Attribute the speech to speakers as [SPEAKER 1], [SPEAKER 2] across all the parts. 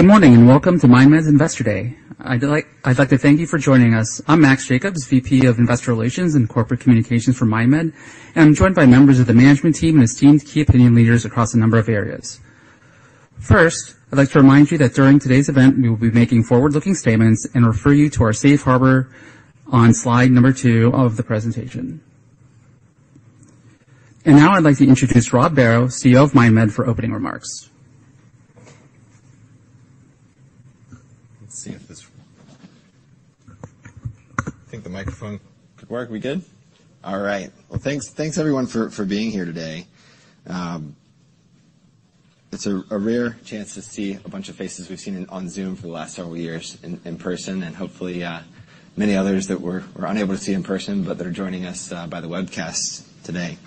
[SPEAKER 1] Good morning, welcome to MindMed's Investor Day. I'd like to thank you for joining us. I'm Maxim Jacobs, VP of Investor Relations and Corporate Communications for MindMed, and I'm joined by members of the management team and esteemed key opinion leaders across a number of areas. First, I'd like to remind you that during today's event, we will be making forward-looking statements and refer you to our safe harbor on slide number two of the presentation. Now I'd like to introduce Rob Barrow, CEO of MindMed, for opening remarks.
[SPEAKER 2] Let's see if this. I think the microphone could work. Are we good? All right. Well, thanks, everyone, for being here today. It's a rare chance to see a bunch of faces we've seen on Zoom for the last several years in person, and hopefully, many others that we're unable to see in person, but they're joining us by the webcast today.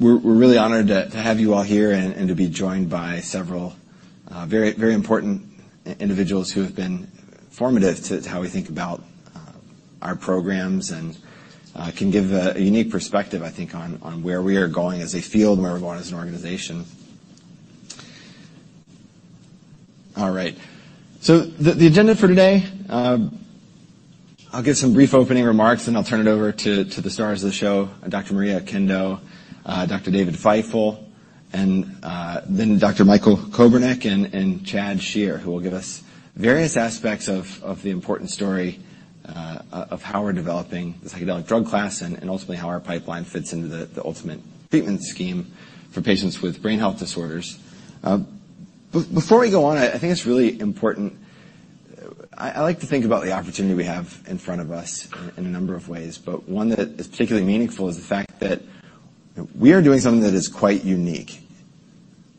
[SPEAKER 2] We're really honored to have you all here and to be joined by several very important individuals who have been formative to how we think about our programs and can give a unique perspective, I think, on where we are going as a field and where we're going as an organization. All right, the agenda for today, I'll give some brief opening remarks, and I'll turn it over to the stars of the show, Dr. Maria Oquendo, Dr. David Feifel, and then Dr. Michael Kobernick and Chad Shear, who will give us various aspects of the important story, of how we're developing the psychedelic drug class and ultimately how our pipeline fits into the ultimate treatment scheme for patients with brain health disorders. Before we go on, I think it's really important. I like to think about the opportunity we have in front of us in a number of ways, but one that is particularly meaningful is the fact that we are doing something that is quite unique.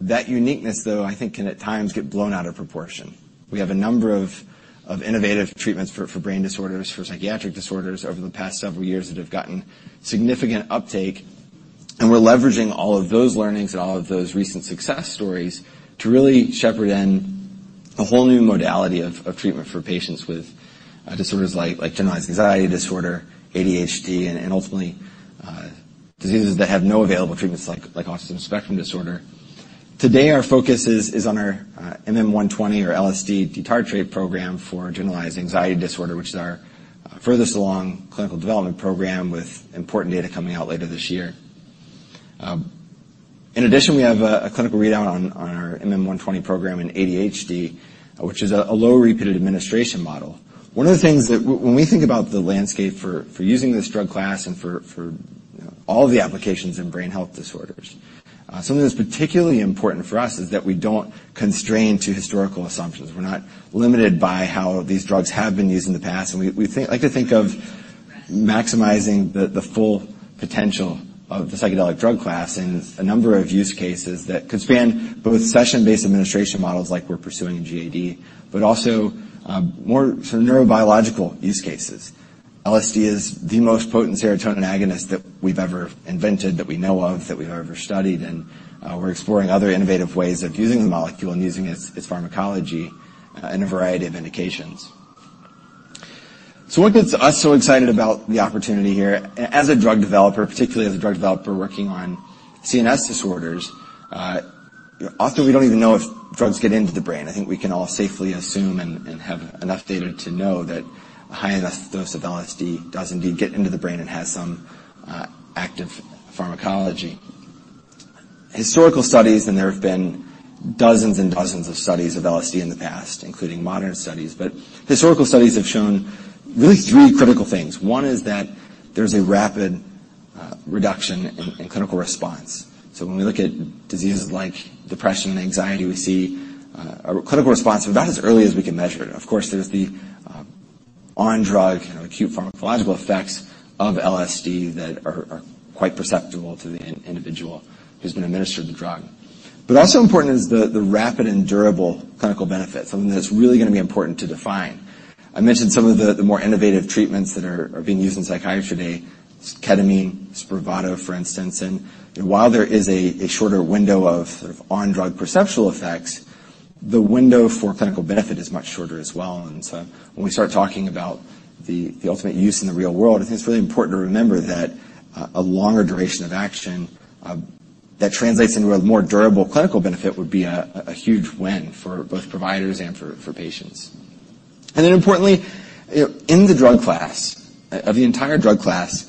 [SPEAKER 2] That uniqueness, though, I think, can at times get blown out of proportion. We have a number of innovative treatments for brain disorders, for psychiatric disorders over the past several years that have gotten significant uptake, and we're leveraging all of those learnings and all of those recent success stories to really shepherd in a whole new modality of treatment for patients with disorders like generalized anxiety disorder, ADHD, and ultimately diseases that have no available treatments like autism spectrum disorder. Today, our focus is on our MM-120, or LSD tartrate program for generalized anxiety disorder, which is our furthest along clinical development program with important data coming out later this year. In addition, we have a clinical readout on our MM-120 program in ADHD, which is a low repeated administration model. One of the things that when we think about the landscape for using this drug class and for, you know, all the applications in brain health disorders, something that's particularly important for us is that we don't constrain to historical assumptions. We're not limited by how these drugs have been used in the past, and we like to think of maximizing the full potential of the psychedelic drug class in a number of use cases that could span both session-based administration models like we're pursuing in GAD, but also more sort of neurobiological use cases. LSD is the most potent serotonin agonist that we've ever invented, that we know of, that we've ever studied, and we're exploring other innovative ways of using the molecule and using its pharmacology in a variety of indications. What gets us so excited about the opportunity here, as a drug developer, particularly as a drug developer working on CNS disorders, often we don't even know if drugs get into the brain. I think we can all safely assume and have enough data to know that a high enough dose of LSD does indeed get into the brain and has some active pharmacology. Historical studies, and there have been dozens and dozens of studies of LSD in the past, including modern studies, but historical studies have shown really three critical things. One is that there's a rapid reduction in clinical response. When we look at diseases like depression and anxiety, we see a clinical response about as early as we can measure it. Of course, there's the on drug, acute pharmacological effects of LSD that are quite perceptible to the individual who's been administered the drug. Also important is the rapid and durable clinical benefit, something that's really going to be important to define. I mentioned some of the more innovative treatments that are being used in psychiatry today, ketamine, SPRAVATO, for instance. While there is a shorter window of sort of on-drug perceptual effects, the window for clinical benefit is much shorter as well. When we start talking about the ultimate use in the real world, I think it's really important to remember that a longer duration of action that translates into a more durable clinical benefit would be a huge win for both providers and for patients. Importantly, in the drug class, of the entire drug class,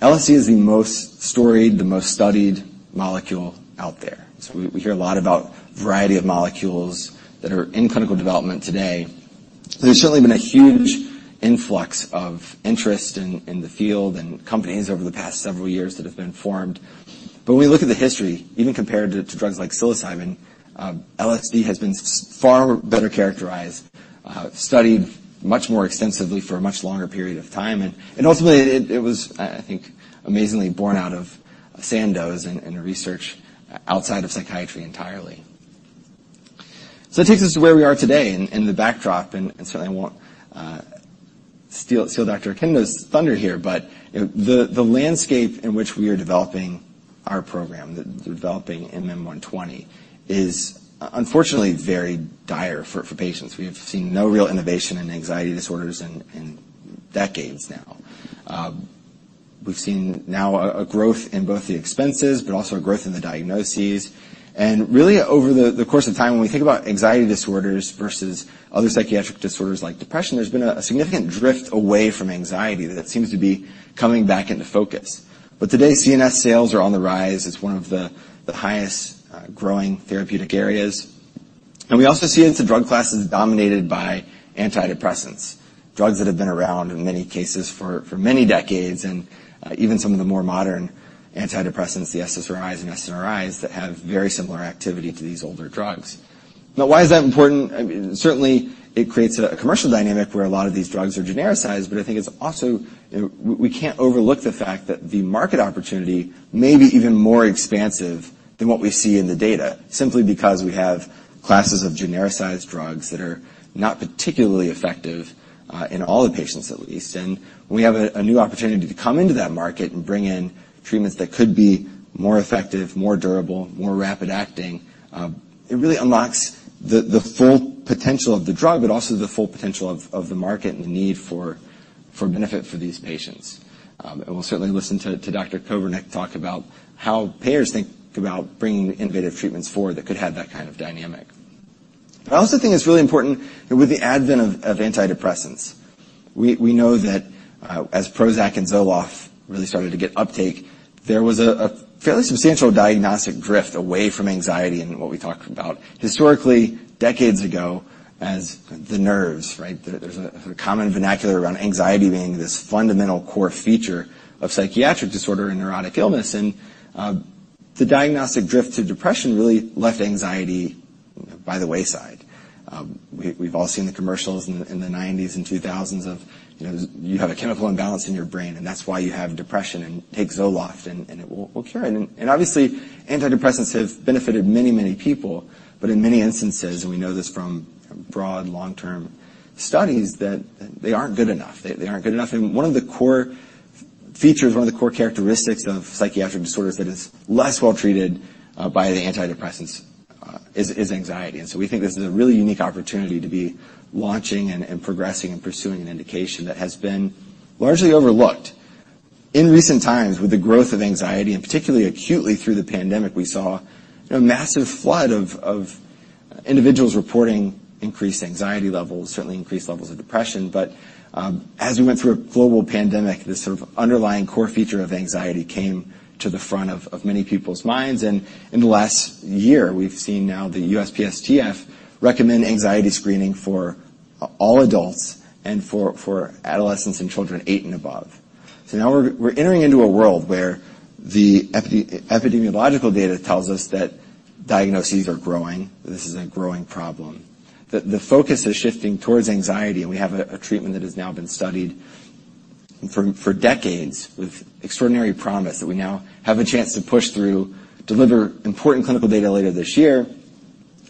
[SPEAKER 2] LSD is the most storied, the most studied molecule out there. We, we hear a lot about a variety of molecules that are in clinical development today. There's certainly been a huge influx of interest in the field and companies over the past several years that have been formed. When we look at the history, even compared to drugs like psilocybin, LSD has been far better characterized, studied much more extensively for a much longer period of time. Ultimately, it was, I think, amazingly born out of Sandoz and research outside of psychiatry entirely. It takes us to where we are today and the backdrop, and I won't steal Dr. Oquendo's thunder here, you know, the landscape in which we are developing our program, developing MM-120, is unfortunately very dire for patients. We've seen no real innovation in anxiety disorders in decades now. We've seen now a growth in both the expenses, but also a growth in the diagnoses. Really over the course of time, when we think about anxiety disorders versus other psychiatric disorders like depression, there's been a significant drift away from anxiety that seems to be coming back into focus. Today, CNS sales are on the rise. It's one of the highest growing therapeutic areas. We also see it's the drug class is dominated by antidepressants, drugs that have been around in many cases for many decades, and even some of the more modern antidepressants, the SSRIs and SNRIs, that have very similar activity to these older drugs. Why is that important? I mean, certainly, it creates a commercial dynamic where a lot of these drugs are genericized, but I think it's also. We can't overlook the fact that the market opportunity may be even more expansive than what we see in the data, simply because we have classes of genericized drugs that are not particularly effective in all the patients, at least. We have a new opportunity to come into that market and bring in treatments that could be more effective, more durable, more rapid acting. It really unlocks the full potential of the drug, but also the full potential of the market and the need for benefit for these patients. We'll certainly listen to Dr. Kobernick talk about how payers think about bringing innovative treatments forward that could have that kind of dynamic. I also think it's really important that with the advent of antidepressants, we know that as Prozac and Zoloft really started to get uptake, there was a fairly substantial diagnostic drift away from anxiety and what we talked about. Historically, decades ago, as the nerves, right, there's a common vernacular around anxiety being this fundamental core feature of psychiatric disorder and neurotic illness. The diagnostic drift to depression really left anxiety by the wayside. We've all seen the commercials in the 1990s and 2000s of, you know, you have a chemical imbalance in your brain, and that's why you have depression, and take Zoloft, and it will cure it. Obviously, antidepressants have benefited many, many people, but in many instances, and we know this from broad long-term studies, that they aren't good enough. They aren't good enough. One of the core features, one of the core characteristics of psychiatric disorders that is less well treated by the antidepressants, is anxiety. We think this is a really unique opportunity to be launching and progressing, and pursuing an indication that has been largely overlooked. In recent times, with the growth of anxiety, and particularly acutely through the pandemic, we saw a massive flood of individuals reporting increased anxiety levels, certainly increased levels of depression. As we went through a global pandemic, this sort of underlying core feature of anxiety came to the front of many people's minds. In the last year, we've seen now the USPSTF recommend anxiety screening for all adults and for adolescents and children eight and above. Now we're entering into a world where the epidemiological data tells us that diagnoses are growing, this is a growing problem, that the focus is shifting towards anxiety, and we have a treatment that has now been studied for decades with extraordinary promise, that we now have a chance to push through, deliver important clinical data later this year,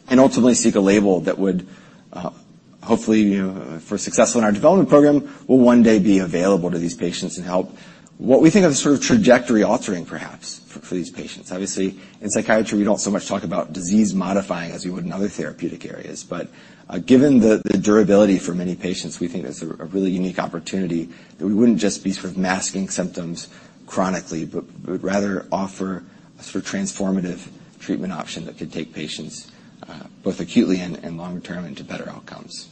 [SPEAKER 2] and ultimately seek a label that would, hopefully, you know, if we're successful in our development program, will one day be available to these patients and help what we think of as sort of trajectory altering, perhaps, for these patients. Obviously, in psychiatry, we don't so much talk about disease-modifying as we would in other therapeutic areas, but given the durability for many patients, we think that's a really unique opportunity that we wouldn't just be sort of masking symptoms chronically, but we would rather offer a sort of transformative treatment option that could take patients acutely and long-term into better outcomes.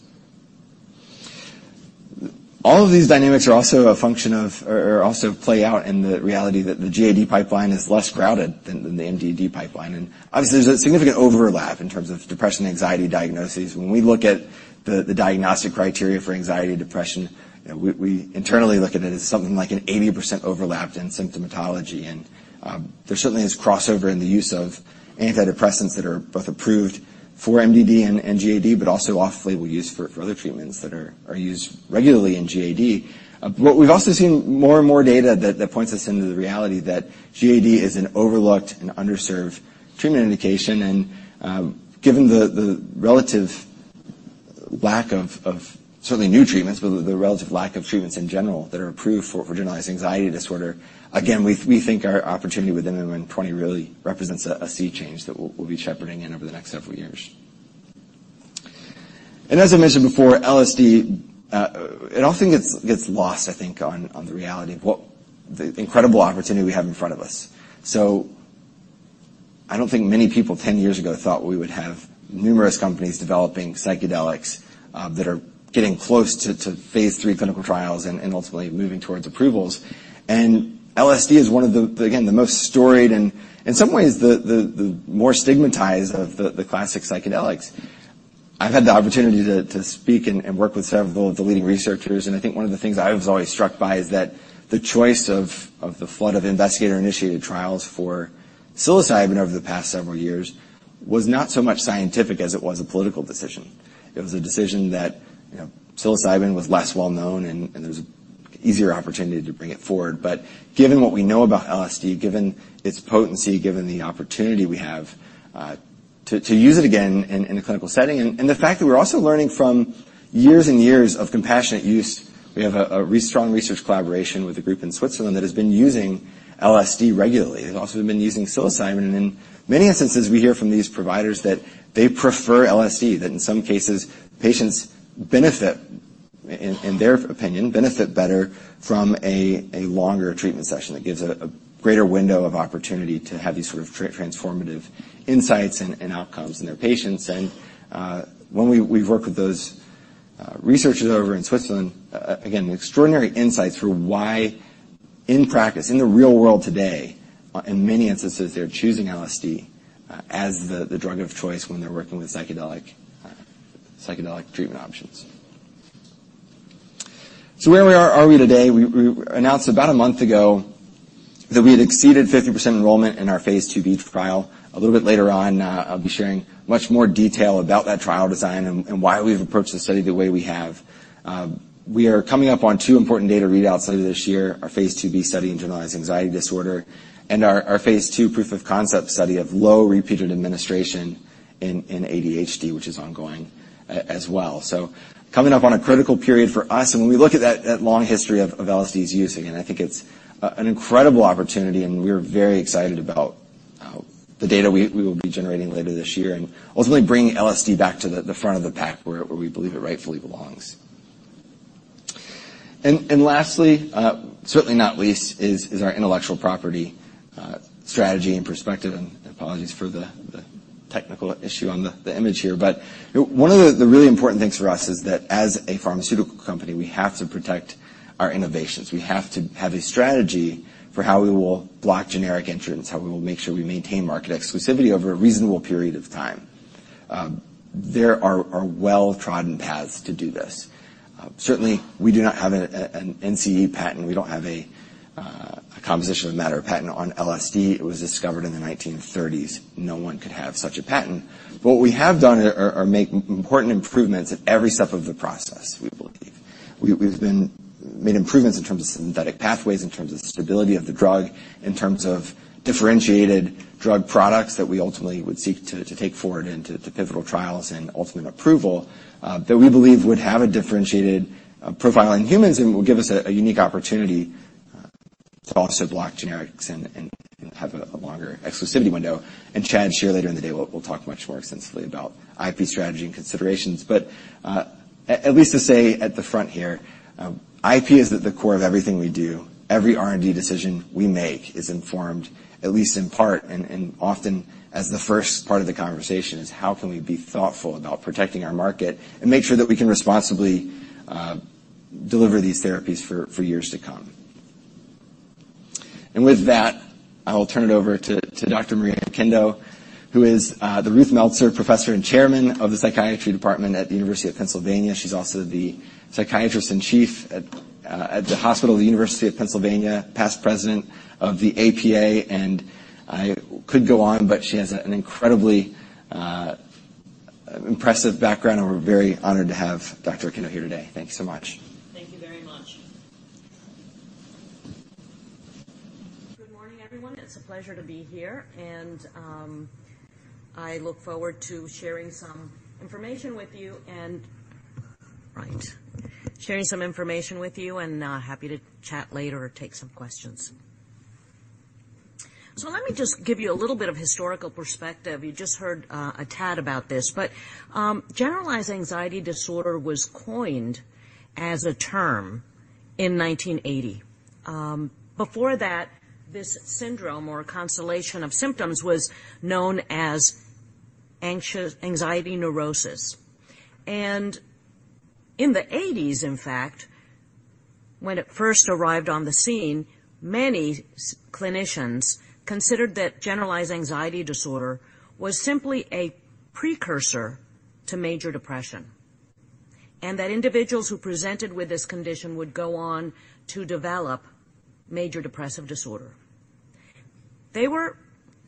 [SPEAKER 2] All of these dynamics are also a function of or also play out in the reality that the GAD pipeline is less crowded than the MDD pipeline. Obviously, there's a significant overlap in terms of depression, anxiety, diagnoses. When we look at the diagnostic criteria for anxiety, depression, we internally look at it as something like an 80% overlap in symptomatology. There certainly is crossover in the use of antidepressants that are both approved for MDD and GAD, but also off-label use for other treatments that are used regularly in GAD. We've also seen more and more data that points us into the reality that GAD is an overlooked and underserved treatment indication. Given the relative lack of certainly new treatments, but the relative lack of treatments in general that are approved for generalized anxiety disorder, again, we think our opportunity with MM-120 really represents a sea change that we'll be shepherding in over the next several years. As I mentioned before, LSD, it often gets lost, I think, on the reality of what the incredible opportunity we have in front of us. I don't think many people 10 years ago thought we would have numerous companies developing psychedelics that are getting close to phase III clinical trials and ultimately moving towards approvals. LSD is one of again, the most storied, and in some ways, the more stigmatized of the classic psychedelics. I've had the opportunity to speak and work with several of the leading researchers, and I think one of the things I was always struck by is that the choice of the flood of investigator-initiated trials for psilocybin over the past several years was not so much scientific as it was a political decision. It was a decision that, you know, psilocybin was less well known, and there was easier opportunity to bring it forward. Given what we know about LSD, given its potency, given the opportunity we have to use it again in a clinical setting, and the fact that we're also learning from years and years of compassionate use. We have a strong research collaboration with a group in Switzerland that has been using LSD regularly. They've also been using psilocybin, and in many instances, we hear from these providers that they prefer LSD, that in some cases, patients in their opinion, benefit better from a longer treatment session that gives a greater window of opportunity to have these sort of transformative insights and outcomes in their patients. When we've worked with those researchers over in Switzerland, again, extraordinary insights for why, in practice, in the real world today, in many instances, they're choosing LSD as the drug of choice when they're working with psychedelic treatment options. Where we are today? We announced about a month ago that we had exceeded 50% enrollment in our phase II-B trial. A little bit later on, I'll be sharing much more detail about that trial design and why we've approached the study the way we have. We are coming up on two important data readout study this year, our phase II-B study in generalized anxiety disorder, and our phase II proof-of-concept study of low repeated administration in ADHD, which is ongoing as well. Coming up on a critical period for us, when we look at that long history of LSD's using, I think it's an incredible opportunity, and we are very excited about the data we will be generating later this year, and ultimately bringing LSD back to the front of the pack where we believe it rightfully belongs. Lastly, certainly not least, is our intellectual property strategy and perspective, and apologies for the technical issue on the image here. One of the really important things for us is that as a pharmaceutical company, we have to protect our innovations. We have to have a strategy for how we will block generic entrants, how we will make sure we maintain market exclusivity over a reasonable period of time. There are well-trodden paths to do this. Certainly, we do not have an NCE patent. We don't have a composition of matter patent on LSD. It was discovered in the 1930s. No one could have such a patent. What we have done are make important improvements at every step of the process, we believe. We've made improvements in terms of synthetic pathways, in terms of the stability of the drug, in terms of differentiated drug products that we ultimately would seek to take forward into the pivotal trials and ultimate approval that we believe would have a differentiated profile in humans and will give us a unique opportunity to also block generics and have a longer exclusivity window. Chad, later in the day, will talk much more extensively about IP strategy and considerations. At least to say at the front here, IP is at the core of everything we do. Every R&D decision we make is informed, at least in part, and often as the first part of the conversation, is how can we be thoughtful about protecting our market and make sure that we can responsibly deliver these therapies for years to come. With that, I will turn it over to Dr. Maria Oquendo, who is the Ruth Meltzer Professor and Chairman of the Psychiatry Department at the University of Pennsylvania. She's also the Psychiatrist in Chief at the Hospital of the University of Pennsylvania, past president of the APA. I could go on, but she has an incredibly impressive background. We're very honored to have Dr. Oquendo here today. Thank you so much.
[SPEAKER 3] Thank you very much. Good morning, everyone. It's a pleasure to be here, and I look forward to sharing some information with you, and happy to chat later or take some questions. Let me just give you a little bit of historical perspective. You just heard a tad about this, but generalized anxiety disorder was coined as a term in 1980. Before that, this syndrome or constellation of symptoms was known as anxiety neurosis. In the 1980s, in fact, when it first arrived on the scene, many clinicians considered that generalized anxiety disorder was simply a precursor to major depression, and that individuals who presented with this condition would go on to develop major depressive disorder. They were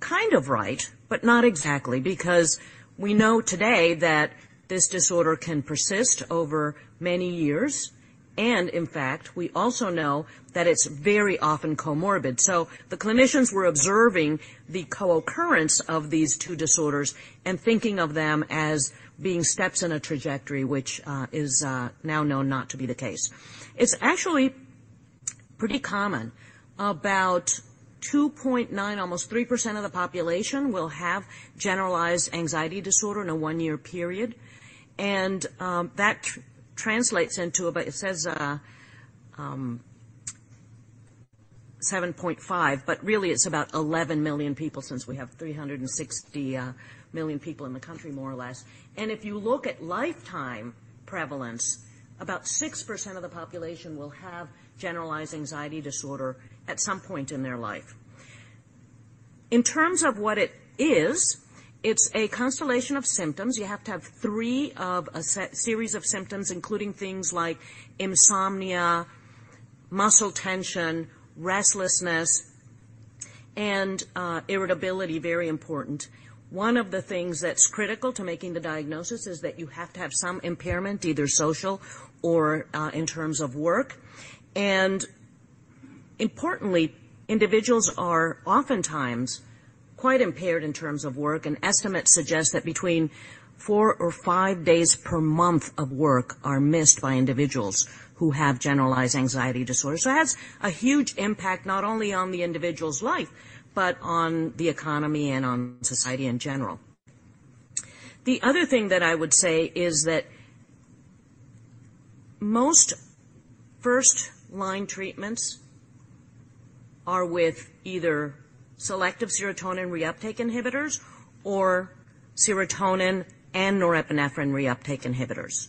[SPEAKER 3] kind of right, but not exactly, because we know today that this disorder can persist over many years, and in fact, we also know that it's very often comorbid. The clinicians were observing the co-occurrence of these two disorders and thinking of them as being steps in a trajectory, which is now known not to be the case. It's actually pretty common. About 2.9%, almost 3% of the population will have generalized anxiety disorder in a one-year period. That translates into about... It says 7.5, but really, it's about 11 million people, since we have 360 million people in the country, more or less. If you look at lifetime prevalence, about 6% of the population will have generalized anxiety disorder at some point in their life. In terms of what it is, it's a constellation of symptoms. You have to have three of a set, series of symptoms, including things like insomnia, muscle tension, restlessness, and irritability, very important. One of the things that's critical to making the diagnosis is that you have to have some impairment, either social or in terms of work. Importantly, individuals are oftentimes quite impaired in terms of work, and estimates suggest that between four or five days per month of work are missed by individuals who have generalized anxiety disorder. It has a huge impact, not only on the individual's life, but on the economy and on society in general. The other thing that I would say is that most first-line treatments are with either selective serotonin reuptake inhibitors or serotonin and norepinephrine reuptake inhibitors.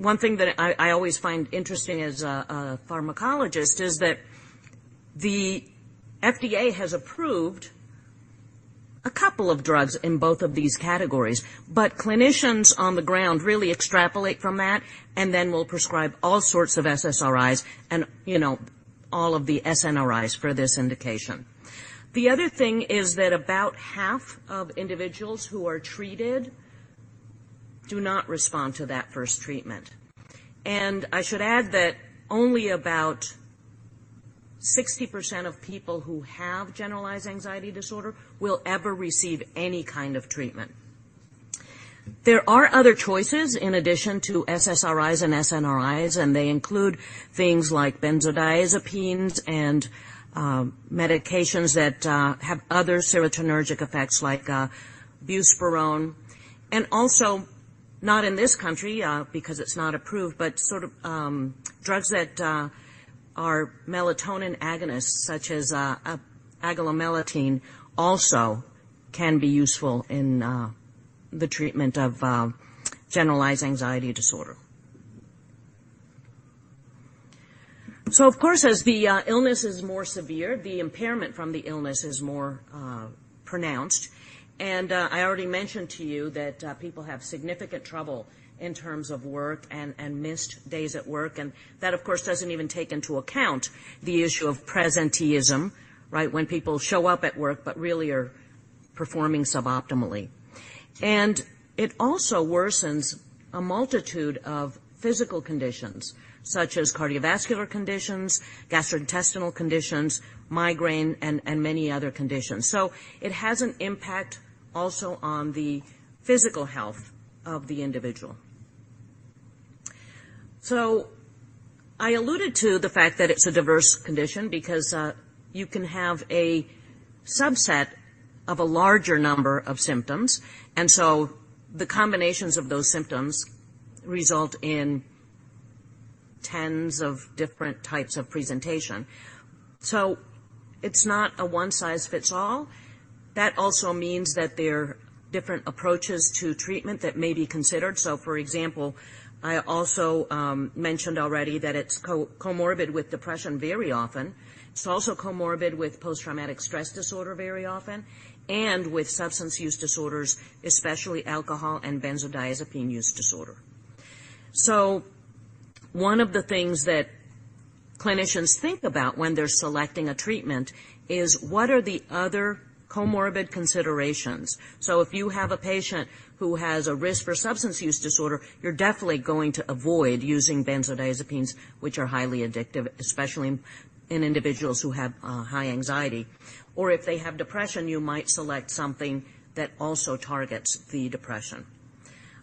[SPEAKER 3] One thing that I always find interesting as a pharmacologist is that the FDA has approved a couple of drugs in both of these categories, but clinicians on the ground really extrapolate from that and then will prescribe all sorts of SSRIs and, you know, all of the SNRIs for this indication. The other thing is that about half of individuals who are treated do not respond to that first treatment. I should add that only about 60% of people who have generalized anxiety disorder will ever receive any kind of treatment. There are other choices in addition to SSRIs and SNRIs, and they include things like benzodiazepines and medications that have other serotonergic effects, like buspirone, and also not in this country, because it's not approved, but sort of drugs that are melatonin agonists, such as agomelatine, also can be useful in the treatment of generalized anxiety disorder. Of course, as the illness is more severe, the impairment from the illness is more pronounced. I already mentioned to you that people have significant trouble in terms of work and missed days at work, and that, of course, doesn't even take into account the issue of presenteeism, right? When people show up at work but really are performing suboptimally. It also worsens a multitude of physical conditions, such as cardiovascular conditions, gastrointestinal conditions, migraine, and many other conditions. It has an impact also on the physical health of the individual. I alluded to the fact that it's a diverse condition because you can have a subset of a larger number of symptoms, and so the combinations of those symptoms result in tens of different types of presentation. It's not a one-size-fits-all. That also means that there are different approaches to treatment that may be considered. For example, I also mentioned already that it's comorbid with depression very often. It's also comorbid with post-traumatic stress disorder very often and with substance use disorders, especially alcohol and benzodiazepine use disorder. One of the things that clinicians think about when they're selecting a treatment is what are the other comorbid considerations? If you have a patient who has a risk for substance use disorder, you're definitely going to avoid using benzodiazepines, which are highly addictive, especially in individuals who have high anxiety, or if they have depression, you might select something that also targets the depression.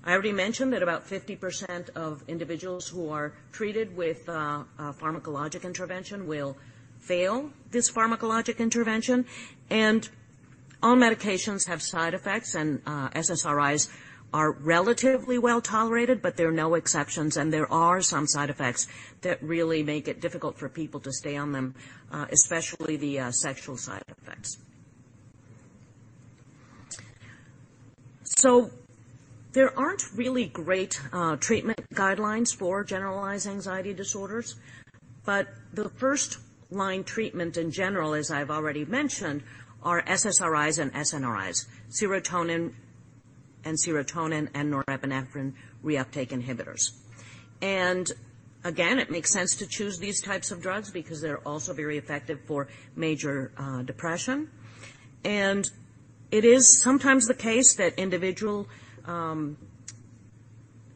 [SPEAKER 3] I already mentioned that about 50% of individuals who are treated with a pharmacologic intervention will fail this pharmacologic intervention. All medications have side effects, and SSRIs are relatively well-tolerated, but there are no exceptions, and there are some side effects that really make it difficult for people to stay on them, especially the sexual side effects. There aren't really great treatment guidelines for generalized anxiety disorders, but the first-line treatment in general, as I've already mentioned, are SSRIs and SNRIs, serotonin and norepinephrine reuptake inhibitors. Again, it makes sense to choose these types of drugs because they're also very effective for major depression. It is sometimes the case that individual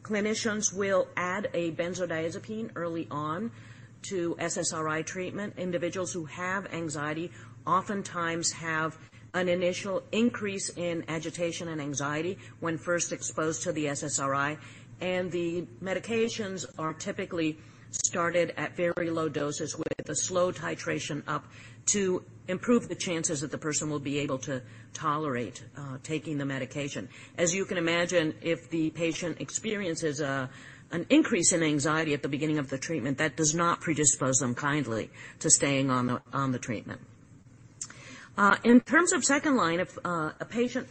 [SPEAKER 3] clinicians will add a benzodiazepine early on to SSRI treatment. Individuals who have anxiety oftentimes have an initial increase in agitation and anxiety when first exposed to the SSRI, and the medications are typically started at very low doses with a slow titration up to improve the chances that the person will be able to tolerate taking the medication. As you can imagine, if the patient experiences an increase in anxiety at the beginning of the treatment, that does not predispose them kindly to staying on the treatment. In terms of second line, if a patient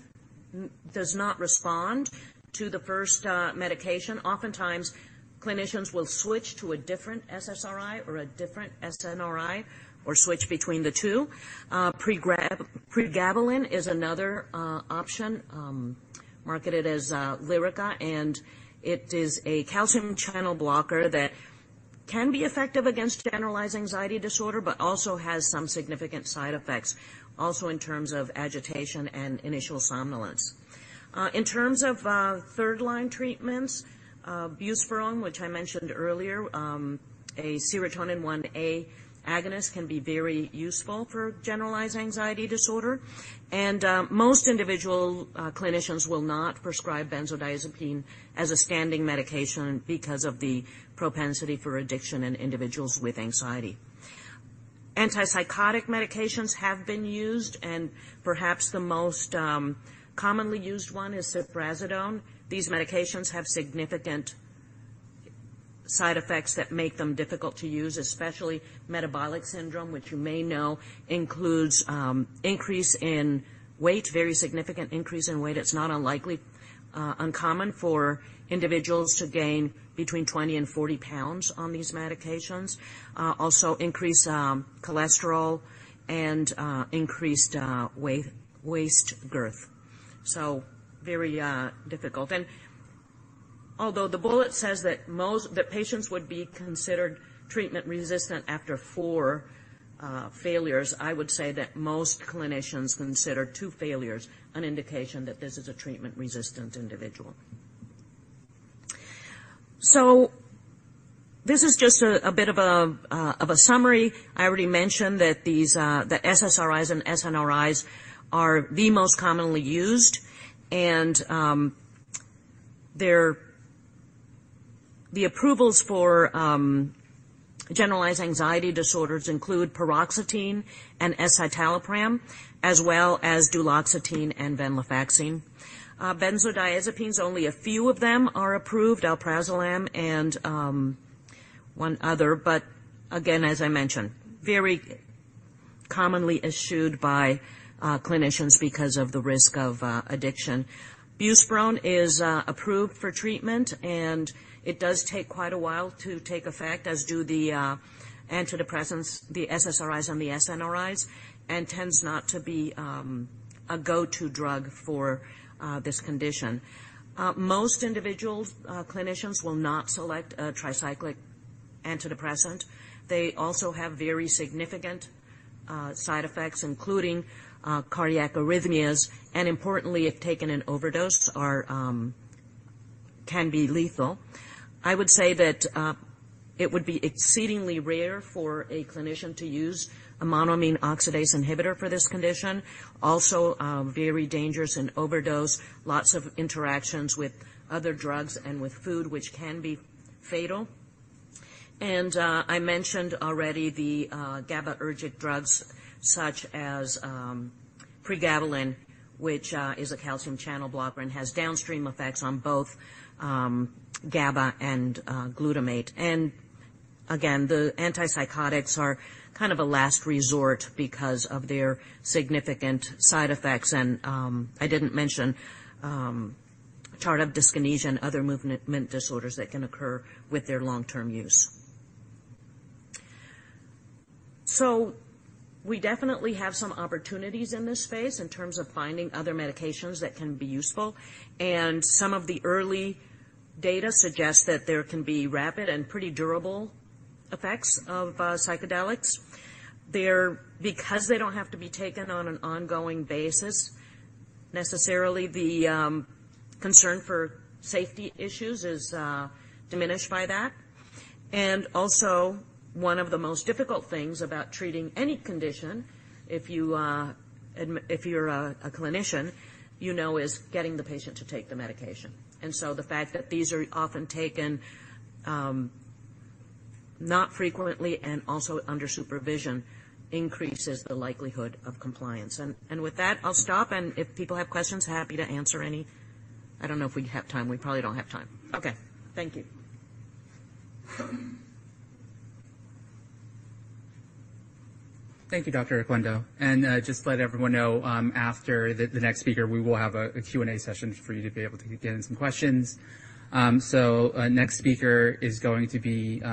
[SPEAKER 3] does not respond to the first medication, oftentimes clinicians will switch to a different SSRI or a different SNRI or switch between the two. Pregabalin is another option, marketed as Lyrica. It is a calcium channel blocker that can be effective against generalized anxiety disorder but also has some significant side effects, also in terms of agitation and initial somnolence. In terms of third-line treatments, buspirone, which I mentioned earlier, a serotonin 1A agonist, can be very useful for generalized anxiety disorder. Most individual clinicians will not prescribe benzodiazepine as a standing medication because of the propensity for addiction in individuals with anxiety. Antipsychotic medications have been used. Perhaps the most commonly used one is ziprasidone. These medications have significant side effects that make them difficult to use, especially metabolic syndrome, which you may know includes increase in weight, very significant increase in weight. It's not unlikely, uncommon for individuals to gain between 20 and 40 pounds on these medications. Also increased cholesterol and increased waist girth. Very difficult. Although the bullet says that patients would be considered treatment-resistant after four failures, I would say that most clinicians consider two failures an indication that this is a treatment-resistant individual. This is just a bit of a summary. I already mentioned that these, the SSRIs and SNRIs are the most commonly used, and their... The approvals for generalized anxiety disorders include paroxetine and escitalopram, as well as duloxetine and venlafaxine- ved for treatment, and it does take quite a while to take effect, as do the antidepressants, the SSRIs and the SNRIs, and tends not to be a go-to drug for this condition. Most individuals, clinicians will not select a tricyclic antidepressant. They also have very significant side effects, including cardiac arrhythmias, and importantly, if taken in overdose, can be lethal. I would say that it would be exceedingly rare for a clinician to use a monoamine oxidase inhibitor for this condition. Also, very dangerous in overdose, lots of interactions with other drugs and with food, which can be fatal. I mentioned already the GABAergic drugs such as pregabalin, which is a calcium channel blocker and has downstream effects on both GABA and glutamate. The antipsychotics are kind of a last resort because of their significant side effects. I didn't mention tardive dyskinesia and other movement disorders that can occur with their long-term use. We definitely have some opportunities in this space in terms of finding other medications that can be useful. Some of the early data suggests that there can be rapid and pretty durable effects of psychedelics. Because they don't have to be taken on an ongoing basis, necessarily, the concern for safety issues is diminished by that. Also, one of the most difficult things about treating any condition, if you're a clinician, you know, is getting the patient to take the medication. The fact that these are often taken, not frequently and also under supervision, increases the likelihood of compliance. With that, I'll stop, and if people have questions, happy to answer any. I don't know if we have time. We probably don't have time. Okay, thank you.
[SPEAKER 1] Thank you, Dr. Oquendo. Just to let everyone know, after the next speaker, we will have a Q&A session for you to be able to get in some questions. Our next speaker is going to be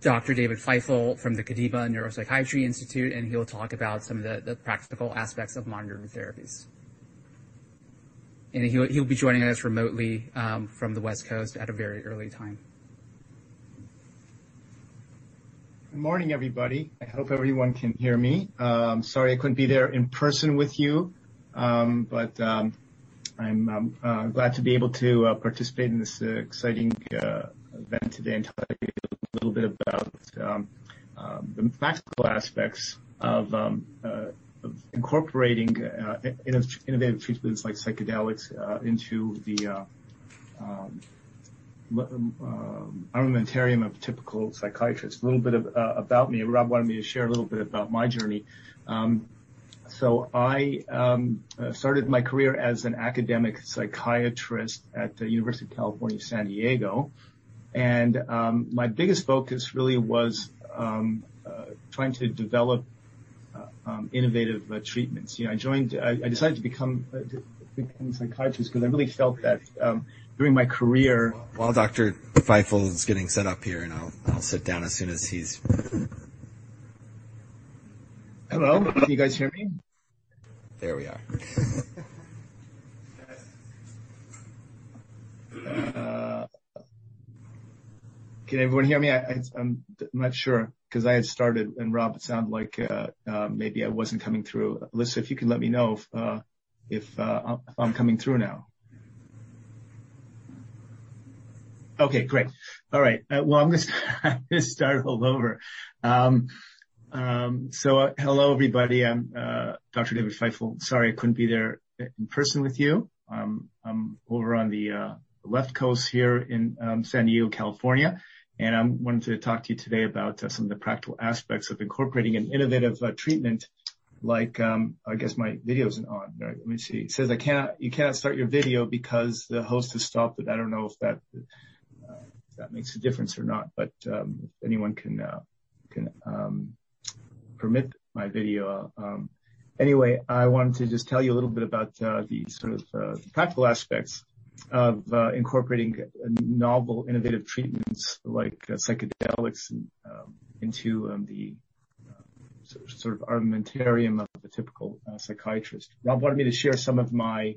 [SPEAKER 1] Dr. David Feifel from the Kadima Neuropsychiatry Institute, and he'll talk about some of the practical aspects of modern therapies. He'll be joining us remotely from the West Coast at a very early time.
[SPEAKER 4] Good morning, everybody. I hope everyone can hear me. Sorry I couldn't be there in person with you. I'm glad to be able to participate in this exciting event today and tell you a little bit about the practical aspects of incorporating innovative treatments like psychedelics into the armamentarium of a typical psychiatrist. A little bit about me. Rob Barrow wanted me to share a little bit about my journey. I started my career as an academic psychiatrist at the University of California, San Diego. My biggest focus really was trying to develop innovative treatments. You know, I decided to become a psychiatrist because I really felt that during my career-
[SPEAKER 1] While Dr. Feifel is getting set up here, I'll sit down as soon as he's...
[SPEAKER 4] Hello, can you guys hear me?
[SPEAKER 1] There we are.
[SPEAKER 4] Can everyone hear me? I'm not sure, because I had started, and Rob, it sounded like maybe I wasn't coming through. Alyssa, if you could let me know if I'm coming through now. Okay, great. All right. Well, I'm just gonna start all over. Hello, everybody. I'm Dr. David Feifel. Sorry, I couldn't be there in person with you. I'm over on the left coast here in San Diego, California. I wanted to talk to you today about some of the practical aspects of incorporating an innovative treatment like... I guess my video isn't on. Let me see. It says, You cannot start your video because the host has stopped it. I don't know if that, if that makes a difference or not, but if anyone can permit my video. Anyway, I wanted to just tell you a little bit about the sort of practical aspects of incorporating novel innovative treatments like psychedelics into the sort of armamentarium of the typical psychiatrist. Rob Barrow wanted me to share some of my...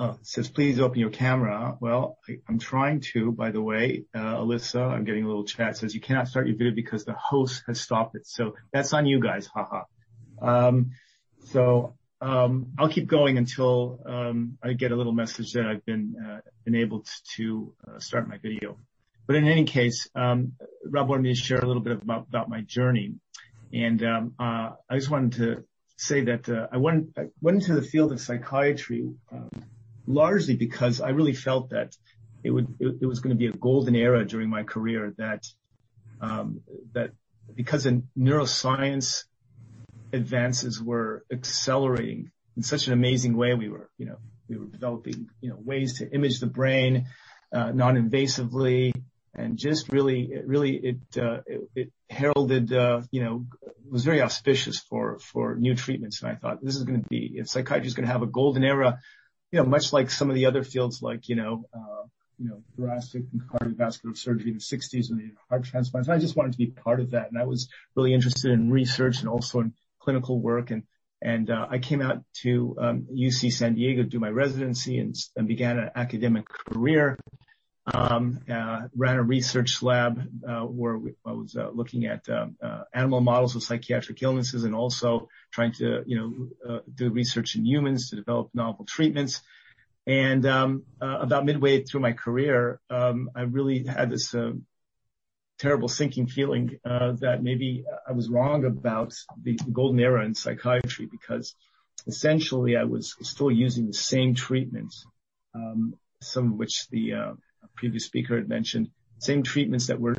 [SPEAKER 4] It says, "Please open your camera." Well, I'm trying to, by the way, Alyssa, I'm getting a little chat, says, "You cannot start your video because the host has stopped it." That's on you guys. Haha. I'll keep going until I get a little message that I've been enabled to start my video. In any case, Rob Barrow wanted me to share a little bit about my journey. I just wanted to say that I went into the field of psychiatry largely because I really felt that it was going to be a golden era during my career, that because in neuroscience, advances were accelerating in such an amazing way. We were, you know, we were developing, you know, ways to image the brain non-invasively, and just really it heralded, you know, was very auspicious for new treatments. I thought, this is going to be... Psychiatry is going to have a golden era, you know, much like some of the other fields like, you know, thoracic and cardiovascular surgery in the sixties, when they had heart transplants. I just wanted to be part of that. I was really interested in research and also in clinical work. I came out to UC San Diego, do my residency and began an academic career, ran a research lab, where I was looking at animal models of psychiatric illnesses and also trying to, you know, do research in humans to develop novel treatments. About midway through my career, I really had this terrible sinking feeling, that maybe I was wrong about the golden era in psychiatry, because essentially I was still using the same treatments, some of which the previous speaker had mentioned, same treatments that were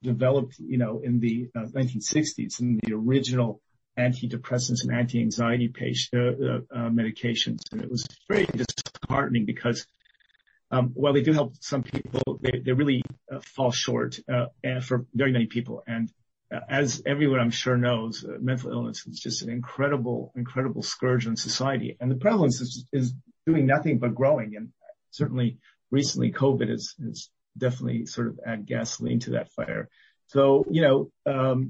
[SPEAKER 4] developed, you know, in the 1960s, and the original antidepressants and anti-anxiety patient medications. It was very disheartening because, while they do help some people, they really fall short for very many people. As everyone, I'm sure knows, mental illness is just an incredible scourge on society, and the prevalence is doing nothing but growing. Certainly recently, COVID has definitely sort of add gasoline to that fire. You know,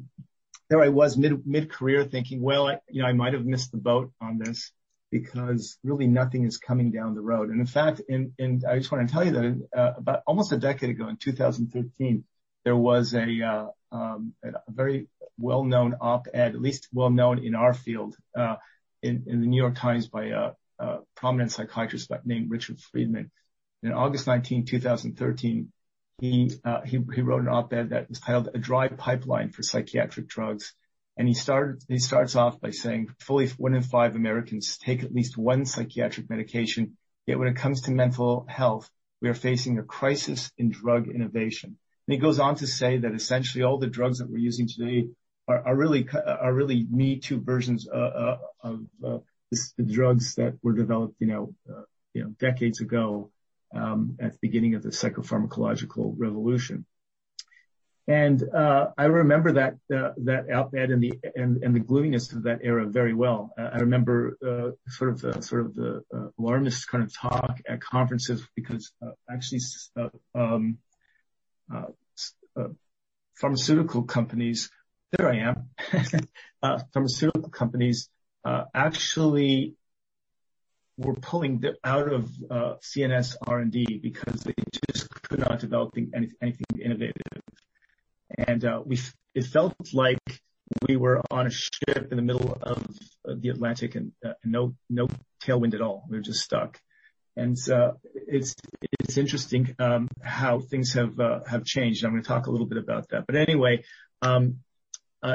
[SPEAKER 4] there I was, mid-career, thinking, well, you know, I might have missed the boat on this because really nothing is coming down the road. In fact, I just want to tell you that about almost a decade ago, in 2013, there was a very well-known op-ed, at least well known in our field, in the New York Times by a prominent psychiatrist by named Richard Friedman. In August 19, 2013, he wrote an op-ed that was titled A Dry Pipeline for Psychiatric Drugs. He starts off by saying, "Fully one in five Americans take at least one psychiatric medication. Yet when it comes to mental health, we are facing a crisis in drug innovation." He goes on to say that essentially all the drugs that we're using today are really me-too versions of the drugs that were developed, you know, you know, decades ago, at the beginning of the psychopharmacological revolution. I remember that op-ed and the gloominess of that era very well. I remember sort of the alarmist kind of talk at conferences, because actually, pharmaceutical companies... There I am. Pharmaceutical companies actually were pulling out of CNS R&D because they just could not develop anything innovative. It felt like we were on a ship in the middle of the Atlantic, no tailwind at all. We were just stuck. It's interesting how things have changed. I'm going to talk a little bit about that.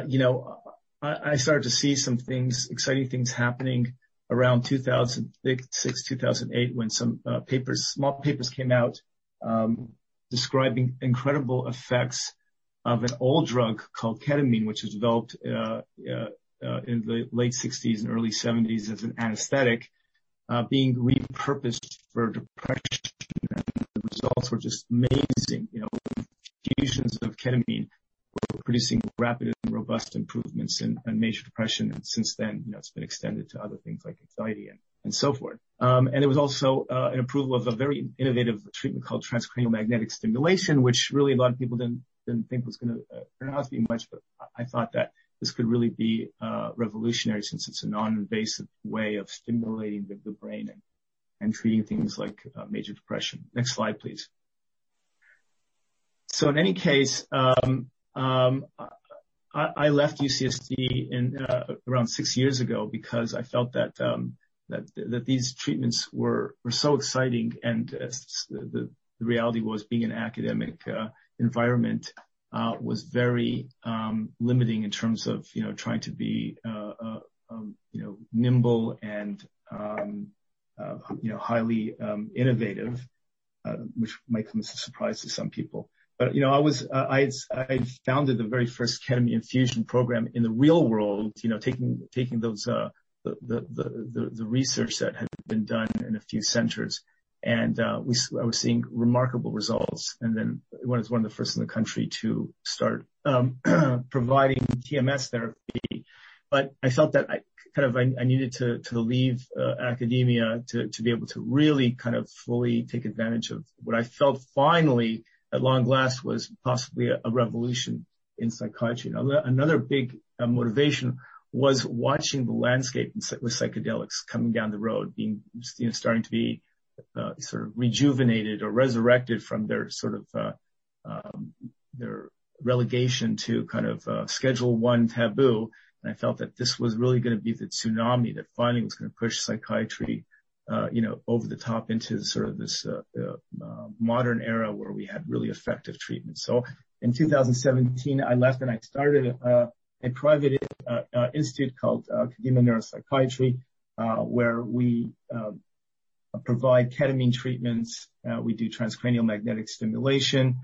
[SPEAKER 4] You know, I started to see some things, exciting things happening around 2006, 2008, when some papers, small papers came out, describing incredible effects of an old drug called ketamine, which was developed in the late sixties and early seventies as an anesthetic, being repurposed for depression. The results were just amazing. You know, occasions of ketamine were producing rapid and robust improvements in major depression. Since then, you know, it's been extended to other things like anxiety and so forth. There was also an approval of a very innovative treatment called transcranial magnetic stimulation, which really a lot of people didn't think was gonna pan out to be much, but I thought that this could really be revolutionary since it's a non-invasive way of stimulating the brain and treating things like major depression. Next slide, please. In any case, I left UCSD in around six years ago because I felt that these treatments were so exciting, and the reality was being an academic environment was very limiting in terms of, you know, trying to be, you know, nimble and, you know, highly innovative, which might come as a surprise to some people. You know, I was, I had, I founded the very first ketamine infusion program in the real world, you know, taking those the research that had been done in a few centers. I was seeing remarkable results. Then was one of the first in the country to start providing TMS therapy. I felt that I needed to leave academia to be able to really kind of fully take advantage of what I felt finally, at long last, was possibly a revolution in psychiatry. Another big motivation was watching the landscape with psychedelics coming down the road, being, you know, starting to be sort of rejuvenated or resurrected from their sort of their relegation to kind of Schedule I taboo. I felt that this was really going to be the tsunami that finally was going to push psychiatry, you know, over the top into sort of this modern era where we had really effective treatment. In 2017, I left, and I started a private institute called Kadima Neuropsychiatry, where we provide ketamine treatments. We do transcranial magnetic stimulation.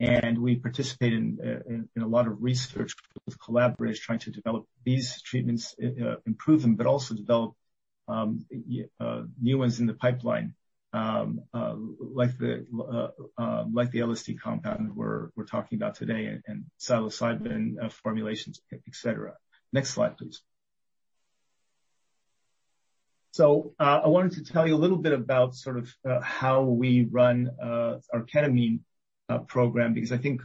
[SPEAKER 4] We participate in a lot of research with collaborators trying to develop these treatments, improve them, but also develop new ones in the pipeline, like the LSD compound we're talking about today, and psilocybin formulations, et cetera. Next slide, please. I wanted to tell you a little bit about sort of how we run our ketamine program, because I think,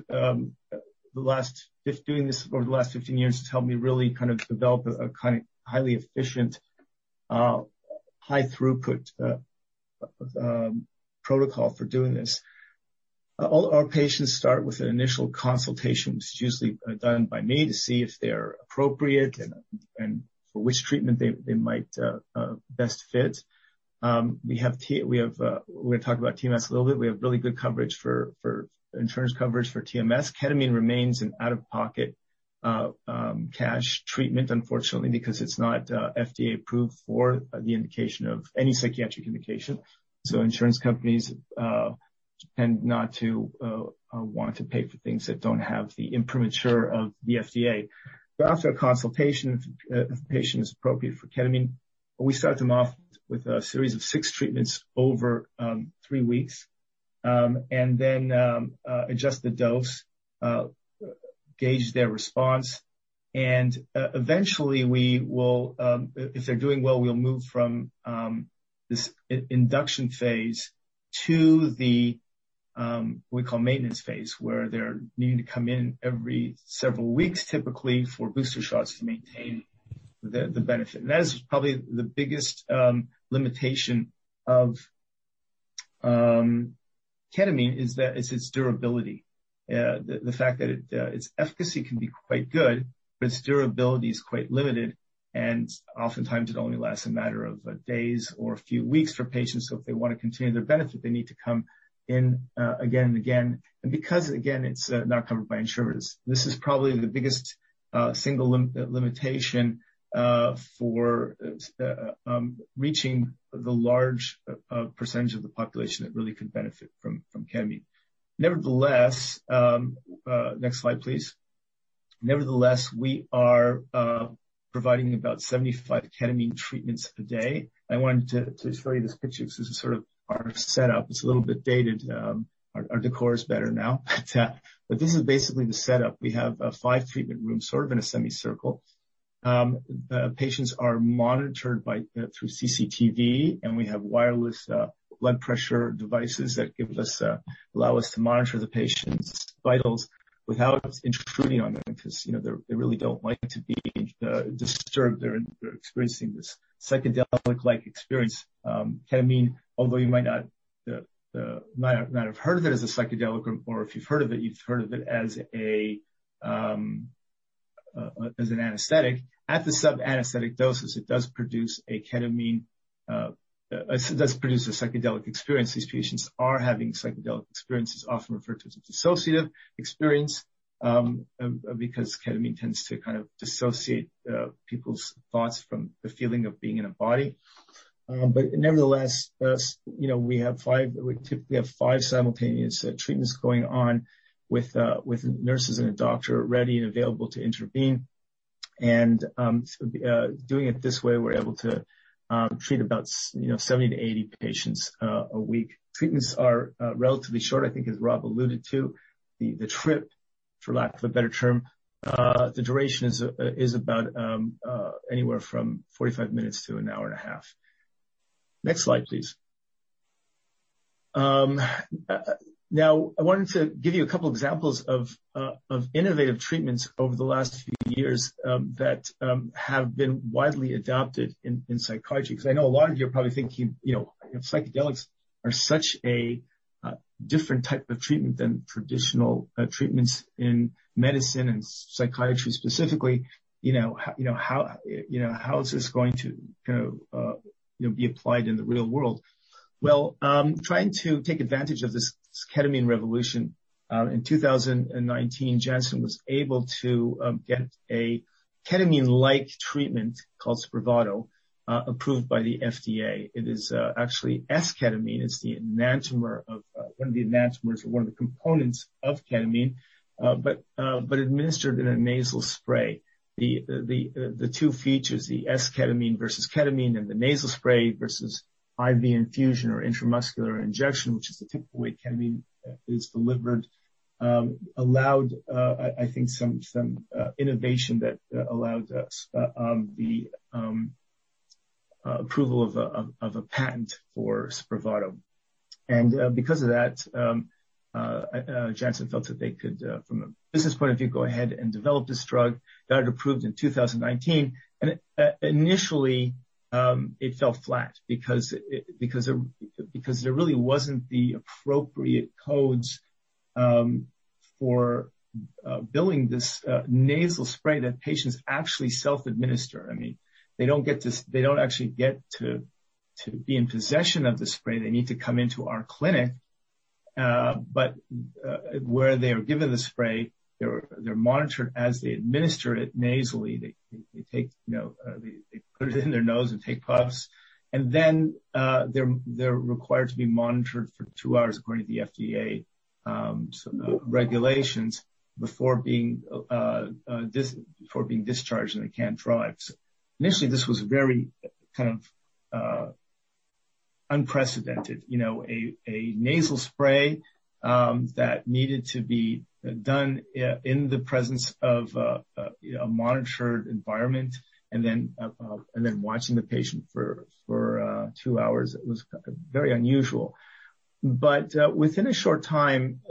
[SPEAKER 4] doing this over the last 15 years has helped me really kind of develop a kind of highly efficient, high throughput protocol for doing this. All our patients start with an initial consultation, which is usually done by me to see if they're appropriate and for which treatment they might best fit. We're going to talk about TMS a little bit. We have really good coverage for insurance coverage for TMS. ketamine remains an out-of-pocket cash treatment, unfortunately, because it's not FDA approved for the indication of any psychiatric indication. Insurance companies tend not to want to pay for things that don't have the imprimatur of the FDA. After a consultation, if the patient is appropriate for ketamine, we start them off with a series of six treatments over three weeks. Then, adjust the dose, gauge their response, and eventually we will, if they're doing well, we'll move from this induction phase to the, we call maintenance phase, where they're needing to come in every several weeks, typically for booster shots to maintain the benefit. That is probably the biggest limitation of ketamine, is that it's its durability. The fact that it, its efficacy can be quite good, but its durability is quite limited, and oftentimes it only lasts a matter of days or a few weeks for patients. If they want to continue their benefit, they need to come in, again and again, because again, it's, not covered by insurance. This is probably the biggest single limitation for reaching the large percentage of the population that really could benefit from ketamine. Nevertheless, next slide, please. Nevertheless, we are providing about 75 ketamine treatments a day. I wanted to show you this picture. This is sort of our setup. It's a little bit dated. Our decor is better now, but this is basically the setup. We have five treatment rooms, sort of in a semicircle. The patients are monitored by through CCTV, and we have wireless blood pressure devices that give us allow us to monitor the patient's vitals without intruding on them, because, you know, they really don't like to be disturbed. They're experiencing this psychedelic-like experience. Ketamine, although you might not have heard of it as a psychedelic, or if you've heard of it, you've heard of it as an anesthetic. At the sub-anesthetic doses, it does produce a psychedelic experience. These patients are having psychedelic experiences, often referred to as dissociative experience, because ketamine tends to kind of dissociate people's thoughts from the feeling of being in a body. Nevertheless, we typically have five simultaneous treatments going on with nurses and a doctor ready and available to intervene. Doing it this way, we're able to treat about 70-80 patients a week. Treatments are relatively short, I think, as Rob alluded to. The trip, for lack of a better term, the duration is about anywhere from 45 minutes to an hour and a half. Next slide, please. Now, I wanted to give you a couple examples of innovative treatments over the last few years that have been widely adopted in psychiatry. I know a lot of you are probably thinking, you know, if psychedelics are such a different type of treatment than traditional treatments in medicine and psychiatry specifically, you know, how, you know, how, you know, how is this going to kind of, you know, be applied in the real world? Trying to take advantage of this ketamine revolution, in 2019, Janssen was able to get a ketamine-like treatment called SPRAVATO approved by the FDA. It is actually S-ketamine. It's the enantiomer of one of the enantiomers, or one of the components of ketamine, but administered in a nasal spray. The two features, the S-ketamine versus ketamine, and the nasal spray versus IV infusion or intramuscular injection, which is the typical way ketamine is delivered, allowed I think some innovation that allowed us the approval of a patent for SPRAVATO. Because of that, Janssen felt that they could from a business point of view, go ahead and develop this drug. Got it approved in 2019, initially it fell flat because there really wasn't the appropriate codes for billing this nasal spray that patients actually self-administer. I mean, they don't actually get to be in possession of the spray. They need to come into our clinic, but where they are given the spray, they're monitored as they administer it nasally. They take, you know, they put it in their nose and take puffs. They're required to be monitored for two hours according to the FDA regulations, before being discharged, and they can't drive. Initially, this was very kind of unprecedented, you know, a nasal spray that needed to be done in the presence of a monitored environment, and then watching the patient for two hours. It was very unusual. Within a short time,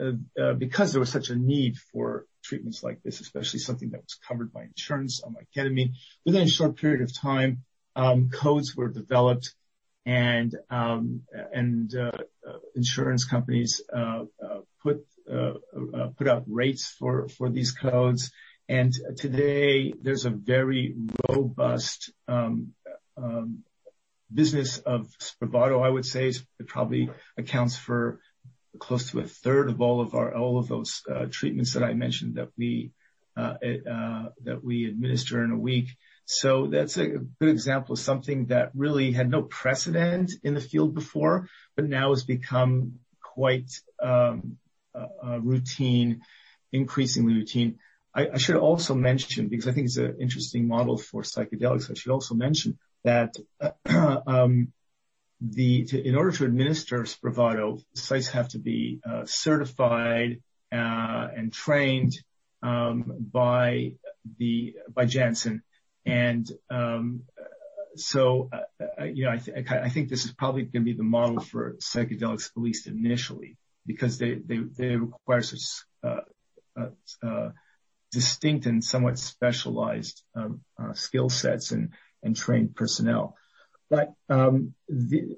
[SPEAKER 4] because there was such a need for treatments like this, especially something that was covered by insurance, unlike ketamine, within a short period of time, codes were developed and insurance companies put out rates for these codes. Today there's a very robust business of SPRAVATO, I would say. It probably accounts for close to a third of all of our all of those treatments that I mentioned, that we administer in a week. That's a good example of something that really had no precedent in the field before, but now has become quite routine, increasingly routine. I should also mention, because I think it's an interesting model for psychedelics, I should also mention that the... In order to administer SPRAVATO, sites have to be certified and trained by Janssen. you know, I think this is probably going to be the model for psychedelics, at least initially, because they require distinct and somewhat specialized skill sets and trained personnel.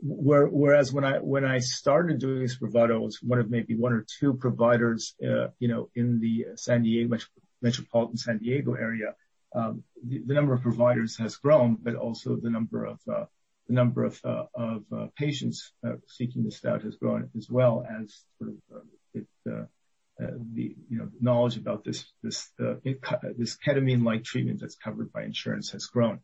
[SPEAKER 4] whereas when I started doing SPRAVATO, it was one of maybe one or two providers, you know, in the San Diego, metropolitan San Diego area. The number of providers has grown, but also the number of patients seeking this out has grown as well, as sort of, the, you know, knowledge about this ketamine-like treatment that's covered by insurance has grown.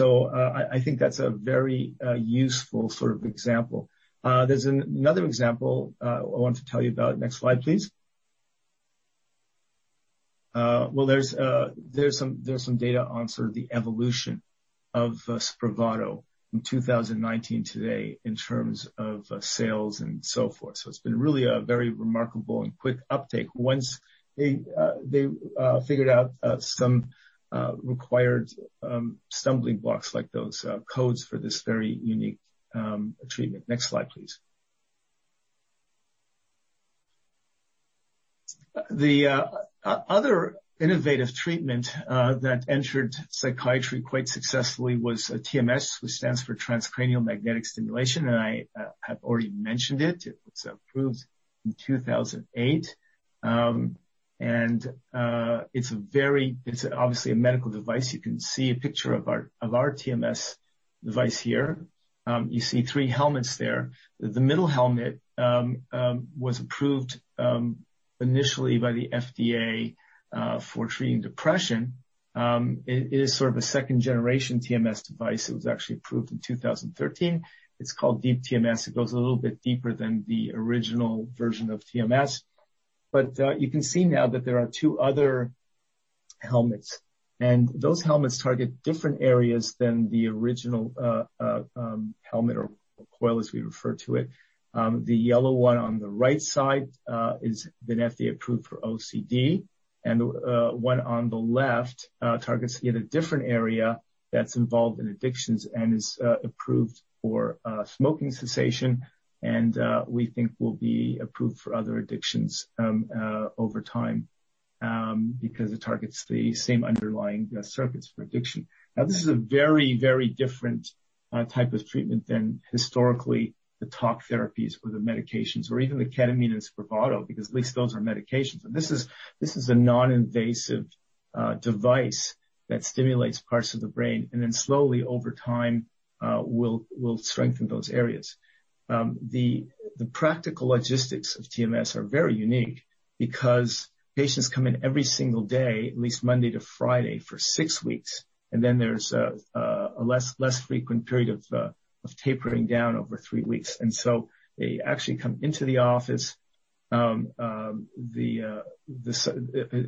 [SPEAKER 4] I think that's a very useful sort of example. There's another example I want to tell you about. Next slide, please. Well, there's some data on sort of the evolution of SPRAVATO in 2019 today in terms of sales and so forth. It's been really a very remarkable and quick uptake. Once they figured out some required stumbling blocks, like those codes for this very unique treatment. Next slide, please. The other innovative treatment that entered psychiatry quite successfully was TMS, which stands for transcranial magnetic stimulation, and I have already mentioned it. It was approved in 2008. It's obviously a medical device. You can see a picture of our TMS device here. You see three helmets there. The middle helmet was approved initially by the FDA for treating depression. It is sort of a second generation TMS device. It was actually approved in 2013. It's called Deep TMS. It goes a little bit deeper than the original version of TMS. You can see now that there are two other helmets, and those helmets target different areas than the original helmet, or coil, as we refer to it. The yellow one on the right side is been FDA approved for OCD, and the one on the left targets yet a different area that's involved in addictions and is approved for smoking cessation, and we think will be approved for other addictions over time. Because it targets the same underlying circuits for addiction. Now, this is a very, very different type of treatment than historically the top therapies or the medications, or even the ketamine and SPRAVATO, because at least those are medications. This is a non-invasive device that stimulates parts of the brain, and then slowly, over time, will strengthen those areas. The practical logistics of TMS are very unique because patients come in every single day, at least Monday to Friday, for six weeks, and then there's a less frequent period of tapering down over three weeks. They actually come into the office. It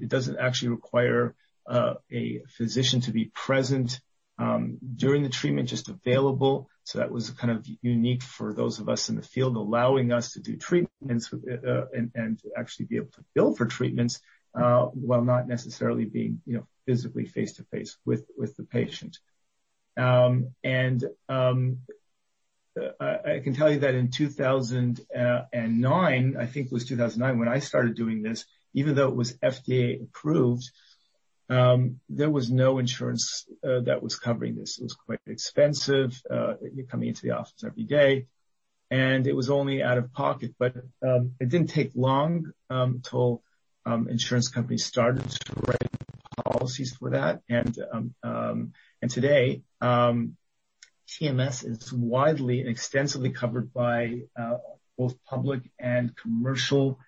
[SPEAKER 4] doesn't actually require a physician to be present during the treatment, just available. That was kind of unique for those of us in the field, allowing us to do treatments and to actually be able to bill for treatments while not necessarily being, you know, physically face-to-face with the patient. I can tell you that in 2009, I think it was 2009, when I started doing this, even though it was FDA approved, there was no insurance that was covering this. It was quite expensive. You're coming into the office every day, and it was only out-of-pocket. It didn't take long till insurance companies started to write policies for that. Today, TMS is widely and extensively covered by both public and commercial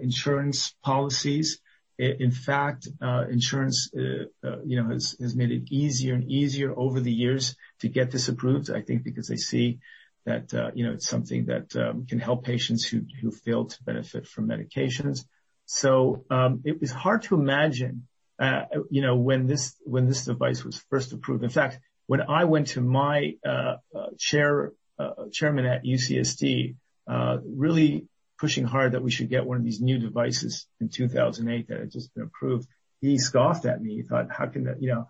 [SPEAKER 4] insurance policies. In fact, insurance, you know, has made it easier and easier over the years to get this approved, I think, because they see that, you know, it's something that can help patients who fail to benefit from medications. It was hard to imagine, you know, when this device was first approved. In fact, when I went to my chair, chairman at UCSD, really pushing hard that we should get one of these new devices in 2008, that had just been approved, he scoffed at me. He thought, how can that, you know,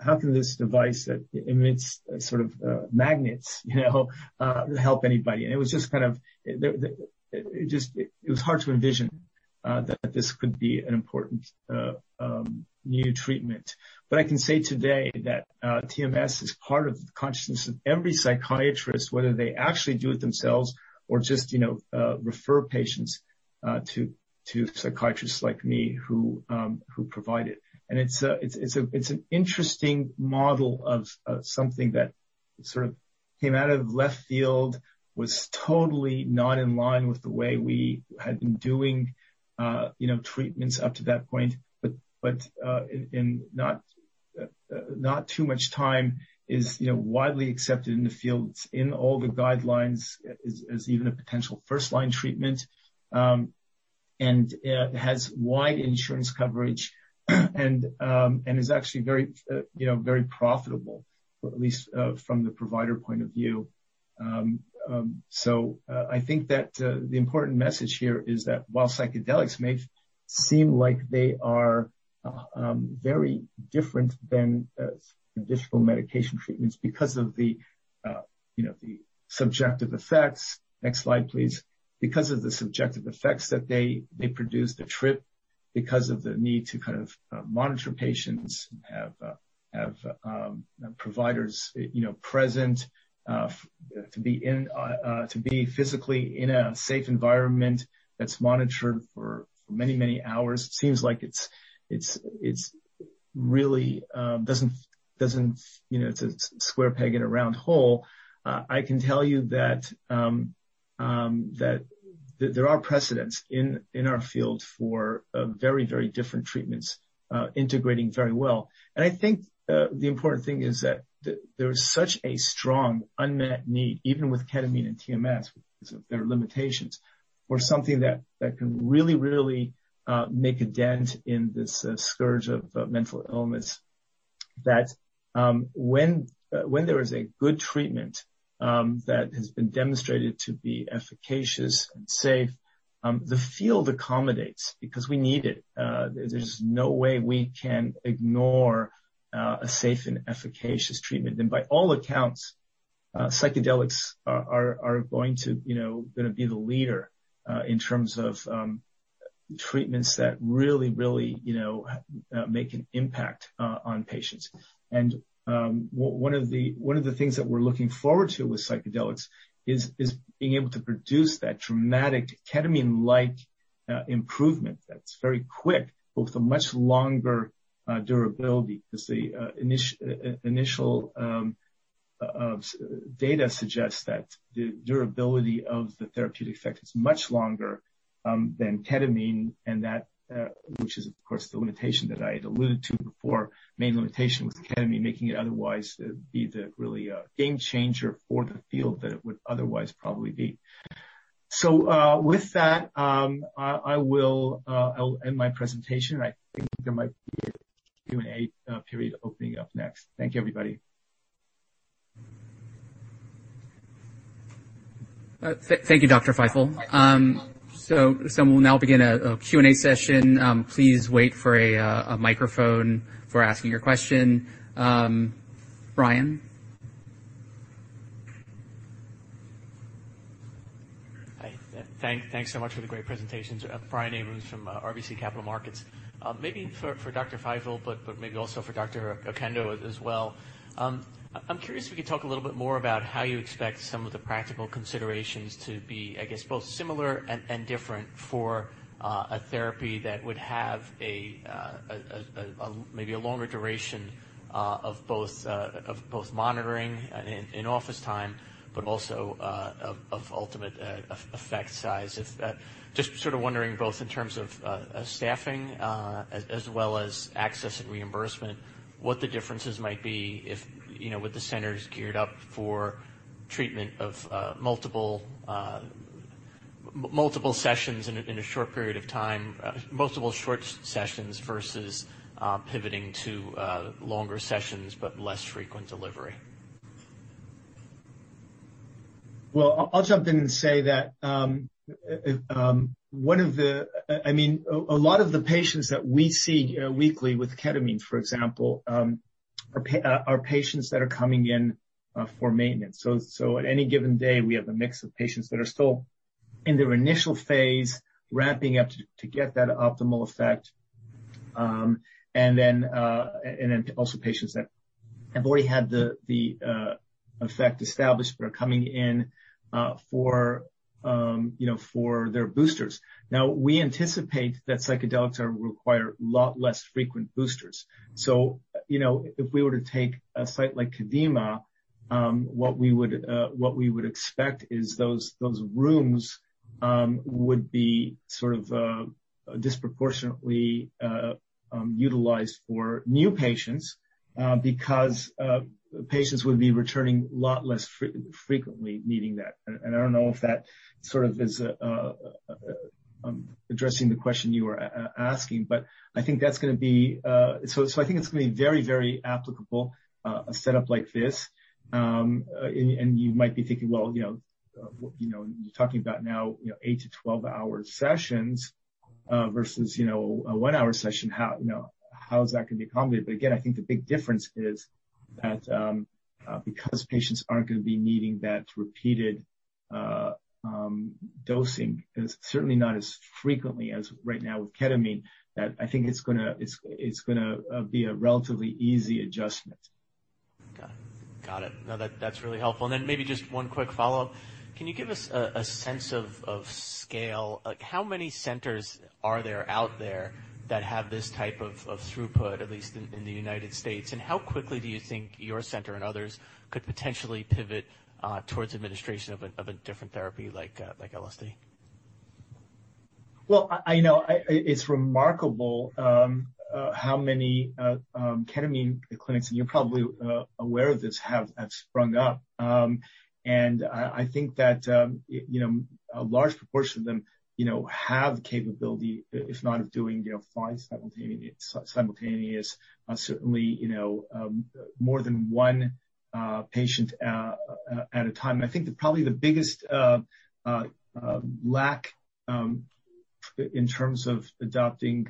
[SPEAKER 4] how can this device that emits sort of magnets, you know, help anybody? It was just kind of the, it was hard to envision that this could be an important new treatment. I can say today that TMS is part of the consciousness of every psychiatrist, whether they actually do it themselves or just, you know, refer patients to psychiatrists like me, who provide it. It's an interesting model of something that sort of came out of left field, was totally not in line with the way we had been doing, you know, treatments up to that point, but in not too much time is, you know, widely accepted in the field, it's in all the guidelines, as even a potential first-line treatment, and has wide insurance coverage, and is actually very, you know, very profitable, or at least from the provider point of view. I think that the important message here is that while psychedelics may seem like they are very different than traditional medication treatments because of the, you know, the subjective effects. Next slide, please. Because of the subjective effects that they produce, the trip, because of the need to kind of monitor patients, have providers, you know, present, to be in, to be physically in a safe environment that's monitored for many, many hours. It seems like it's really, doesn't, you know, it's a square peg in a round hole. I can tell you that there are precedents in our field for very different treatments integrating very well. I think, the important thing is that there is such a strong unmet need, even with ketamine and TMS, because of their limitations, for something that can really make a dent in this scourge of mental illness. That, when there is a good treatment, that has been demonstrated to be efficacious and safe, the field accommodates because we need it. There's no way we can ignore a safe and efficacious treatment. By all accounts, psychedelics are going to, you know, gonna be the leader, in terms of, treatments that really, you know, make an impact, on patients. One of the things that we're looking forward to with psychedelics is being able to produce that dramatic ketamine-like improvement that's very quick, but with a much longer durability, because the initial data suggests that the durability of the therapeutic effect is much longer than ketamine, and that which is, of course, the limitation that I had alluded to before, main limitation with ketamine, making it otherwise be the really game changer for the field that it would otherwise probably be. With that, I will, I'll end my presentation. I think there might be a Q&A period opening up next. Thank you, everybody.
[SPEAKER 1] Thank you, Dr. Feifel. We'll now begin a Q&A session. Please wait for a microphone before asking your question. Brian?
[SPEAKER 5] Hi, thanks so much for the great presentations. Brian Abrahams from RBC Capital Markets. Maybe for Dr. Feifel, but maybe also for Dr. Oquendo as well. I'm curious if you could talk a little bit more about how you expect some of the practical considerations to be, I guess, both similar and different for a therapy that would have a longer duration of both monitoring in office time, but also of ultimate effect size? Just sort of wondering both in terms of staffing, as well as access and reimbursement, what the differences might be if, you know, with the centers geared up for treatment of multiple sessions in a short period of time, multiple short sessions versus pivoting to longer sessions, but less frequent delivery.
[SPEAKER 4] Well, I'll jump in and say that, I mean, a lot of the patients that we see, weekly with ketamine, for example, are patients that are coming in for maintenance. At any given day, we have a mix of patients that are still in their initial phase, ramping up to get that optimal effect. Then also patients that have already had the effect established, but are coming in for, you know, for their boosters. Now, we anticipate that psychedelics require a lot less frequent boosters. You know, if we were to take a site like Kadima, what we would expect is those rooms would be sort of disproportionately utilized for new patients because patients would be returning a lot less frequently, needing that. I don't know if that sort of is addressing the question you were asking, but I think that's going to be. I think it's going to be very, very applicable, a setup like this. You might be thinking, well, you know, you're talking about now, you know, 8-12 hour sessions versus, you know, a one-hour session, how, you know, how is that going to be accommodated? Again, I think the big difference is that because patients aren't going to be needing that repeated dosing, and certainly not as frequently as right now with ketamine, that I think it's gonna be a relatively easy adjustment.
[SPEAKER 5] Got it. Got it. No, that's really helpful. Maybe just one quick follow-up. Can you give us a sense of scale? How many centers are there out there that have this type of throughput, at least in the United States, and how quickly do you think your center and others could potentially pivot towards administration of a different therapy like LSD?
[SPEAKER 4] I know, I, it's remarkable how many ketamine clinics, and you're probably aware of this, have sprung up. I think that, you know, a large proportion of them, you know, have the capability, if not of doing, you know, five simultaneous, certainly, you know, more than one patient at a time. I think that probably the biggest lack in terms of adopting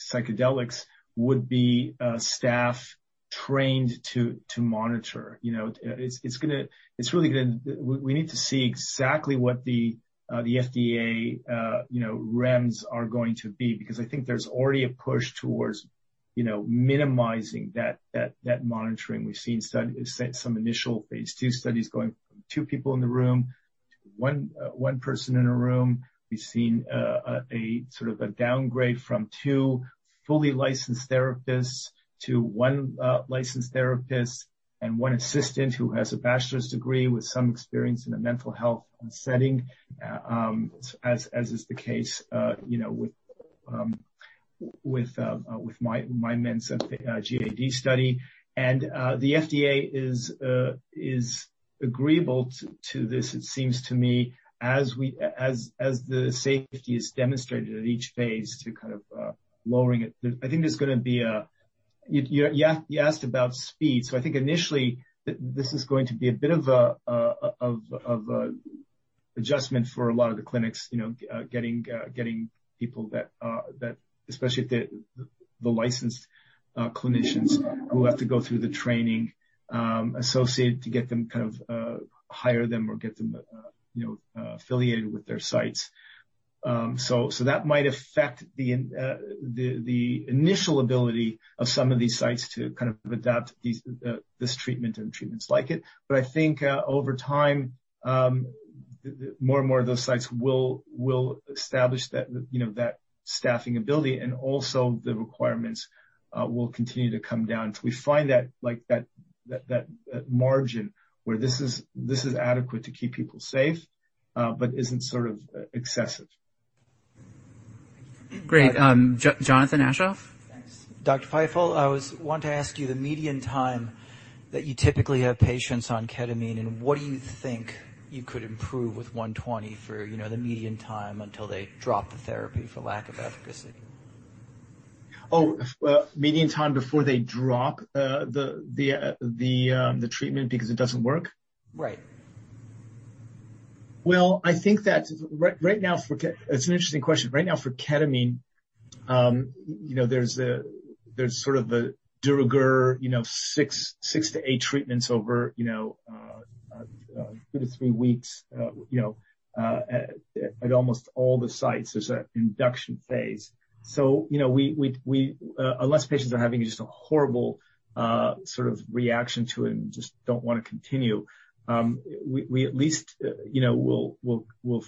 [SPEAKER 4] psychedelics would be staff trained to monitor. You know, it's gonna, it's really gonna. We need to see exactly what the FDA, you know, REMS are going to be, because I think there's already a push towards, you know, minimizing that monitoring. We've seen some initial phase II studies going from two people in the room to one person in a room. We've seen a sort of a downgrade from two fully licensed therapists to one licensed therapist and one assistant who has a bachelor's degree with some experience in a mental health setting. As is the case, you know, with my MMED008 GAD study. The FDA is agreeable to this, it seems to me, as the safety is demonstrated at each phase to kind of lowering it. I think there's gonna be a... You asked about speed, I think initially, this is going to be a bit of a of a adjustment for a lot of the clinics, you know, getting people that especially at the licensed clinicians who have to go through the training associated to get them, kind of, hire them or get them, you know, affiliated with their sites. That might affect the initial ability of some of these sites to kind of adapt these this treatment and treatments like it. I think, over time, more and more of those sites will establish that, you know, that staffing ability, and also the requirements will continue to come down until we find that, like, that margin where this is adequate to keep people safe, but isn't sort of excessive.
[SPEAKER 1] Great. Jonathan Aschoff?
[SPEAKER 6] Thanks. Dr. Feifel, I want to ask you the median time that you typically have patients on ketamine, and what do you think you could improve with 120 for, you know, the median time until they drop the therapy for lack of efficacy?
[SPEAKER 4] Median time before they drop the treatment because it doesn't work?
[SPEAKER 6] Right.
[SPEAKER 4] Well, I think that right now for ketamine. It's an interesting question. Right now for ketamine, you know, there's a sort of the de rigueur, you know, 6-eight treatments over, you know, 2-3 weeks. You know, at almost all the sites, there's an induction phase. You know, we, unless patients are having just a horrible sort of reaction to it and just don't want to continue, we at least, you know, we'll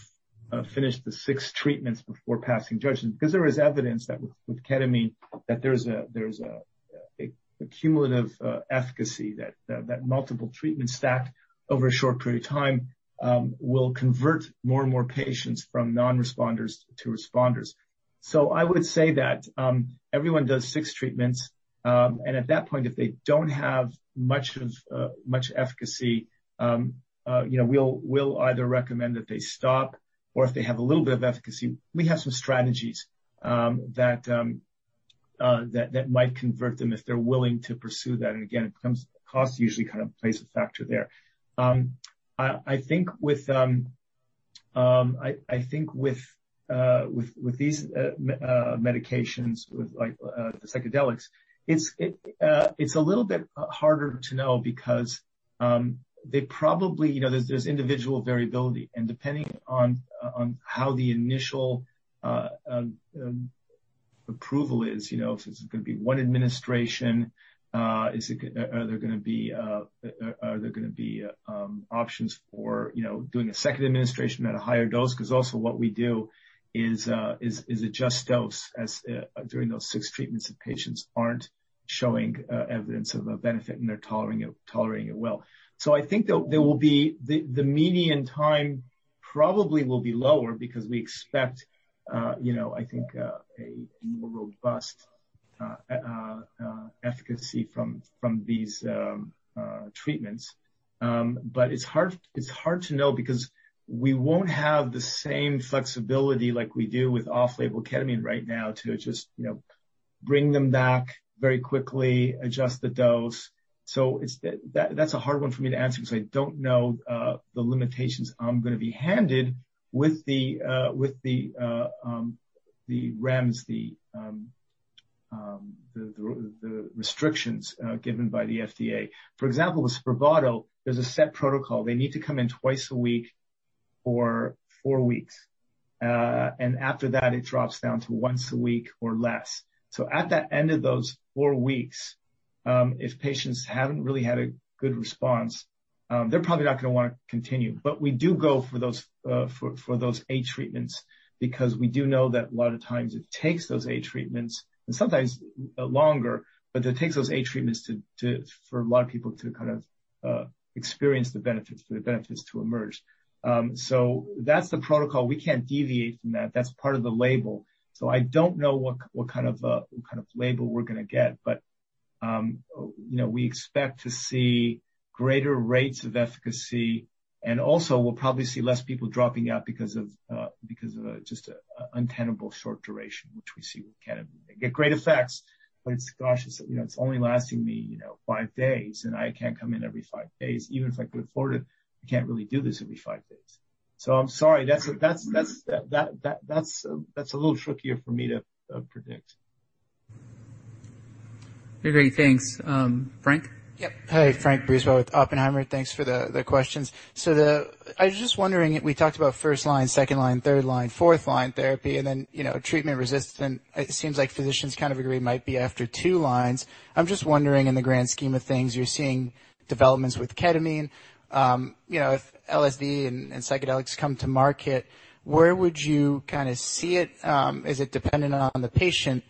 [SPEAKER 4] finish the six treatments before passing judgment. There is evidence that with ketamine, there's a cumulative efficacy, that multiple treatments stacked over a short period of time will convert more and more patients from non-responders to responders. I would say that everyone does six treatments, and at that point, if they don't have much efficacy, you know, we'll either recommend that they stop, or if they have a little bit of efficacy, we have some strategies that might convert them if they're willing to pursue that. Again, cost usually kind of plays a factor there. I think with these medications, with like, the psychedelics, it's a little bit harder to know because they probably, you know, there's individual variability. Depending on how the initial approval is, you know, if it's gonna be one administration, are there gonna be options for, you know, doing a second administration at a higher dose? Also what we do is adjust dose as during those six treatments, if patients aren't showing evidence of a benefit and they're tolerating it well. I think there will be. The median time probably will be lower because we expect, you know, I think, a more robust efficacy from these treatments. It's hard to know because we won't have the same flexibility like we do with off-label ketamine right now, to just, you know, bring them back very quickly, adjust the dose. That's a hard one for me to answer because I don't know the limitations I'm gonna be handed with the REMS, the restrictions given by the FDA. For example, with SPRAVATO, there's a set protocol. They need to come in two times a week for four weeks. After that, it drops down to one time a week or less. At that end of those four weeks, if patients haven't really had a good response, they're probably not gonna want to continue. We do go for those eight treatments because we do know that a lot of times it takes those eight treatments, and sometimes longer, but it takes those eight treatments for a lot of people to kind of experience the benefits, for the benefits to emerge. That's the protocol. We can't deviate from that. That's part of the label. I don't know what kind of label we're gonna get, but, you know, we expect to see greater rates of efficacy, and also we'll probably see less people dropping out because of a just untenable short duration, which we see with ketamine. They get great effects, but it's, gosh, it's, you know, it's only lasting me, you know, five days, and I can't come in every five days. Even if I could afford it, I can't really do this every five days. I'm sorry, that's a little trickier for me to predict.
[SPEAKER 1] Okay, great. Thanks. Frank?
[SPEAKER 4] Yep.
[SPEAKER 7] Hey, Frank Brisebois with Oppenheimer. Thanks for the questions. I was just wondering, we talked about first line, second line, third line, fourth line therapy, and then, you know, treatment resistant. It seems like physicians kind of agree it might be after two lines. I'm just wondering, in the grand scheme of things, you're seeing developments with ketamine, you know, if LSD and psychedelics come to market, where would you kind of see it? Is it dependent on the patient?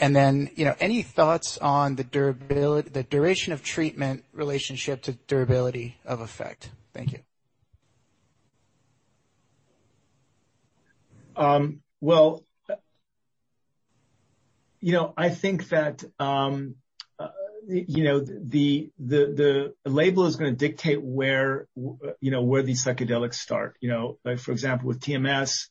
[SPEAKER 7] You know, any thoughts on the duration of treatment relationship to durability of effect? Thank you.
[SPEAKER 4] Well, you know, I think that, you know, the, the label is gonna dictate where, you know, where these psychedelics start. You know, like for example, with TMS,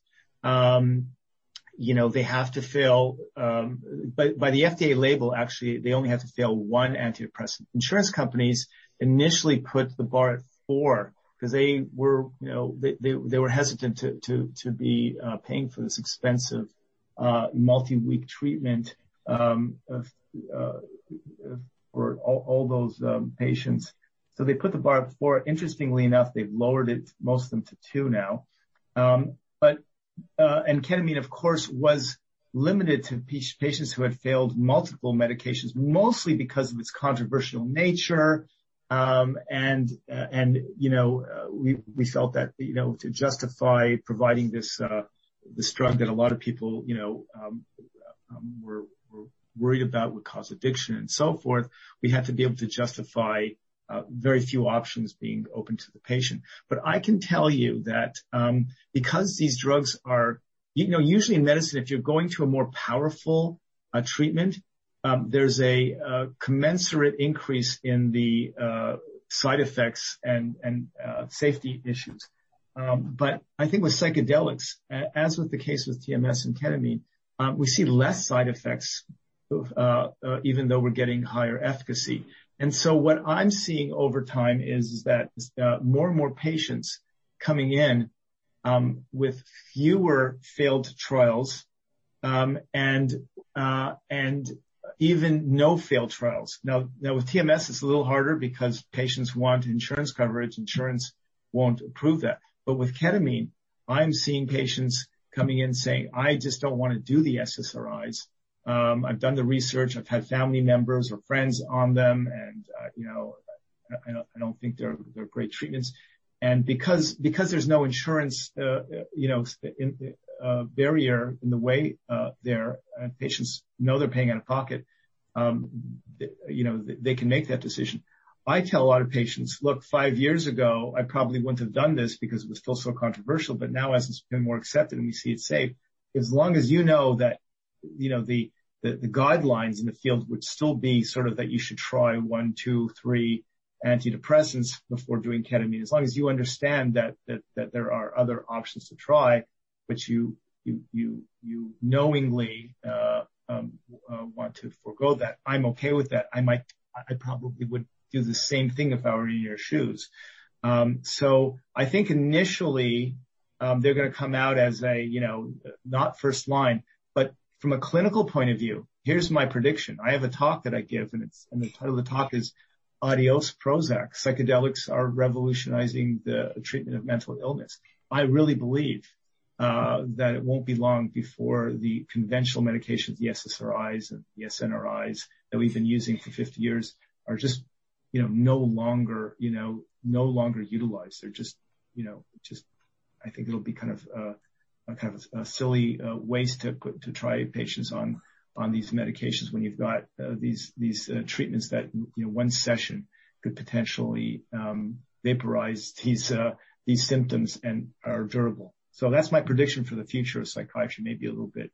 [SPEAKER 4] you know, they have to fail. By the FDA label, actually, they only have to fail one antidepressant. Insurance companies initially put the bar at four because they were, you know, hesitant to be paying for this expensive multi-week treatment of those patients. They put the bar at four. Interestingly enough, they've lowered it, most of them to two now. Ketamine, of course, was limited to patients who had failed multiple medications, mostly because of its controversial nature. You know, we felt that, you know, to justify providing this drug that a lot of people, you know, were worried about would cause addiction and so forth, we had to be able to justify very few options being open to the patient. I can tell you that because these drugs are. You know, usually in medicine, if you're going to a more powerful treatment, there's a commensurate increase in the side effects and safety issues. I think with psychedelics, as with the case with TMS and ketamine, we see less side effects even though we're getting higher efficacy. What I'm seeing over time is that more and more patients coming in with fewer failed trials, and even no failed trials. Now, with TMS, it's a little harder because patients want insurance coverage. Insurance won't approve that. With ketamine, I'm seeing patients coming in saying, "I just don't want to do the SSRIs. I've done the research. I've had family members or friends on them, and, you know, I don't think they're great treatments." Because there's no insurance, you know, barrier in the way, there, and patients know they're paying out of pocket, you know, they can make that decision. I tell a lot of patients, "Look, five years ago, I probably wouldn't have done this because it was still so controversial. Now, as it's been more accepted and we see it's safe, as long as you know that, you know, the guidelines in the field would still be sort of that you should try one, two, three antidepressants before doing ketamine. As long as you understand that there are other options to try, but you knowingly want to forgo that, I'm okay with that. I probably would do the same thing if I were in your shoes. So I think initially, they're gonna come out as a, you know, not first line, but from a clinical point of view, here's my prediction. I have a talk that I give, and the title of the talk is, Adios, Prozac! Psychedelics are Revolutionizing the Treatment of Mental Illness. I really believe that it won't be long before the conventional medications, the SSRIs and the SNRIs that we've been using for 50 years, are just, you know, no longer utilized. They're just, you know, I think it'll be kind of a kind of a silly waste to try patients on these medications when you've got these treatments that, you know, one session could potentially vaporize these symptoms and are durable. That's my prediction for the future of psychiatry. Maybe a little bit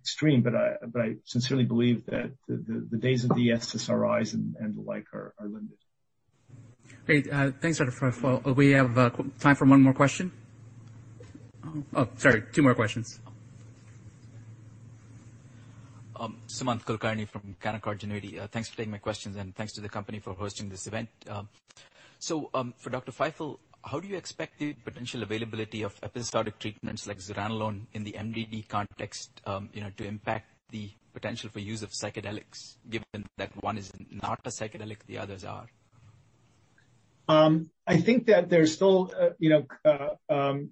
[SPEAKER 4] extreme, but I sincerely believe that the days of the SSRIs and the like are limited.
[SPEAKER 1] Great. thanks, Dr. Feifel. We have time for one more question. Oh, sorry, two more questions.
[SPEAKER 8] Sumant Kulkarni from Canaccord Genuity. Thanks for taking my questions, and thanks to the company for hosting this event. For Dr. Feifel, how do you expect the potential availability of episodic treatments like zuranolone in the MDD context, to impact the potential for use of psychedelics, given that one is not a psychedelic, the others are?
[SPEAKER 4] I think that there's still, you know,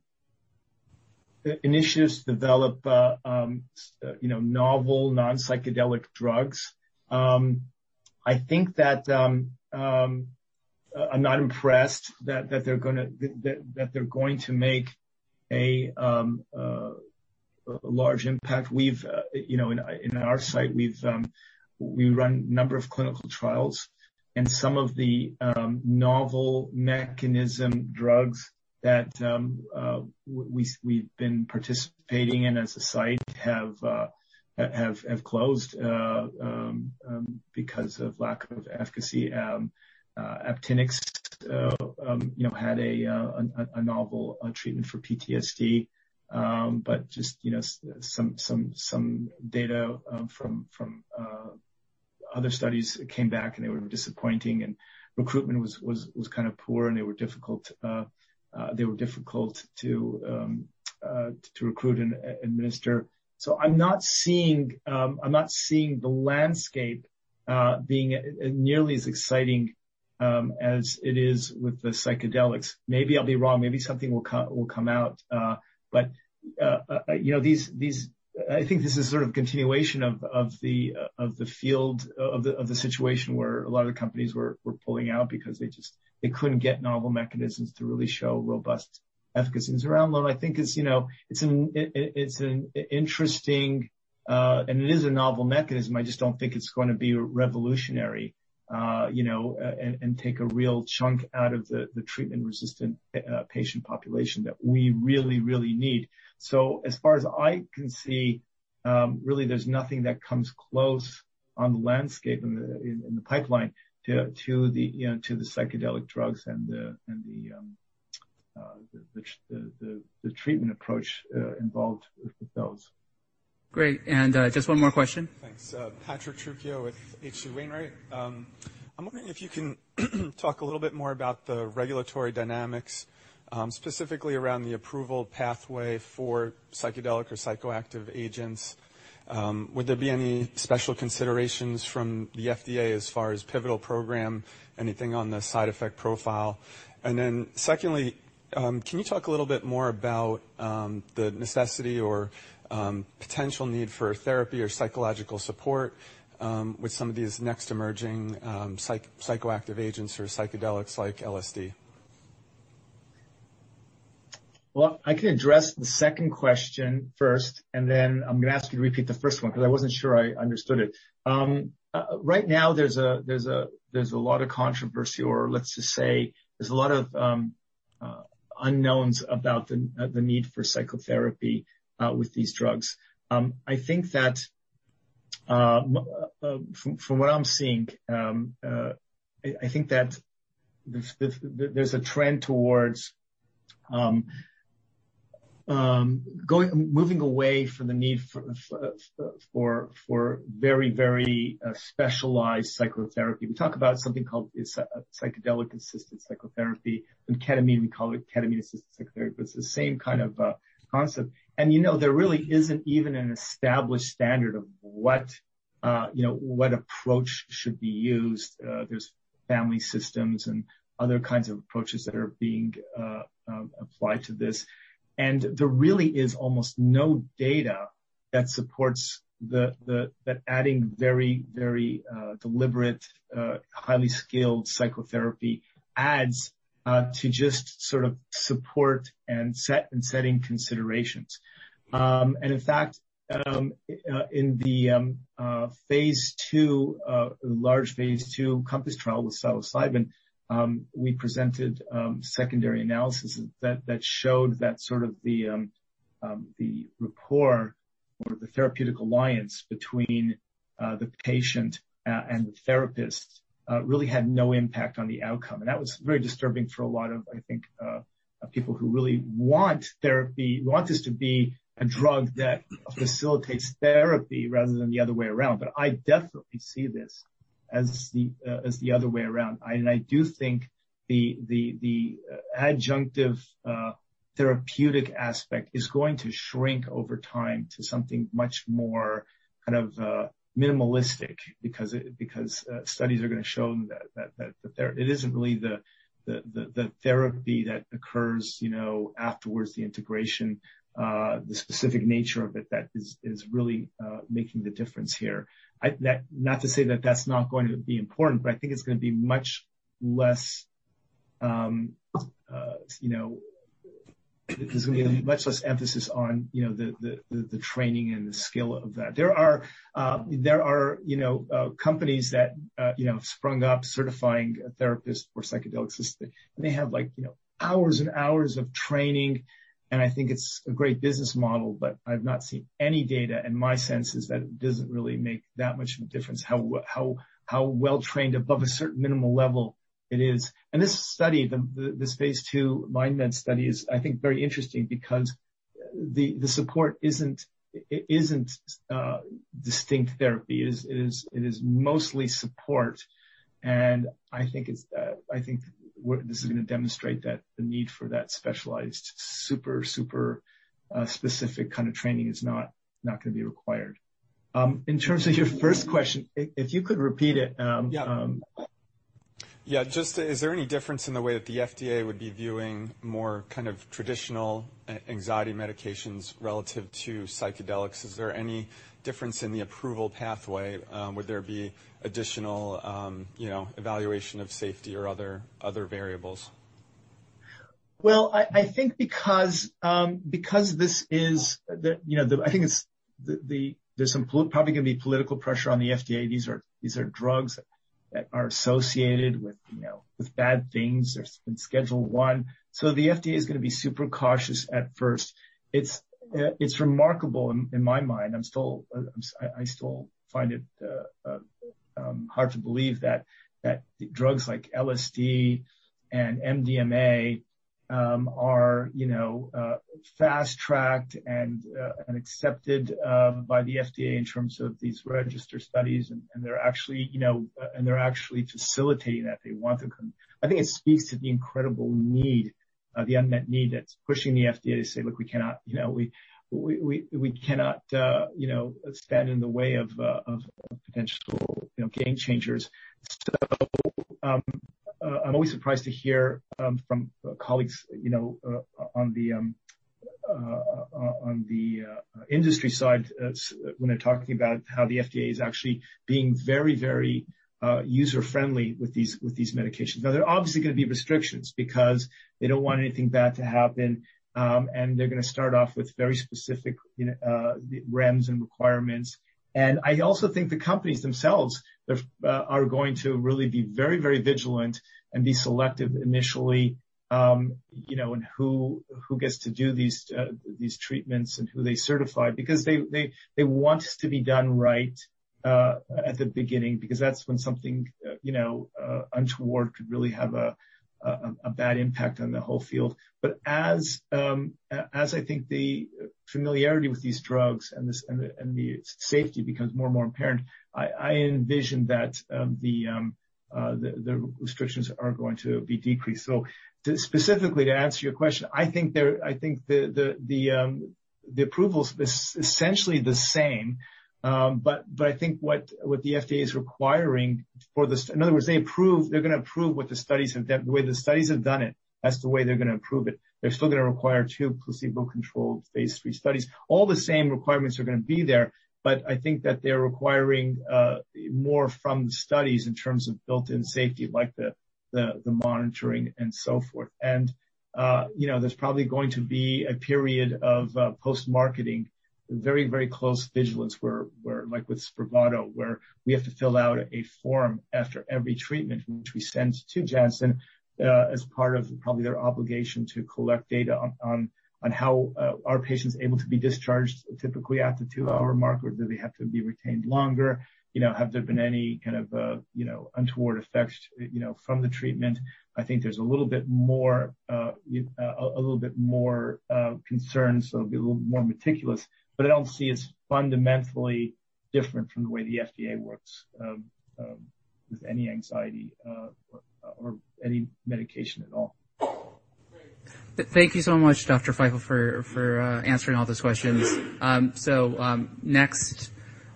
[SPEAKER 4] initiatives to develop, you know, novel, non-psychedelic drugs. I think that I'm not impressed that they're gonna that they're going to make a large impact. We've, you know, in our site, we've, we run a number of clinical trials, and some of the novel mechanism drugs that we've been participating in as a site have closed because of lack of efficacy. Aptinyx, you know, had a novel treatment for PTSD. Just, you know, some data from other studies came back, and they were disappointing, and recruitment was kind of poor, and they were difficult to recruit and administer. I'm not seeing the landscape being nearly as exciting as it is with the psychedelics. Maybe I'll be wrong, maybe something will come out. You know, these I think this is sort of continuation of the field, of the situation where a lot of the companies were pulling out because they just, they couldn't get novel mechanisms to really show robust efficacies. Zuranolone, I think is, you know, it's an interesting and it is a novel mechanism. I just don't think it's going to be revolutionary, you know, and take a real chunk out of the treatment-resistant patient population that we really need. As far as I can see, really there's nothing that comes close on the landscape in the pipeline to the, you know, to the psychedelic drugs and the treatment approach involved with those.
[SPEAKER 1] Great, just one more question.
[SPEAKER 9] Thanks. Patrick Trucchio with H.C. Wainwright. I'm wondering if you can talk a little bit more about the regulatory dynamics, specifically around the approval pathway for psychedelic or psychoactive agents. Would there be any special considerations from the FDA as far as pivotal program, anything on the side effect profile? Secondly, can you talk a little bit more about the necessity or potential need for therapy or psychological support with some of these next emerging psychoactive agents or psychedelics like LSD?
[SPEAKER 4] I can address the second question first, and then I'm gonna ask you to repeat the first one because I wasn't sure I understood it. Right now, there's a lot of controversy, or let's just say there's a lot of unknowns about the need for psychotherapy with these drugs. I think that from what I'm seeing, I think that there's a trend towards moving away from the need for very specialized psychotherapy, we talk about something called psychedelic-assisted psychotherapy, and ketamine, we call it ketamine-assisted psychotherapy, but it's the same kind of concept. You know, there really isn't even an established standard of what, you know, what approach should be used. There's family systems and other kinds of approaches that are being applied to this. There really is almost no data that supports the that adding very, very deliberate, highly skilled psychotherapy adds to just sort of support and set and setting considerations. In fact, in the phase II, large phase II COMPASS trial with psilocybin, we presented secondary analysis that showed that sort of the rapport or the therapeutic alliance between the patient and the therapist really had no impact on the outcome. That was very disturbing for a lot of, I think, people who really want this to be a drug that facilitates therapy rather than the other way around. I definitely see this as the other way around. I do think the adjunctive therapeutic aspect is going to shrink over time to something much more kind of minimalistic, because studies are gonna show that there. It isn't really the therapy that occurs, you know, afterwards, the integration, the specific nature of it, that is really making the difference here. That, not to say that that's not going to be important, but I think it's gonna be much less, you know, there's gonna be much less emphasis on, you know, the training and the skill of that. There are companies that sprung up certifying a therapist for psychedelic-assisted, and they have hours and hours of training, and I think it's a great business model, but I've not seen any data, and my sense is that it doesn't really make that much of a difference how well-trained above a certain minimal level it is. This study, this phase II MindMed study, is, I think, very interesting because the support isn't distinct therapy. It is mostly support, and I think it's, I think what this is gonna demonstrate that the need for that specialized, super specific kind of training is not gonna be required. In terms of your first question, if you could repeat it.
[SPEAKER 9] Yeah.
[SPEAKER 4] Um.
[SPEAKER 9] Just is there any difference in the way that the FDA would be viewing more kind of traditional anxiety medications relative to psychedelics? Is there any difference in the approval pathway? Would there be additional, you know, evaluation of safety or other variables?
[SPEAKER 4] Well, I think because this is the... You know, there's probably gonna be political pressure on the FDA. These are drugs that are associated with, you know, with bad things. They've been Schedule I. The FDA is gonna be super cautious at first. It's remarkable in my mind, I still find it hard to believe that drugs like LSD and MDMA are, you know, fast-tracked and accepted by the FDA in terms of these register studies, and they're actually, you know, facilitating that. They want to come. I think it speaks to the incredible need, the unmet need that's pushing the FDA to say, "Look, we cannot, you know, stand in the way of potential, you know, game changers." I'm always surprised to hear from colleagues, you know, on the industry side when they're talking about how the FDA is actually being very, very user-friendly with these, with these medications. There are obviously gonna be restrictions because they don't want anything bad to happen, and they're gonna start off with very specific, you know, REMS and requirements. I also think the companies themselves, they're going to really be very, very vigilant and be selective initially, you know, in who gets to do these treatments, and who they certify. They want this to be done right at the beginning, because that's when something, you know, untoward could really have a bad impact on the whole field. As I think the familiarity with these drugs and the safety becomes more and more apparent, I envision that the restrictions are going to be decreased. Specifically, to answer your question, I think the approval is essentially the same. I think what the FDA is requiring for in other words, they approve, they're gonna approve what the studies have done. The way the studies have done it, that's the way they're gonna approve it. They're still gonna require two placebo-controlled phase III studies. All the same requirements are gonna be there. I think that they're requiring more from the studies in terms of built-in safety, like the monitoring and so forth. You know, there's probably going to be a period of post-marketing, very, very close vigilance, where like with SPRAVATO, where we have to fill out a form after every treatment, which we send to Janssen, as part of probably their obligation to collect data on how are patients able to be discharged typically after two-hour mark, or do they have to be retained longer? You know, have there been any kind of, untoward effects, you know, from the treatment? I think there's a little bit more concern, so it'll be a little more meticulous, but I don't see it's fundamentally different from the way the FDA works, with any anxiety, or any medication at all.
[SPEAKER 1] Thank you so much, Dr. Feifel, for answering all those questions. Next,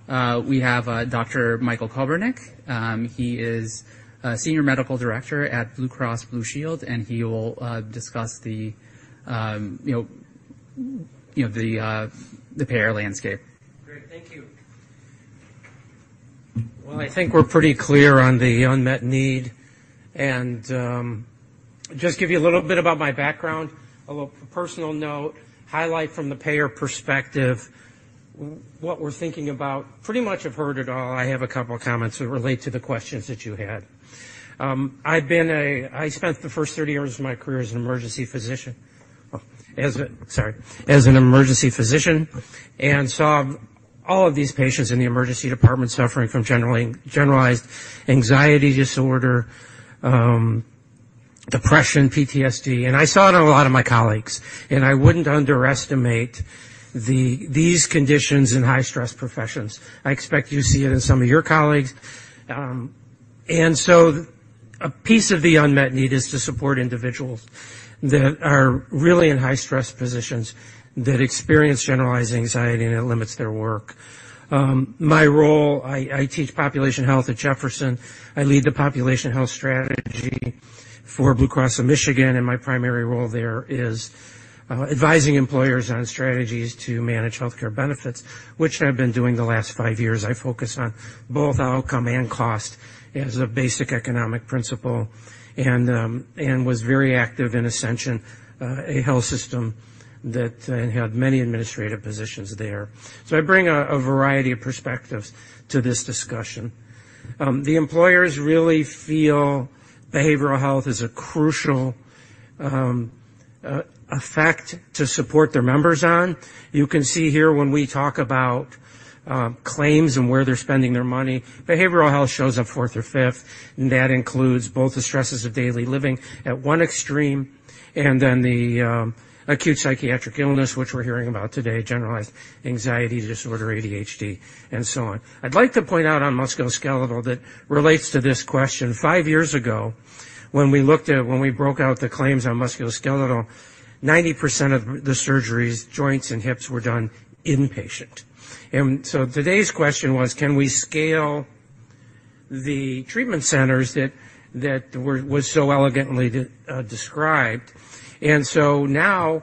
[SPEAKER 1] we have Dr. Michael Kobernick. He is a senior medical director at Blue Cross Blue Shield, and he will discuss the, you know, the payer landscape.
[SPEAKER 10] Great. Thank you. Well, I think we're pretty clear on the unmet need. Just give you a little bit about my background, a little personal note, highlight from the payer perspective, what we're thinking about. Pretty much I've heard it all. I have a couple of comments that relate to the questions that you had. I spent the first 30 years of my career as an emergency physician. Oh, as a, sorry, as an emergency physician and saw all of these patients in the emergency department suffering from generalized anxiety disorder, depression, PTSD, and I saw it in a lot of my colleagues, and I wouldn't underestimate the, these conditions in high-stress professions. I expect you see it in some of your colleagues. A piece of the unmet need is to support individuals that are really in high-stress positions, that experience generalized anxiety, and it limits their work. My role, I teach population health at Jefferson. I lead the population health strategy for Blue Cross of Michigan, and my primary role there is advising employers on strategies to manage healthcare benefits, which I've been doing the last five years. I focus on both outcome and cost as a basic economic principle and was very active in Ascension, a health system that had many administrative positions there. I bring a variety of perspectives to this discussion. The employers really feel behavioral health is a crucial effect to support their members on. You can see here when we talk about claims and where they're spending their money, behavioral health shows up fourth or fifth, and that includes both the stresses of daily living at one extreme and then the acute psychiatric illness, which we're hearing about today, generalized anxiety disorder, ADHD, and so on. I'd like to point out on musculoskeletal that relates to this question. five years ago, when we looked at, when we broke out the claims on musculoskeletal, 90% of the surgeries, joints and hips, were done inpatient. Today's question was: Can we scale the treatment centers that were, was so elegantly described? Now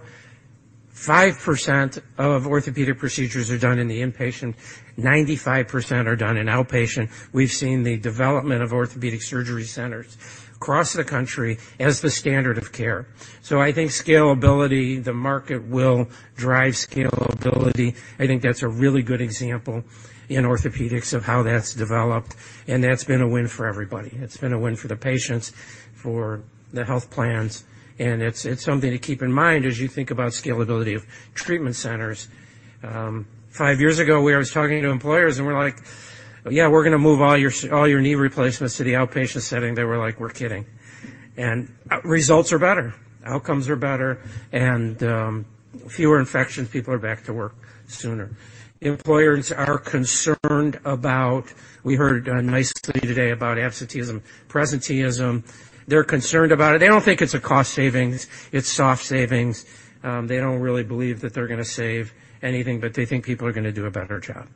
[SPEAKER 10] 5% of orthopedic procedures are done in the inpatient. 95% are done in outpatient. We've seen the development of orthopedic surgery centers across the country as the standard of care. I think scalability, the market will drive scalability. I think that's a really good example in orthopedics of how that's developed, and that's been a win for everybody. It's been a win for the patients, for the health plans, and it's something to keep in mind as you think about scalability of treatment centers. Five years ago, we was talking to employers, and we're like: "Yeah, we're gonna move all your knee replacements to the outpatient setting." They were like: "We're kidding." Results are better, outcomes are better, and fewer infections. People are back to work sooner. Employers are concerned about. We heard a nice study today about absenteeism, presenteeism. They're concerned about it. They don't think it's a cost savings. It's soft savings. They don't really believe that they're gonna save anything, but they think people are gonna do a better job.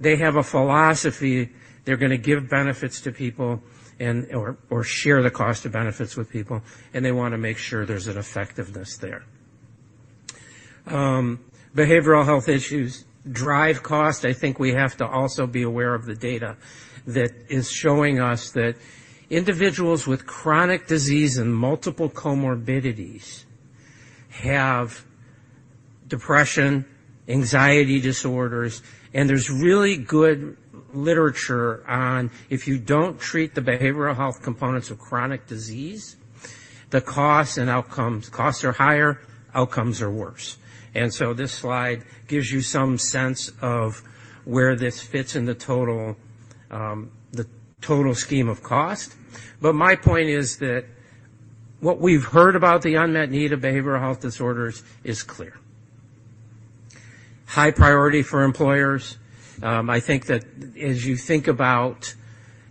[SPEAKER 10] They have a philosophy, they're gonna give benefits to people and or share the cost of benefits with people, and they wanna make sure there's an effectiveness there. Behavioral health issues drive cost. I think we have to also be aware of the data that is showing us that individuals with chronic disease and multiple comorbidities have depression, anxiety disorders, and there's really good literature on if you don't treat the behavioral health components of chronic disease, the costs and outcomes, costs are higher, outcomes are worse. This slide gives you some sense of where this fits in the total, the total scheme of cost. My point is that what we've heard about the unmet need of behavioral health disorders is clear. High priority for employers. I think that as you think about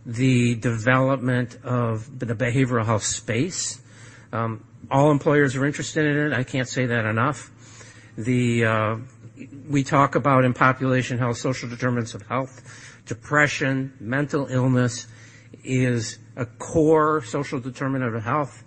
[SPEAKER 10] the development of the behavioral health space, all employers are interested in it. I can't say that enough. The, we talk about in population health, social determinants of health. Depression, mental illness is a core social determinant of health,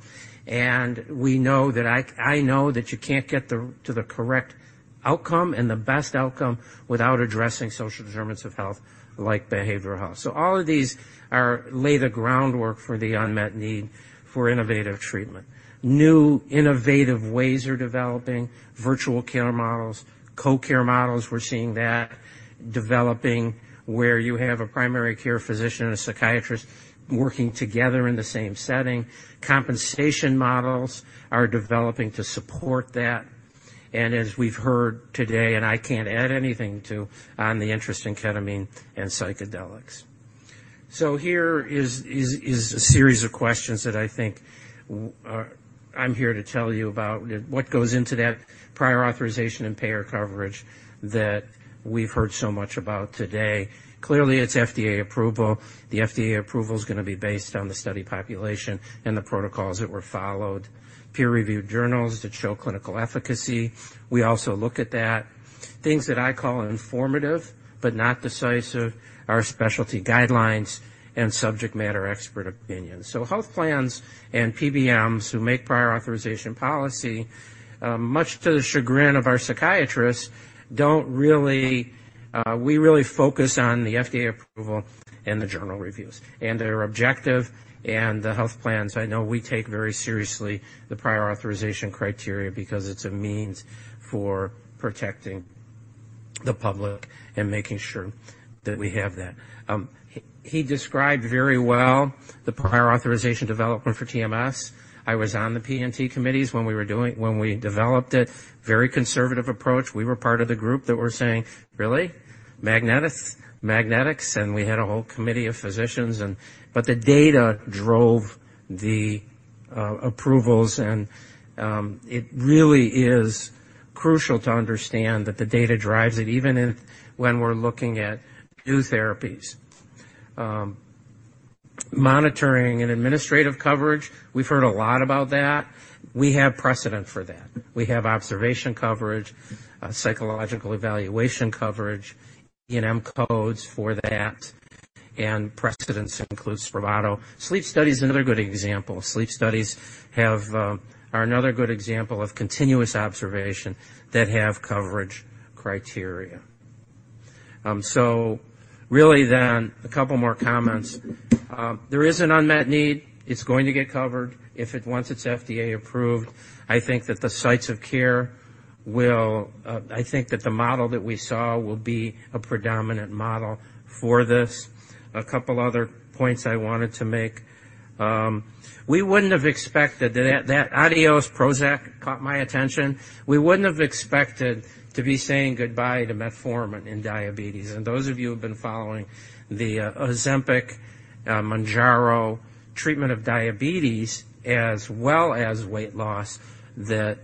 [SPEAKER 10] and we know that I know that you can't get to the correct outcome and the best outcome without addressing social determinants of health, like behavioral health. All of these are, lay the groundwork for the unmet need for innovative treatment. New innovative ways are developing, virtual care models, co-care models. We're seeing that developing where you have a primary care physician and a psychiatrist working together in the same setting. Compensation models are developing to support that. As we've heard today, and I can't add anything to, on the interest in ketamine and psychedelics. Here is a series of questions that I think, I'm here to tell you about. What goes into that prior authorization and payer coverage that we've heard so much about today? Clearly, it's FDA approval. The FDA approval is going to be based on the study population and the protocols that were followed. Peer-reviewed journals that show clinical efficacy, we also look at that. Things that I call informative, but not decisive, are specialty guidelines and subject matter expert opinions. Health plans and PBMs who make prior authorization policy, much to the chagrin of our psychiatrists, don't really, we really focus on the FDA approval and the journal reviews, and they're objective. The health plans, I know we take very seriously the prior authorization criteria because it's a means for protecting the public and making sure that we have that. He described very well the prior authorization development for TMS. I was on the P&T committees when we developed it. Very conservative approach. We were part of the group that were saying, "Really? Magnetics?" We had a whole committee of physicians, but the data drove the approvals, and it really is crucial to understand that the data drives it, even when we're looking at new therapies. Monitoring and administrative coverage, we've heard a lot about that. We have precedent for that. We have observation coverage, psychological evaluation coverage, E&M codes for that, and precedents include SPRAVATO. Sleep study is another good example. Sleep studies are another good example of continuous observation that have coverage criteria. Really, a couple more comments. There is an unmet need. It's going to get covered once it's FDA approved. I think that the model that we saw will be a predominant model for this. A couple other points I wanted to make. We wouldn't have expected that adios Prozac caught my attention. We wouldn't have expected to be saying goodbye to metformin in diabetes. Those of you who have been following the Ozempic, Mounjaro treatment of diabetes as well as weight loss, that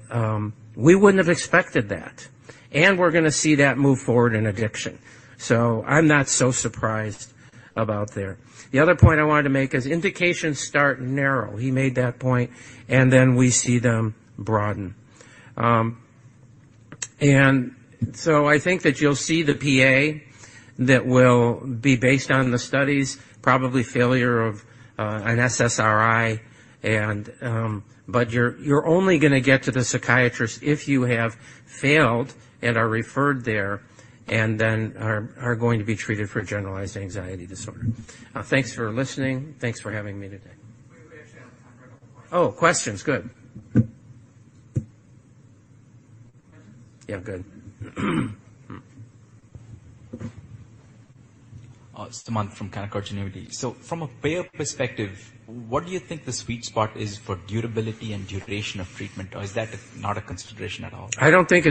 [SPEAKER 10] we wouldn't have expected that. We're going to see that move forward in addiction. I'm not so surprised about there. The other point I wanted to make is indications start narrow. He made that point, and then we see them broaden. I think that you'll see the PA that will be based on the studies, probably failure of an SSRI and you're only going to get to the psychiatrist if you have failed and are referred there, and then are going to be treated for generalized anxiety disorder. Thanks for listening. Thanks for having me today.
[SPEAKER 1] We actually have time for a couple questions.
[SPEAKER 10] Oh, questions! Good.
[SPEAKER 1] Questions?
[SPEAKER 10] Yeah, good.
[SPEAKER 8] Sumant from Canaccord Genuity. From a payer perspective, what do you think the sweet spot is for durability and duration of treatment, or is that not a consideration at all?
[SPEAKER 10] I don't think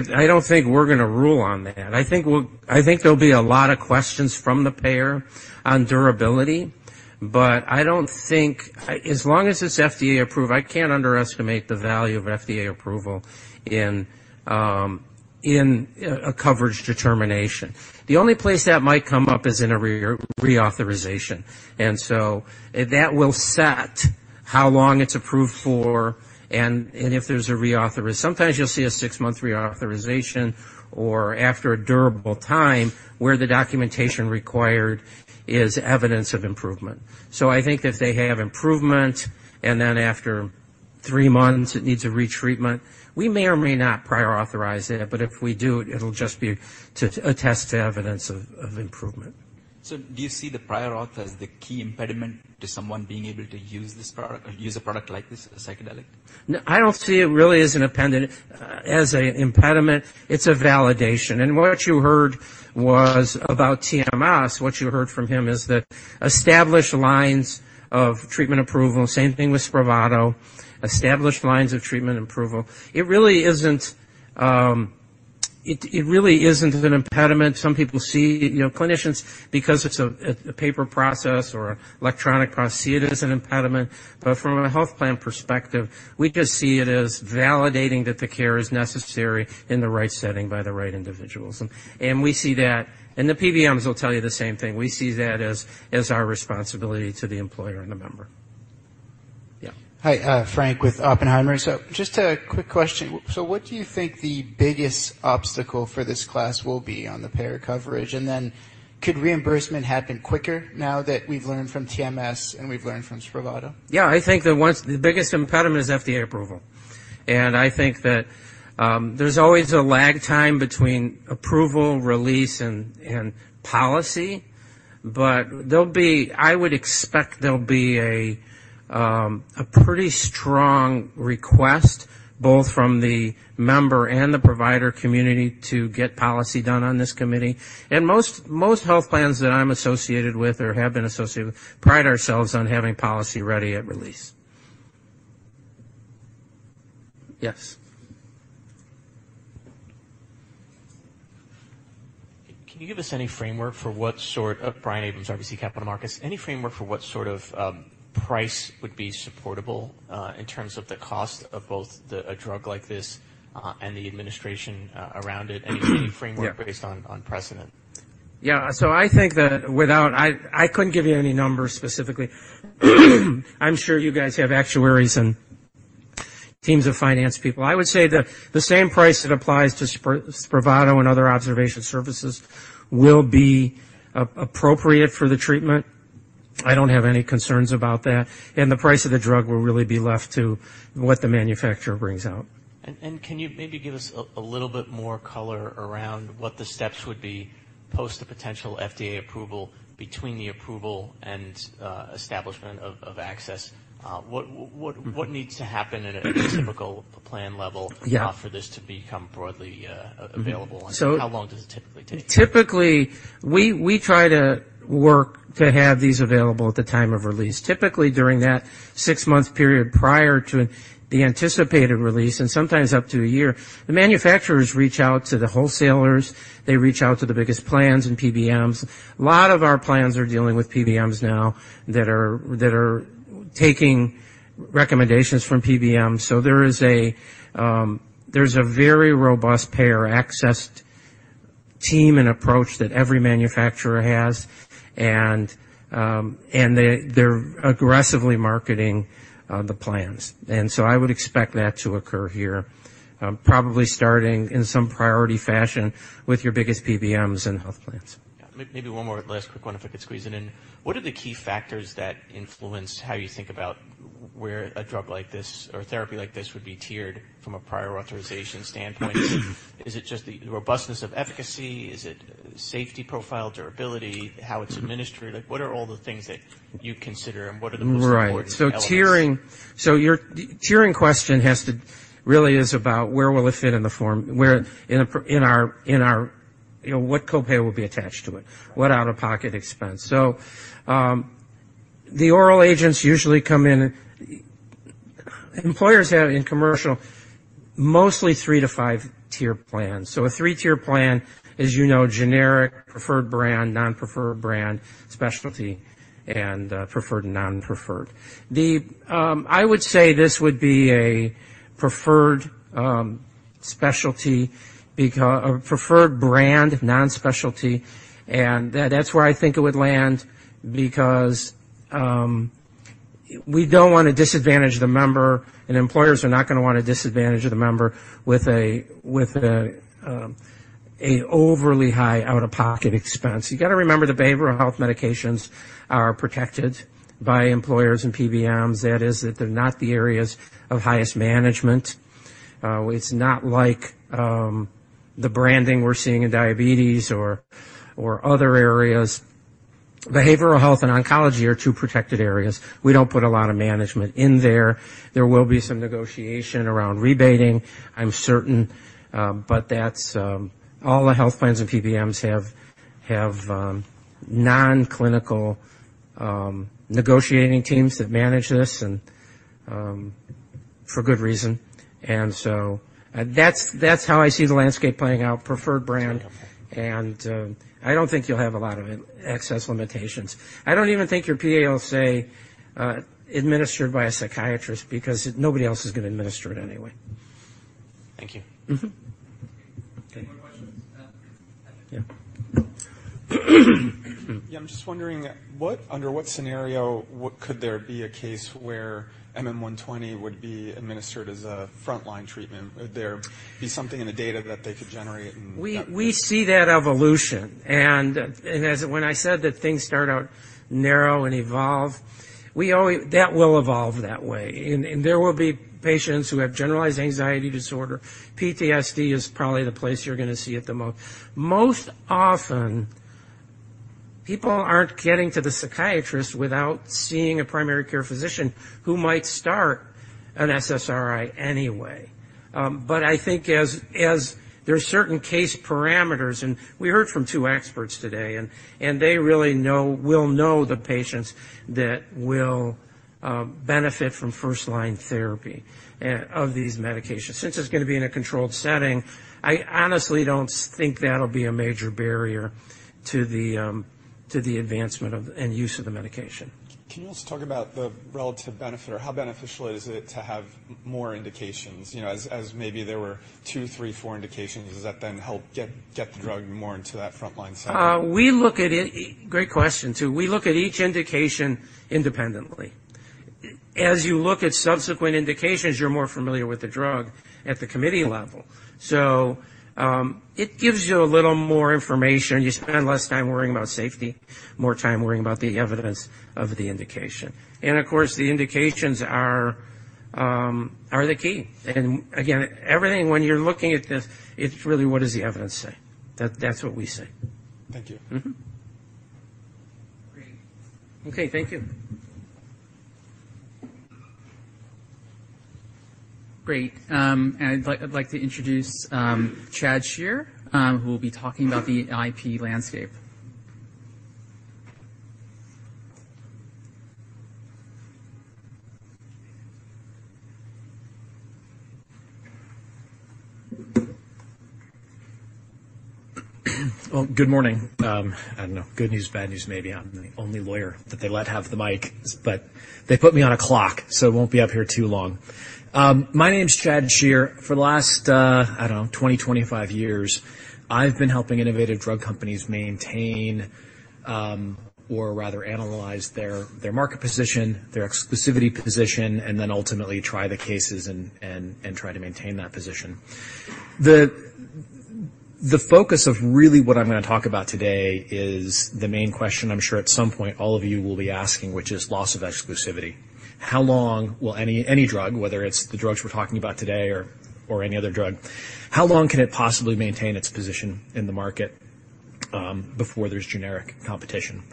[SPEAKER 10] we're going to rule on that. I think there'll be a lot of questions from the payer on durability, but I don't think, as long as it's FDA approved, I can't underestimate the value of FDA approval in a coverage determination. The only place that might come up is in a reauthorization. That will set how long it's approved for, and if there's a reauthorization. Sometimes you'll see a six-month reauthorization or after a durable time, where the documentation required is evidence of improvement. I think if they have improvement, and then after three months, it needs a retreatment, we may or may not prior authorize it, but if we do, it'll just be to attest to evidence of improvement.
[SPEAKER 8] Do you see the prior auth as the key impediment to someone being able to use this product or use a product like this, a psychedelic?
[SPEAKER 10] No, I don't see it really as an impediment. It's a validation. What you heard was about TMS. What you heard from him is that established lines of treatment approval, same thing with SPRAVATO, established lines of treatment approval. It really isn't an impediment. Some people see, you know, clinicians, because it's a paper process or electronic process, see it as an impediment, from a health plan perspective, we just see it as validating that the care is necessary in the right setting by the right individuals. We see that, and the PBMs will tell you the same thing. We see that as our responsibility to the employer and the member. Yeah.
[SPEAKER 7] Hi, Frank with Oppenheimer. Just a quick question. What do you think the biggest obstacle for this class will be on the payer coverage? Could reimbursement happen quicker now that we've learned from TMS and we've learned from SPRAVATO?
[SPEAKER 10] Yeah, I think that once... The biggest impediment is FDA approval. I think that, there's always a lag time between approval, release, and policy, but I would expect there'll be a pretty strong request, both from the member and the provider community, to get policy done on this committee. Most health plans that I'm associated with or have been associated with, pride ourselves on having policy ready at release. Yes?
[SPEAKER 5] Brian Abrahams, RBC Capital Markets. Any framework for what sort of price would be supportable in terms of the cost of both the, a drug like this, and the administration around it?
[SPEAKER 10] Yeah.
[SPEAKER 5] Any framework based on precedent?
[SPEAKER 10] I couldn't give you any numbers specifically. I'm sure you guys have actuaries and teams of finance people. I would say that the same price that applies to SPRAVATO and other observation services will be appropriate for the treatment. I don't have any concerns about that. The price of the drug will really be left to what the manufacturer brings out.
[SPEAKER 5] Can you maybe give us a little bit more color around what the steps would be post the potential FDA approval between the approval and establishment of access? What needs to happen at a typical plan level?
[SPEAKER 10] Yeah...
[SPEAKER 5] for this to become broadly available?
[SPEAKER 10] So-
[SPEAKER 5] How long does it typically take?
[SPEAKER 10] Typically, we try to work to have these available at the time of release. Typically, during that six-month period prior to the anticipated release, and sometimes up to a year, the manufacturers reach out to the wholesalers. They reach out to the biggest plans and PBMs. A lot of our plans are dealing with PBMs now that are taking recommendations from PBM. There is a very robust payer access team and approach that every manufacturer has, and they're aggressively marketing the plans. I would expect that to occur here, probably starting in some priority fashion with your biggest PBMs and health plans.
[SPEAKER 5] Yeah. Maybe one more last quick one, if I could squeeze it in. What are the key factors that influence how you think about where a drug like this or therapy like this would be tiered from a prior authorization standpoint? Is it just the robustness of efficacy? Is it safety profile, durability, how it's administered? Like, what are all the things that you consider, and what are the most important elements?
[SPEAKER 10] Right. Tiering, your tiering question really is about where will it fit in the form, where in our, you know, what copay will be attached to it?
[SPEAKER 5] Right.
[SPEAKER 10] What out-of-pocket expense? The oral agents usually come in. Employers have, in commercial, mostly 3-5 tier plans. A 3-tier plan is, you know, generic, preferred brand, non-preferred brand, specialty, and preferred, non-preferred. I would say this would be a preferred specialty, or preferred brand, non-specialty, and that's where I think it would land because we don't want to disadvantage the member, and employers are not gonna want to disadvantage the member with an overly high out-of-pocket expense. You gotta remember, the behavioral health medications are protected by employers and PBMs. That is, that they're not the areas of highest management. It's not like the branding we're seeing in diabetes or other areas. Behavioral health and oncology are two protected areas. We don't put a lot of management in there. There will be some negotiation around rebating, I'm certain, but that's. All the health plans and PBMs have non-clinical negotiating teams that manage this, and for good reason. That's how I see the landscape playing out, preferred brand.
[SPEAKER 5] Okay.
[SPEAKER 10] I don't think you'll have a lot of access limitations. I don't even think your PAL say, administered by a psychiatrist, because nobody else is gonna administer it anyway.
[SPEAKER 5] Thank you.
[SPEAKER 10] Mm-hmm.
[SPEAKER 1] Any more questions? Patrick.
[SPEAKER 10] Yeah.
[SPEAKER 9] Yeah, I'm just wondering, under what scenario, could there be a case where MM-120 would be administered as a frontline treatment? Would there be something in the data that they could generate?
[SPEAKER 10] We see that evolution, and as when I said that things start out narrow and evolve, we always That will evolve that way. There will be patients who have generalized anxiety disorder. PTSD is probably the place you're gonna see it the most. Most often, people aren't getting to the psychiatrist without seeing a primary care physician who might start an SSRI anyway. I think as there are certain case parameters, and we heard from two experts today, and they really know, will know the patients that will benefit from first-line therapy of these medications. Since it's gonna be in a controlled setting, I honestly don't think that'll be a major barrier to the advancement of and use of the medication.
[SPEAKER 9] Can you also talk about the relative benefit, or how beneficial is it to have more indications? You know, as maybe there were two, three, four indications, does that help get the drug more into that frontline setting?
[SPEAKER 10] We look at it. Great question, too. We look at each indication independently. As you look at subsequent indications, you're more familiar with the drug at the committee level. It gives you a little more information. You spend less time worrying about safety, more time worrying about the evidence of the indication. Of course, the indications are the key. Again, everything, when you're looking at this, it's really, what does the evidence say? That's what we say.
[SPEAKER 9] Thank you.
[SPEAKER 10] Mm-hmm.
[SPEAKER 1] Great.
[SPEAKER 10] Okay, thank you.
[SPEAKER 1] Great, I'd like to introduce Chad Shear, who will be talking about the IP landscape.
[SPEAKER 11] Good morning. I don't know. Good news, bad news, maybe I'm the only lawyer that they let have the mic, they put me on a clock, I won't be up here too long. My name's Chad Shear. For the last, I don't know, 20, 25 years, I've been helping innovative drug companies maintain, or rather analyze their market position, their exclusivity position, then ultimately try the cases and try to maintain that position. The focus of really what I'm gonna talk about today is the main question I'm sure at some point all of you will be asking, which is loss of exclusivity. How long will any drug, whether it's the drugs we're talking about today or any other drug, how long can it possibly maintain its position in the market before there's generic competition?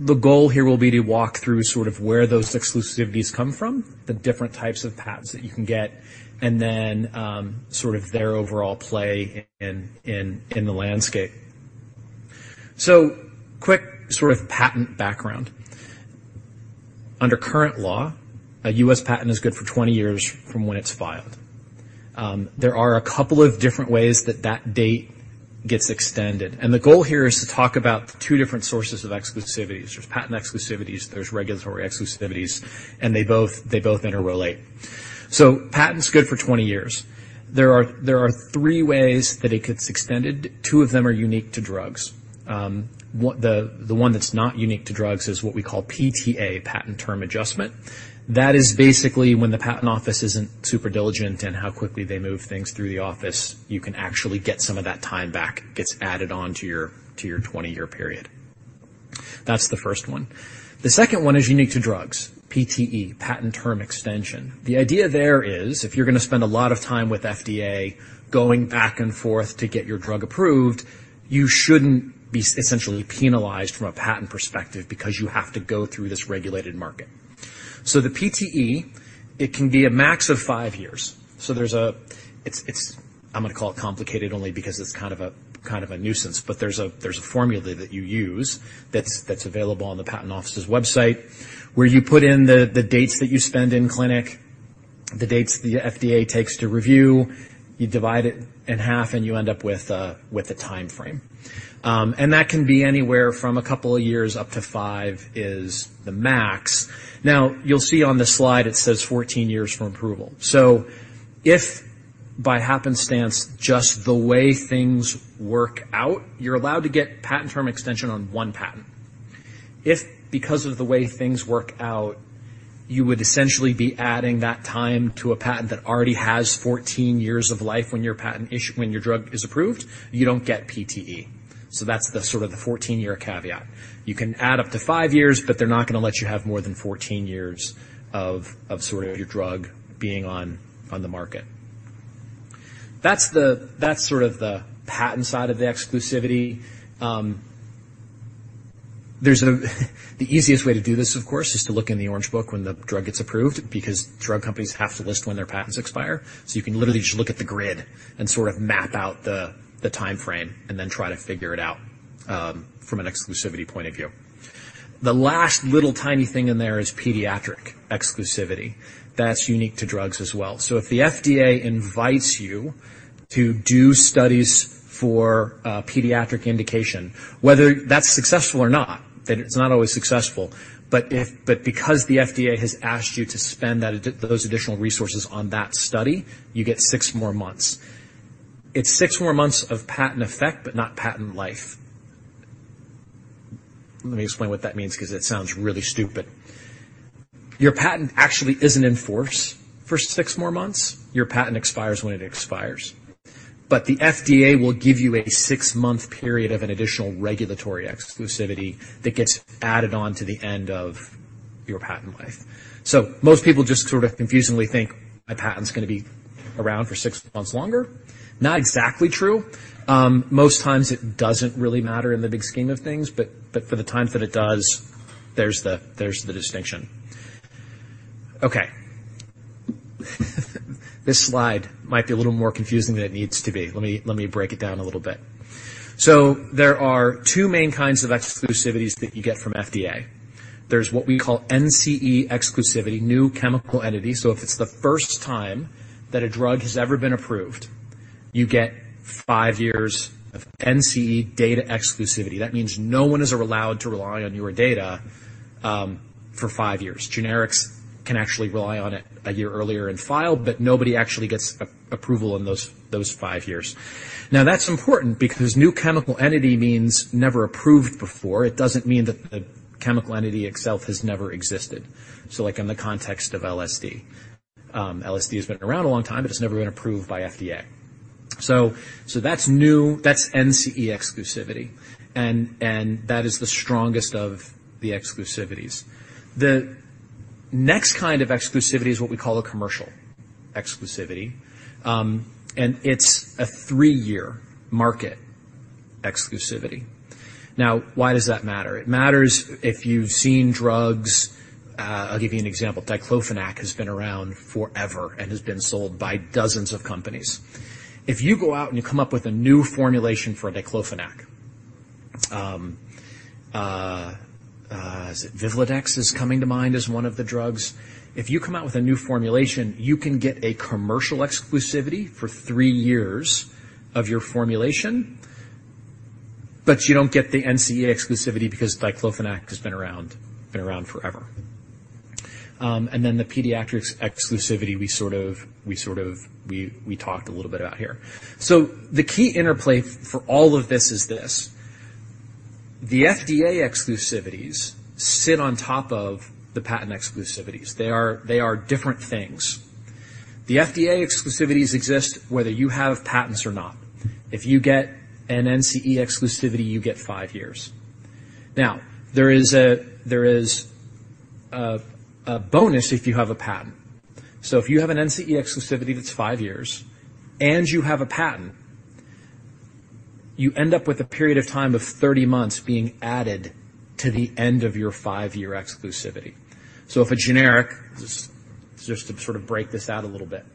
[SPEAKER 11] The goal here will be to walk through sort of where those exclusivities come from, the different types of patents that you can get, and then, sort of their overall play in the landscape. Quick sort of patent background. Under current law, a U.S. patent is good for 20 years from when it's filed. There are a couple of different ways that that date gets extended, and the goal here is to talk about the two different sources of exclusivities. There's patent exclusivities, there's regulatory exclusivities, and they both interrelate. Patent's good for 20 years. There are three ways that it gets extended. Two of them are unique to drugs. The one that's not unique to drugs is what we call PTA, Patent Term Adjustment. That is basically when the patent office isn't super diligent in how quickly they move things through the office, you can actually get some of that time back. It gets added on to your 20-year period. That's the first one. The second one is unique to drugs, PTE, Patent Term Extension. The idea there is, if you're gonna spend a lot of time with FDA going back and forth to get your drug approved, you shouldn't be essentially penalized from a patent perspective because you have to go through this regulated market. The PTE, it can be a max of five years. There's a I'm gonna call it complicated only because it's kind of a nuisance, but there's a formula that you use that's available on the Patent Office's website, where you put in the dates that you spend in clinic, the dates the FDA takes to review, you divide it in half, and you end up with a timeframe. And that can be anywhere from a couple of years up to five is the max. You'll see on the slide it says 14 years from approval. If by happenstance, just the way things work out, you're allowed to get Patent Term Extension on one patent. If because of the way things work out, you would essentially be adding that time to a patent that already has 14 years of life when your patent issue... When your drug is approved, you don't get PTE. That's the sort of the 14-year caveat. You can add up to five years, but they're not gonna let you have more than 14 years of sort of your drug being on the market. That's the sort of the patent side of the exclusivity. The easiest way to do this, of course, is to look in the Orange Book when the drug gets approved, because drug companies have to list when their patents expire. You can literally just look at the grid and sort of map out the timeframe and then try to figure it out from an exclusivity point of view. The last little, tiny thing in there is pediatric exclusivity. That's unique to drugs as well. If the FDA invites you to do studies for a pediatric indication, whether that's successful or not, that it's not always successful, because the FDA has asked you to spend those additional resources on that study, you get six more months. It's six more months of patent effect, but not patent life. Let me explain what that means, 'cause it sounds really stupid. Your patent actually isn't in force for six more months. Your patent expires when it expires, but the FDA will give you a six-month period of an additional regulatory exclusivity that gets added on to the end of your patent life. Most people just sort of confusingly think, "My patent's gonna be around for six months longer." Not exactly true. Most times it doesn't really matter in the big scheme of things, but for the time that it does, there's the distinction. Okay, this slide might be a little more confusing than it needs to be. Let me break it down a little bit. There are two main kinds of exclusivities that you get from FDA. There's what we call NCE exclusivity, New Chemical Entity. If it's the first time that a drug has ever been approved, you get five years of NCE data exclusivity. That means no one is allowed to rely on your data for five years. Generics can actually rely on it a year earlier in file, but nobody actually gets approval in those five years. That's important because new chemical entity means never approved before. It doesn't mean that the chemical entity itself has never existed. Like, in the context of LSD has been around a long time, but it's never been approved by FDA. That's new, that's NCE exclusivity, and that is the strongest of the exclusivities. The next kind of exclusivity is what we call a commercial exclusivity, and it's a three-year market exclusivity. Now, why does that matter? It matters if you've seen drugs. I'll give you an example. Diclofenac has been around forever and has been sold by dozens of companies. If you go out and you come up with a new formulation for diclofenac. Is it Vivlodex is coming to mind as one of the drugs. If you come out with a new formulation, you can get a commercial exclusivity for three years of your formulation, but you don't get the NCE exclusivity because diclofenac has been around, been around forever. The pediatric exclusivity, we talked a little bit about here. The key interplay for all of this is this: the FDA exclusivities sit on top of the patent exclusivities. They are different things. The FDA exclusivities exist whether you have patents or not. If you get an NCE exclusivity, you get five years. Now, there is a bonus if you have a patent. If you have an NCE exclusivity, that's five years, and you have a patent, you end up with a period of time of 30 months being added to the end of your five-year exclusivity. If a generic, just to sort of break this out a little bit.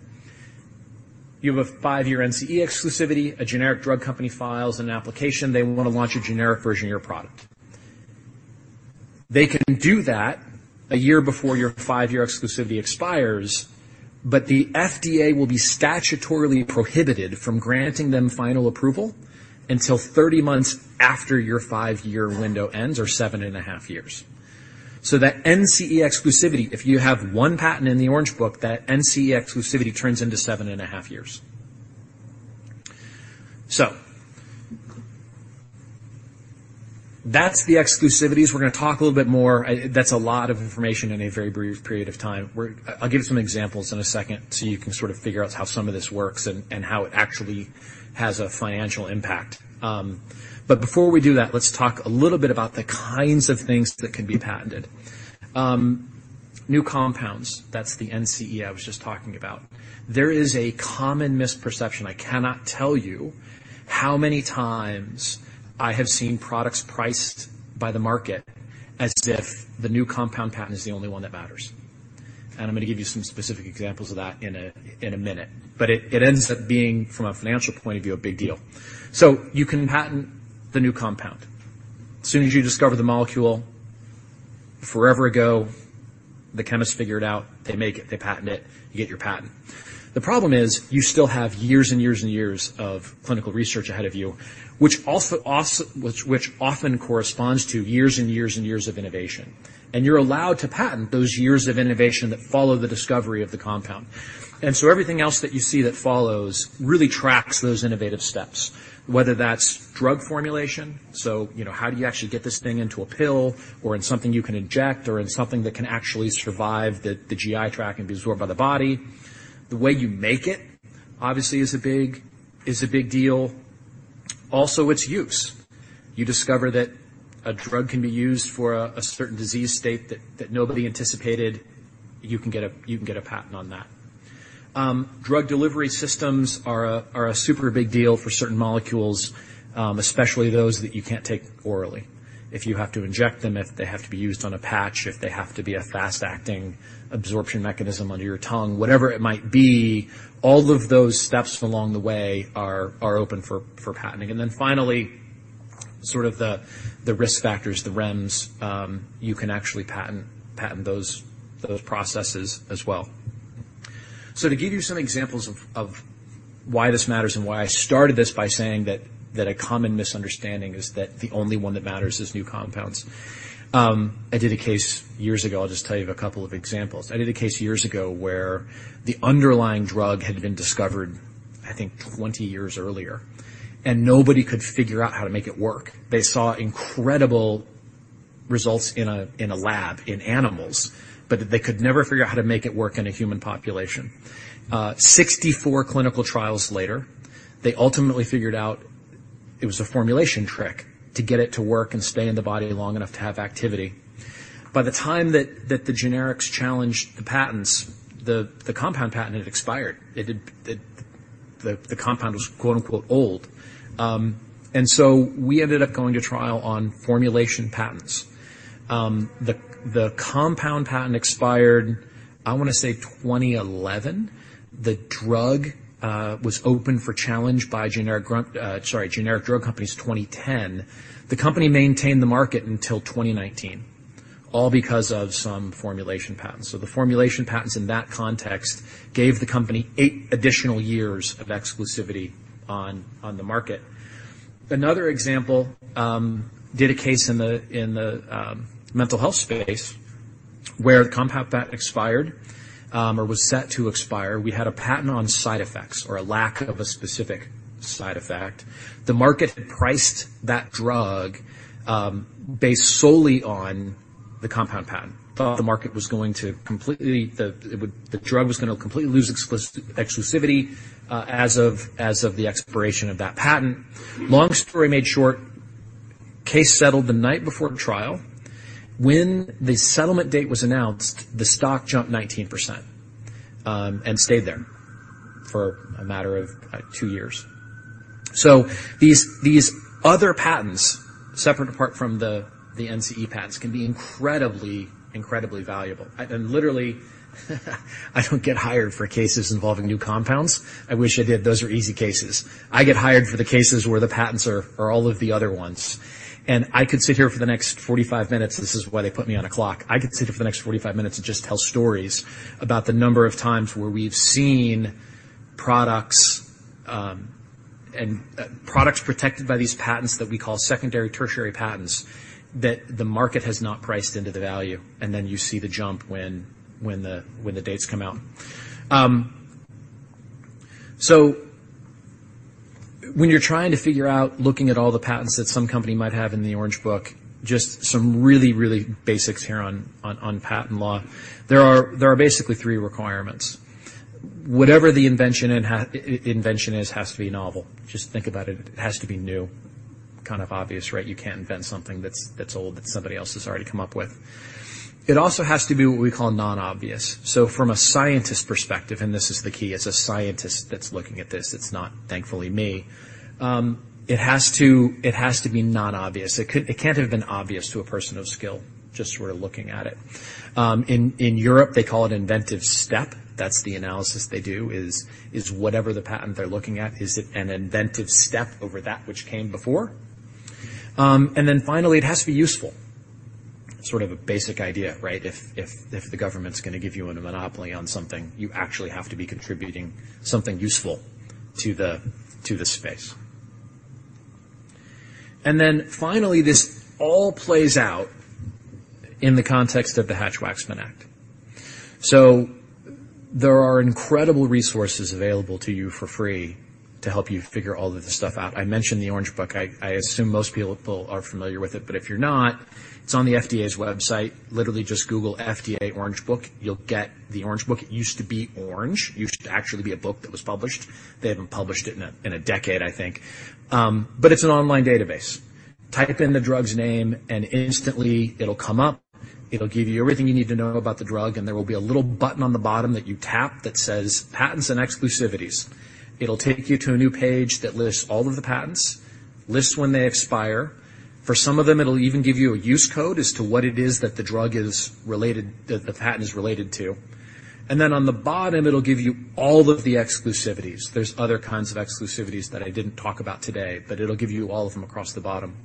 [SPEAKER 11] You have a five-year NCE exclusivity, a generic drug company files an application, they want to launch a generic version of your product. They can do that a year before your five-year exclusivity expires, but the FDA will be statutorily prohibited from granting them final approval until 30 months after your five-year window ends, or 7.5 years. That NCE exclusivity, if you have one patent in the Orange Book, that NCE exclusivity turns into 7.5 years. That's the exclusivities. We're going to talk a little bit more. That's a lot of information in a very brief period of time. I'll give some examples in one second, you can sort of figure out how some of this works and how it actually has a financial impact. Before we do that, let's talk a little bit about the kinds of things that can be patented. New compounds, that's the NCE I was just talking about. There is a common misperception. I cannot tell you how many times I have seen products priced by the market as if the new compound patent is the only one that matters, I'm going to give you some specific examples of that in one minute, it ends up being, from a financial point of view, a big deal. You can patent the new compound. As soon as you discover the molecule, forever ago, the chemists figure it out, they make it, they patent it, you get your patent. The problem is, you still have years and years and years of clinical research ahead of you, which also often corresponds to years and years and years of innovation, and you're allowed to patent those years of innovation that follow the discovery of the compound. Everything else that you see that follows really tracks those innovative steps, whether that's drug formulation. You know, how do you actually get this thing into a pill or in something you can inject or in something that can actually survive the GI tract and be absorbed by the body? The way you make it, obviously, is a big deal. Its use. You discover that a drug can be used for a certain disease state that nobody anticipated. You can get a patent on that. Drug delivery systems are a super big deal for certain molecules, especially those that you can't take orally. If you have to inject them, if they have to be used on a patch, if they have to be a fast-acting absorption mechanism under your tongue, whatever it might be, all of those steps along the way are open for patenting. Finally, sort of the risk factors, the REMS, you can actually patent those processes as well. To give you some examples of why this matters and why I started this by saying that a common misunderstanding is that the only one that matters is new compounds. I did a case years ago. I'll just tell you a couple of examples. I did a case years ago where the underlying drug had been discovered, I think, 20 years earlier, and nobody could figure out how to make it work. They saw incredible results in a lab, in animals, but they could never figure out how to make it work in a human population. 64 clinical trials later, they ultimately figured out it was a formulation trick to get it to work and stay in the body long enough to have activity. By the time that the generics challenged the patents, the compound patent had expired. The compound was, quote, unquote, "old." We ended up going to trial on formulation patents. The compound patent expired, I want to say, 2011. The drug was open for challenge by generic drug companies, 2010. The company maintained the market until 2019, all because of some formulation patents. The formulation patents in that context gave the company eight additional years of exclusivity on the market. Another example, did a case in the mental health space where the compound patent expired or was set to expire. We had a patent on side effects or a lack of a specific side effect. The market had priced that drug based solely on the compound patent. Thought the market was going to completely lose exclusivity as of the expiration of that patent. Long story made short, case settled the night before trial. When the settlement date was announced, the stock jumped 19%, and stayed there for a matter of two years. These other patents, separate apart from the NCE patents, can be incredibly valuable. Literally, I don't get hired for cases involving new compounds. I wish I did. Those are easy cases. I get hired for the cases where the patents are all of the other ones. I could sit here for the next 45 minutes, this is why they put me on a clock, I could sit here for the next 45 minutes and just tell stories about the number of times where we've seen products, and products protected by these patents that we call secondary, tertiary patents, that the market has not priced into the value. Then you see the jump when the dates come out. When you're trying to figure out, looking at all the patents that some company might have in the Orange Book, just some really, really basics here on patent law, there are basically three requirements. Whatever the invention is, has to be novel. Just think about it. It has to be new. Kind of obvious, right? You can't invent something that's old, that somebody else has already come up with. It also has to be what we call non-obvious. From a scientist's perspective, and this is the key, it's a scientist that's looking at this, it's not, thankfully, me, it has to be non-obvious. It can't have been obvious to a person of skill, just sort of looking at it. In, in Europe, they call it inventive step. That's the analysis they do, is whatever the patent they're looking at, is it an inventive step over that which came before? Finally, it has to be useful. Sort of a basic idea, right? If the government's gonna give you a monopoly on something, you actually have to be contributing something useful to the space. Finally, this all plays out in the context of the Hatch-Waxman Act. There are incredible resources available to you for free to help you figure all of this stuff out. I mentioned the Orange Book. I assume most people are familiar with it, but if you're not, it's on the FDA's website. Literally, just Google FDA Orange Book. You'll get the Orange Book. It used to be orange. It used to actually be a book that was published. They haven't published it in a decade, I think. But it's an online database. Type in the drug's name. Instantly it'll come up, it'll give you everything you need to know about the drug. There will be a little button on the bottom that you tap that says, "Patents and Exclusivities." It'll take you to a new page that lists all of the patents, lists when they expire. For some of them, it'll even give you a use code as to what it is that the patent is related to. On the bottom, it'll give you all of the exclusivities. There's other kinds of exclusivities that I didn't talk about today, but it'll give you all of them across the bottom.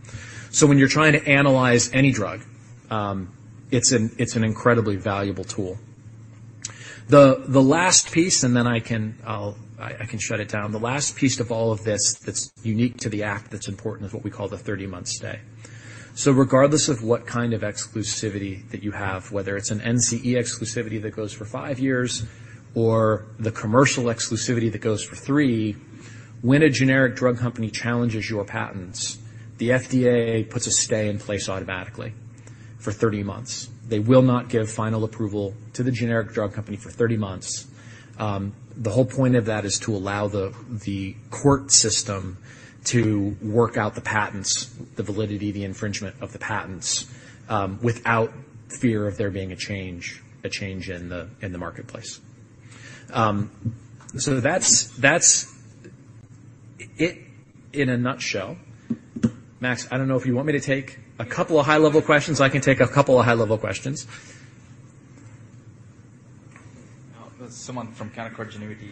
[SPEAKER 11] When you're trying to analyze any drug, it's an incredibly valuable tool. The last piece, then I can shut it down. The last piece of all of this that's unique to the Act, that's important, is what we call the 30-month stay. Regardless of what kind of exclusivity that you have, whether it's an NCE exclusivity that goes for five years or the commercial exclusivity that goes for three, when a generic drug company challenges your patents, the FDA puts a stay in place automatically for 30 months. They will not give final approval to the generic drug company for 30 months. The whole point of that is to allow the court system to work out the patents, the validity, the infringement of the patents, without fear of there being a change in the marketplace. That's it in a nutshell. Max, I don't know if you want me to take a couple of high-level questions. I can take a couple of high-level questions.
[SPEAKER 8] Sumant from Canaccord Genuity.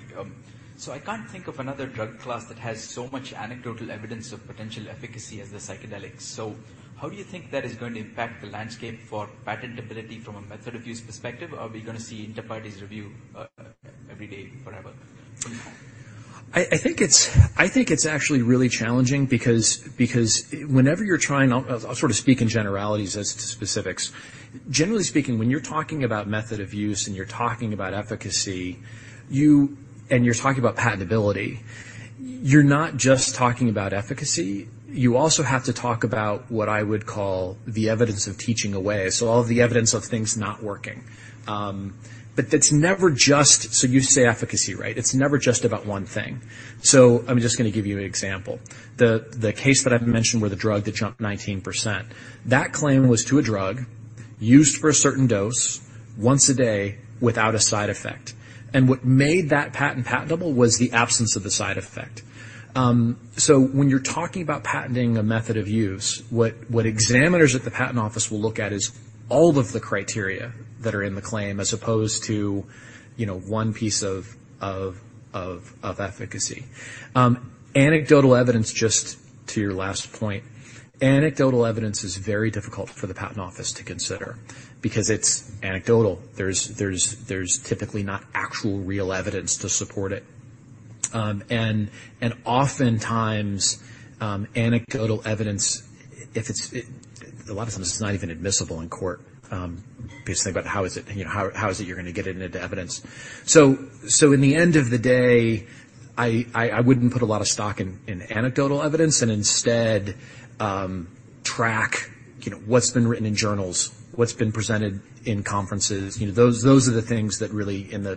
[SPEAKER 8] I can't think of another drug class that has so much anecdotal evidence of potential efficacy as the psychedelics. How do you think that is going to impact the landscape for patentability from a method of use perspective, or are we gonna see inter partes review every day forever?
[SPEAKER 11] I think it's actually really challenging because whenever you're trying. I'll sort of speak in generalities as to specifics. Generally speaking, when you're talking about method of use, and you're talking about efficacy, and you're talking about patentability, you're not just talking about efficacy, you also have to talk about what I would call the evidence of teaching away, so all of the evidence of things not working. That's never just. You say efficacy, right? It's never just about one thing. I'm just gonna give you an example. The case that I've mentioned, where the drug that jumped 19%, that claim was to a drug used for a certain dose, once a day, without a side effect, and what made that patent patentable was the absence of the side effect. When you're talking about patenting a method of use, what examiners at the patent office will look at is all of the criteria that are in the claim, as opposed to, you know, one piece of efficacy. Anecdotal evidence, just to your last point, anecdotal evidence is very difficult for the patent office to consider because it's anecdotal. There's typically not actual, real evidence to support it. Oftentimes, anecdotal evidence, if it's a lot of times it's not even admissible in court, because think about how is it, you know, how is it you're gonna get it into evidence? In the end of the day, I wouldn't put a lot of stock in anecdotal evidence and instead, track, you know, what's been written in journals, what's been presented in conferences. You know, those are the things that really in the,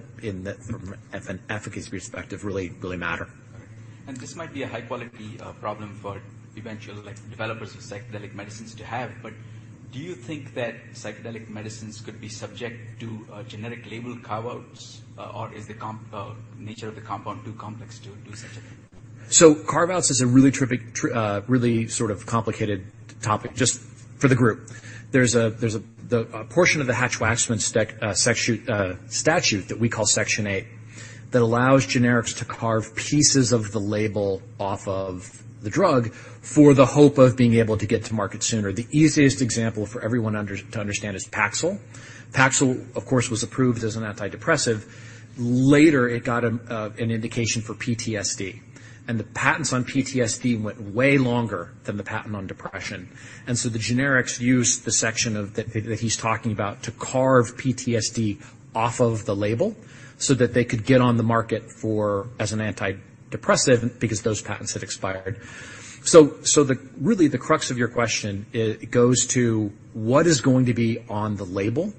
[SPEAKER 11] from an efficacy perspective, really matter.
[SPEAKER 8] This might be a high-quality problem for eventual, like, developers of psychedelic medicines to have, but do you think that psychedelic medicines could be subject to generic label carve-outs, or is the nature of the compound too complex to do such a thing?
[SPEAKER 11] Carve-outs is a really trippy, really sort of complicated topic just for the group. There's a portion of the Hatch-Waxman Section statute that we call Section viii, that allows generics to carve pieces of the label off of the drug for the hope of being able to get to market sooner. The easiest example for everyone to understand is Paxil. Paxil, of course, was approved as an antidepressant. Later, it got an indication for PTSD, and the patents on PTSD went way longer than the patent on depression. The generics used the section of that he's talking about to carve PTSD off of the label so that they could get on the market for, as an antidepressant, because those patents had expired. The really, the crux of your question goes to what is going to be on the label,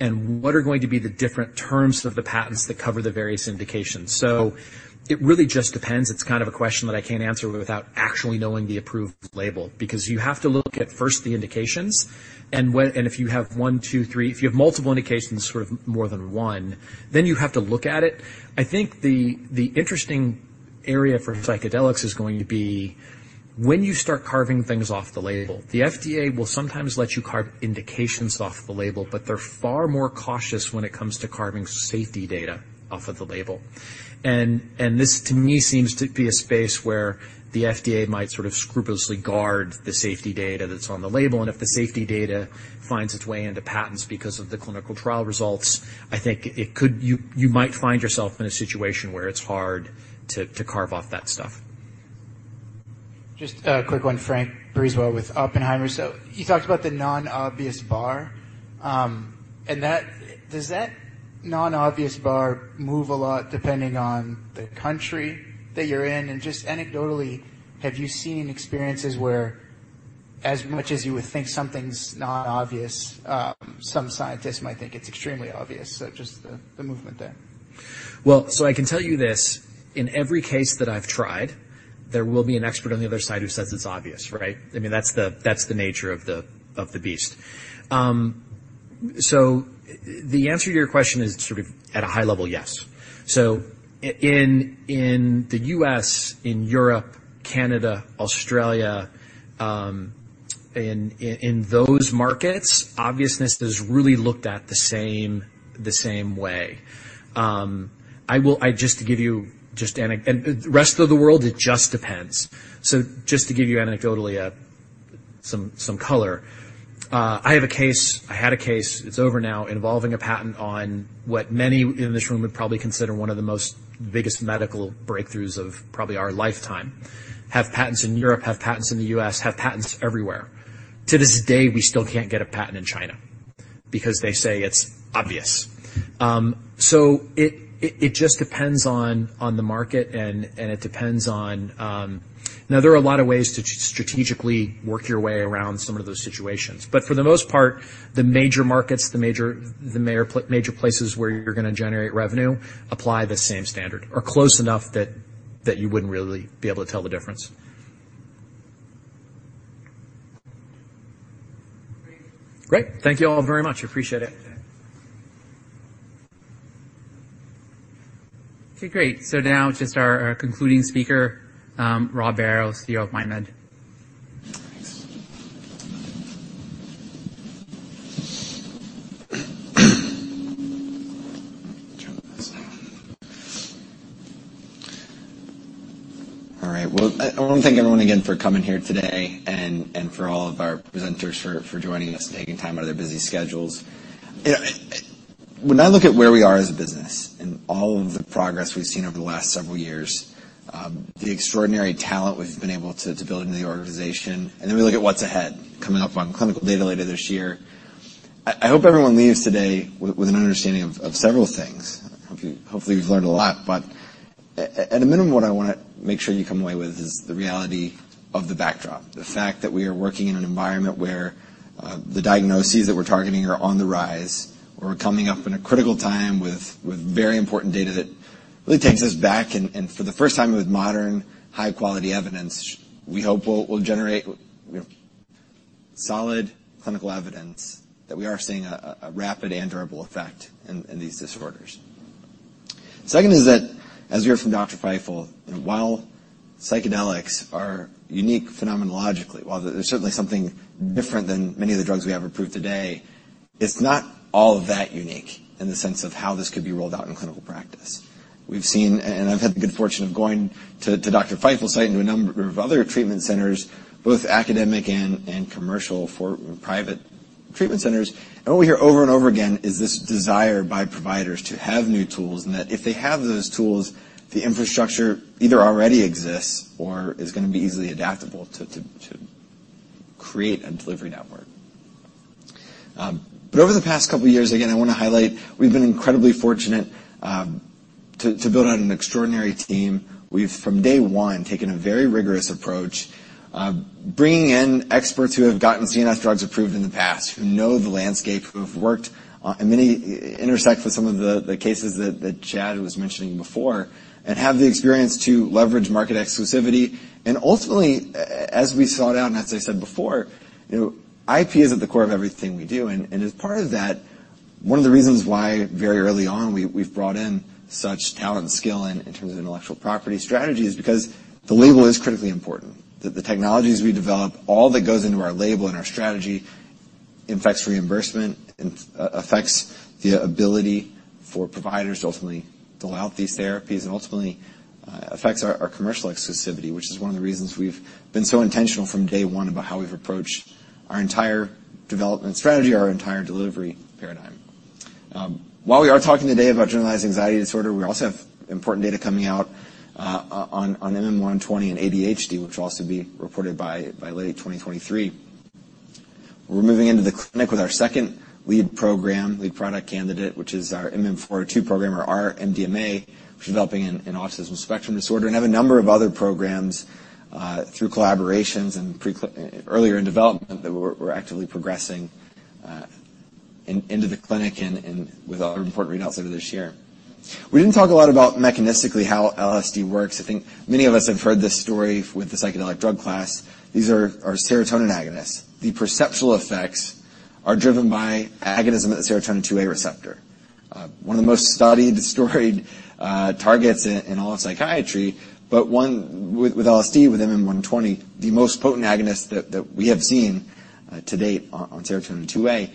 [SPEAKER 11] and what are going to be the different terms of the patents that cover the various indications? It really just depends. It's kind of a question that I can't answer without actually knowing the approved label, because you have to look at first the indications, and if you have one, two, three, if you have multiple indications for more than one, then you have to look at it. I think the interesting area for psychedelics is going to be when you start carving things off the label. The FDA will sometimes let you carve indications off the label, but they're far more cautious when it comes to carving safety data off of the label. This, to me, seems to be a space where the FDA might sort of scrupulously guard the safety data that's on the label, and if the safety data finds its way into patents because of the clinical trial results, I think it could... You might find yourself in a situation where it's hard to carve off that stuff.
[SPEAKER 7] Just a quick one, Frank Brisebois with Oppenheimer. You talked about the non-obvious bar, does that non-obvious bar move a lot depending on the country that you're in? Just anecdotally, have you seen experiences where as much as you would think something's not obvious, some scientists might think it's extremely obvious, just the movement there?
[SPEAKER 11] Well, so I can tell you this. In every case that I've tried, there will be an expert on the other side who says it's obvious, right? I mean, that's the nature of the beast. The answer to your question is sort of at a high level, yes. In the U.S., in Europe, Canada, Australia, in those markets, obviousness is really looked at the same way. The rest of the world, it just depends. Just to give you anecdotally, some color, I had a case, it's over now, involving a patent on what many in this room would probably consider one of the most biggest medical breakthroughs of probably our lifetime. Have patents in Europe, have patents in the U.S., have patents everywhere. To this day, we still can't get a patent in China because they say it's obvious. It just depends on the market and it depends on. Now, there are a lot of ways to strategically work your way around some of those situations, for the most part, the major markets, the major places where you're going to generate revenue, apply the same standard or close enough that you wouldn't really be able to tell the difference.
[SPEAKER 7] Great.
[SPEAKER 11] Great. Thank you all very much. I appreciate it.
[SPEAKER 1] Okay, great. Now just our concluding speaker, Rob Barrow, CEO of MindMed.
[SPEAKER 2] Thanks. Turn this down. Well, I want to thank everyone again for coming here today and for all of our presenters for joining us and taking time out of their busy schedules. You know, when I look at where we are as a business and all of the progress we've seen over the last several years, the extraordinary talent we've been able to build in the organization, Then we look at what's ahead, coming up on clinical data later this year, I hope everyone leaves today with an understanding of several things. Hopefully, you've learned a lot, but at a minimum, what I want to make sure you come away with is the reality of the backdrop. The fact that we are working in an environment where the diagnoses that we're targeting are on the rise, or we're coming up in a critical time with very important data that really takes us back and for the first time with modern, high-quality evidence, we hope will generate, you know, solid clinical evidence that we are seeing a rapid and durable effect in these disorders. Second is that, as we heard from Dr. Feifel, while psychedelics are unique phenomenologically, while they're certainly something different than many of the drugs we have approved today, it's not all that unique in the sense of how this could be rolled out in clinical practice. We've seen, and I've had the good fortune of going to Dr. Feifel's site and to a number of other treatment centers, both academic and commercial for private treatment centers. What we hear over and over again is this desire by providers to have new tools, and that if they have those tools, the infrastructure either already exists or is going to be easily adaptable to create a delivery network. Over the past couple of years, again, I want to highlight, we've been incredibly fortunate to build out an extraordinary team. We've, from day one, taken a very rigorous approach. Bringing in experts who have gotten CNS drugs approved in the past, who know the landscape, who have worked on, and many intersect with some of the cases that Chad was mentioning before, and have the experience to leverage market exclusivity. Ultimately, as we saw it out, and as I said before, you know, IP is at the core of everything we do. As part of that, one of the reasons why, very early on, we've brought in such talent and skill in terms of intellectual property strategy, is because the label is critically important. The technologies we develop, all that goes into our label and our strategy, impacts reimbursement, and affects the ability for providers to ultimately dole out these therapies, and ultimately affects our commercial exclusivity, which is one of the reasons we've been so intentional from day 1 about how we've approached our entire development strategy, our entire delivery paradigm. While we are talking today about generalized anxiety disorder, we also have important data coming out on MM-120, and ADHD, which will also be reported by late 2023. We're moving into the clinic with our second lead program, lead product candidate, which is our MM-402 program, or R(-)-MDMA, which is developing in autism spectrum disorder, and have a number of other programs through collaborations and earlier in development, that we're actively progressing into the clinic, and with other important readouts over this year. We didn't talk a lot about mechanistically, how LSD works. I think many of us have heard this story with the psychedelic drug class. These are serotonin agonists. The perceptual effects are driven by agonism at the 5-HT2A receptor. One of the most studied, storied, targets in all of psychiatry, but one with LSD, with MM-120, the most potent agonist that we have seen to date on serotonin 2A.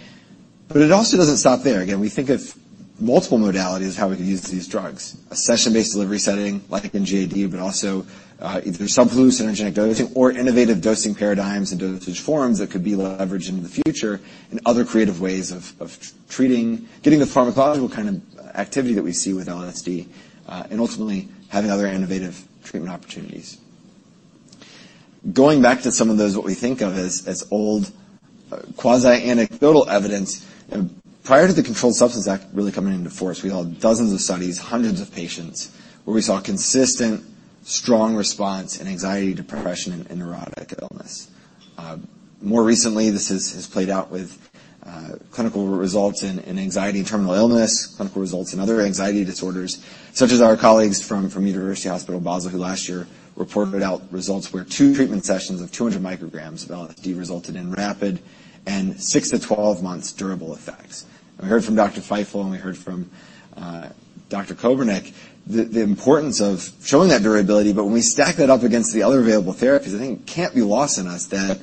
[SPEAKER 2] It also doesn't stop there. Again, we think of multiple modalities how we could use these drugs. A session-based delivery setting, like in GAD, but also, either subanesthetic, synergistic dosing or innovative dosing paradigms and dosage forms that could be leveraged into the future, and other creative ways of getting the pharmacological kind of activity that we see with LSD, and ultimately having other innovative treatment opportunities. Going back to some of those, what we think of as old, quasi-anecdotal evidence, Prior to the Controlled Substances Act really coming into force, we had dozens of studies, hundreds of patients, where we saw consistent strong response in anxiety, depression, and neurotic illness. More recently, this has played out with clinical results in anxiety and terminal illness, clinical results in other anxiety disorders, such as our colleagues from University Hospital, Basel, who last year reported out results where two treatment sessions of 200 micrograms of LSD resulted in rapid, and 6-12 months durable effects. We heard from Dr. Feifel, and we heard from Dr. Kobernick, the importance of showing that durability. When we stack that up against the other available therapies, I think it can't be lost on us that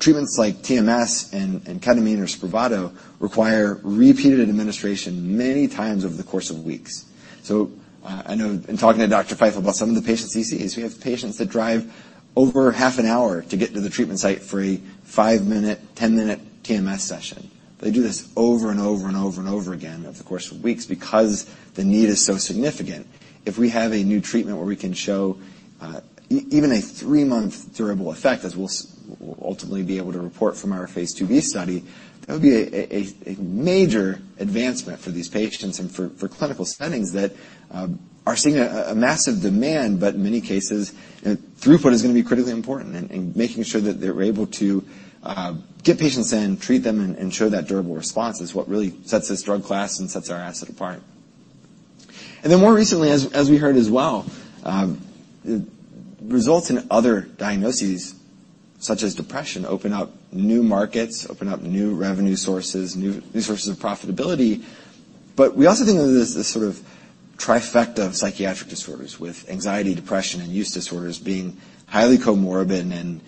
[SPEAKER 2] treatments like TMS and ketamine or SPRAVATO, require repeated administration many times over the course of weeks. I know in talking to Dr. David Feifel about some of the patients he sees, we have patients that drive over half an hour to get to the treatment site for a five-minute, 10-minute TMS session. They do this over and over, and over, and over again, over the course of weeks because the need is so significant. If we have a new treatment where we can show, even a three-month durable effect, as we'll ultimately be able to report from our phase II-B study, that would be a major advancement for these patients and for clinical settings that are seeing a massive demand, but in many cases, throughput is going to be critically important, and making sure that they're able to get patients in, treat them, and show that durable response, is what really sets this drug class, and sets our asset apart. More recently, as we heard as well, results in other diagnoses, such as depression, open up new markets, open up new revenue sources, new sources of profitability. We also think of it as this sort of trifecta of psychiatric disorders, with anxiety, depression, and use disorders being highly comorbid and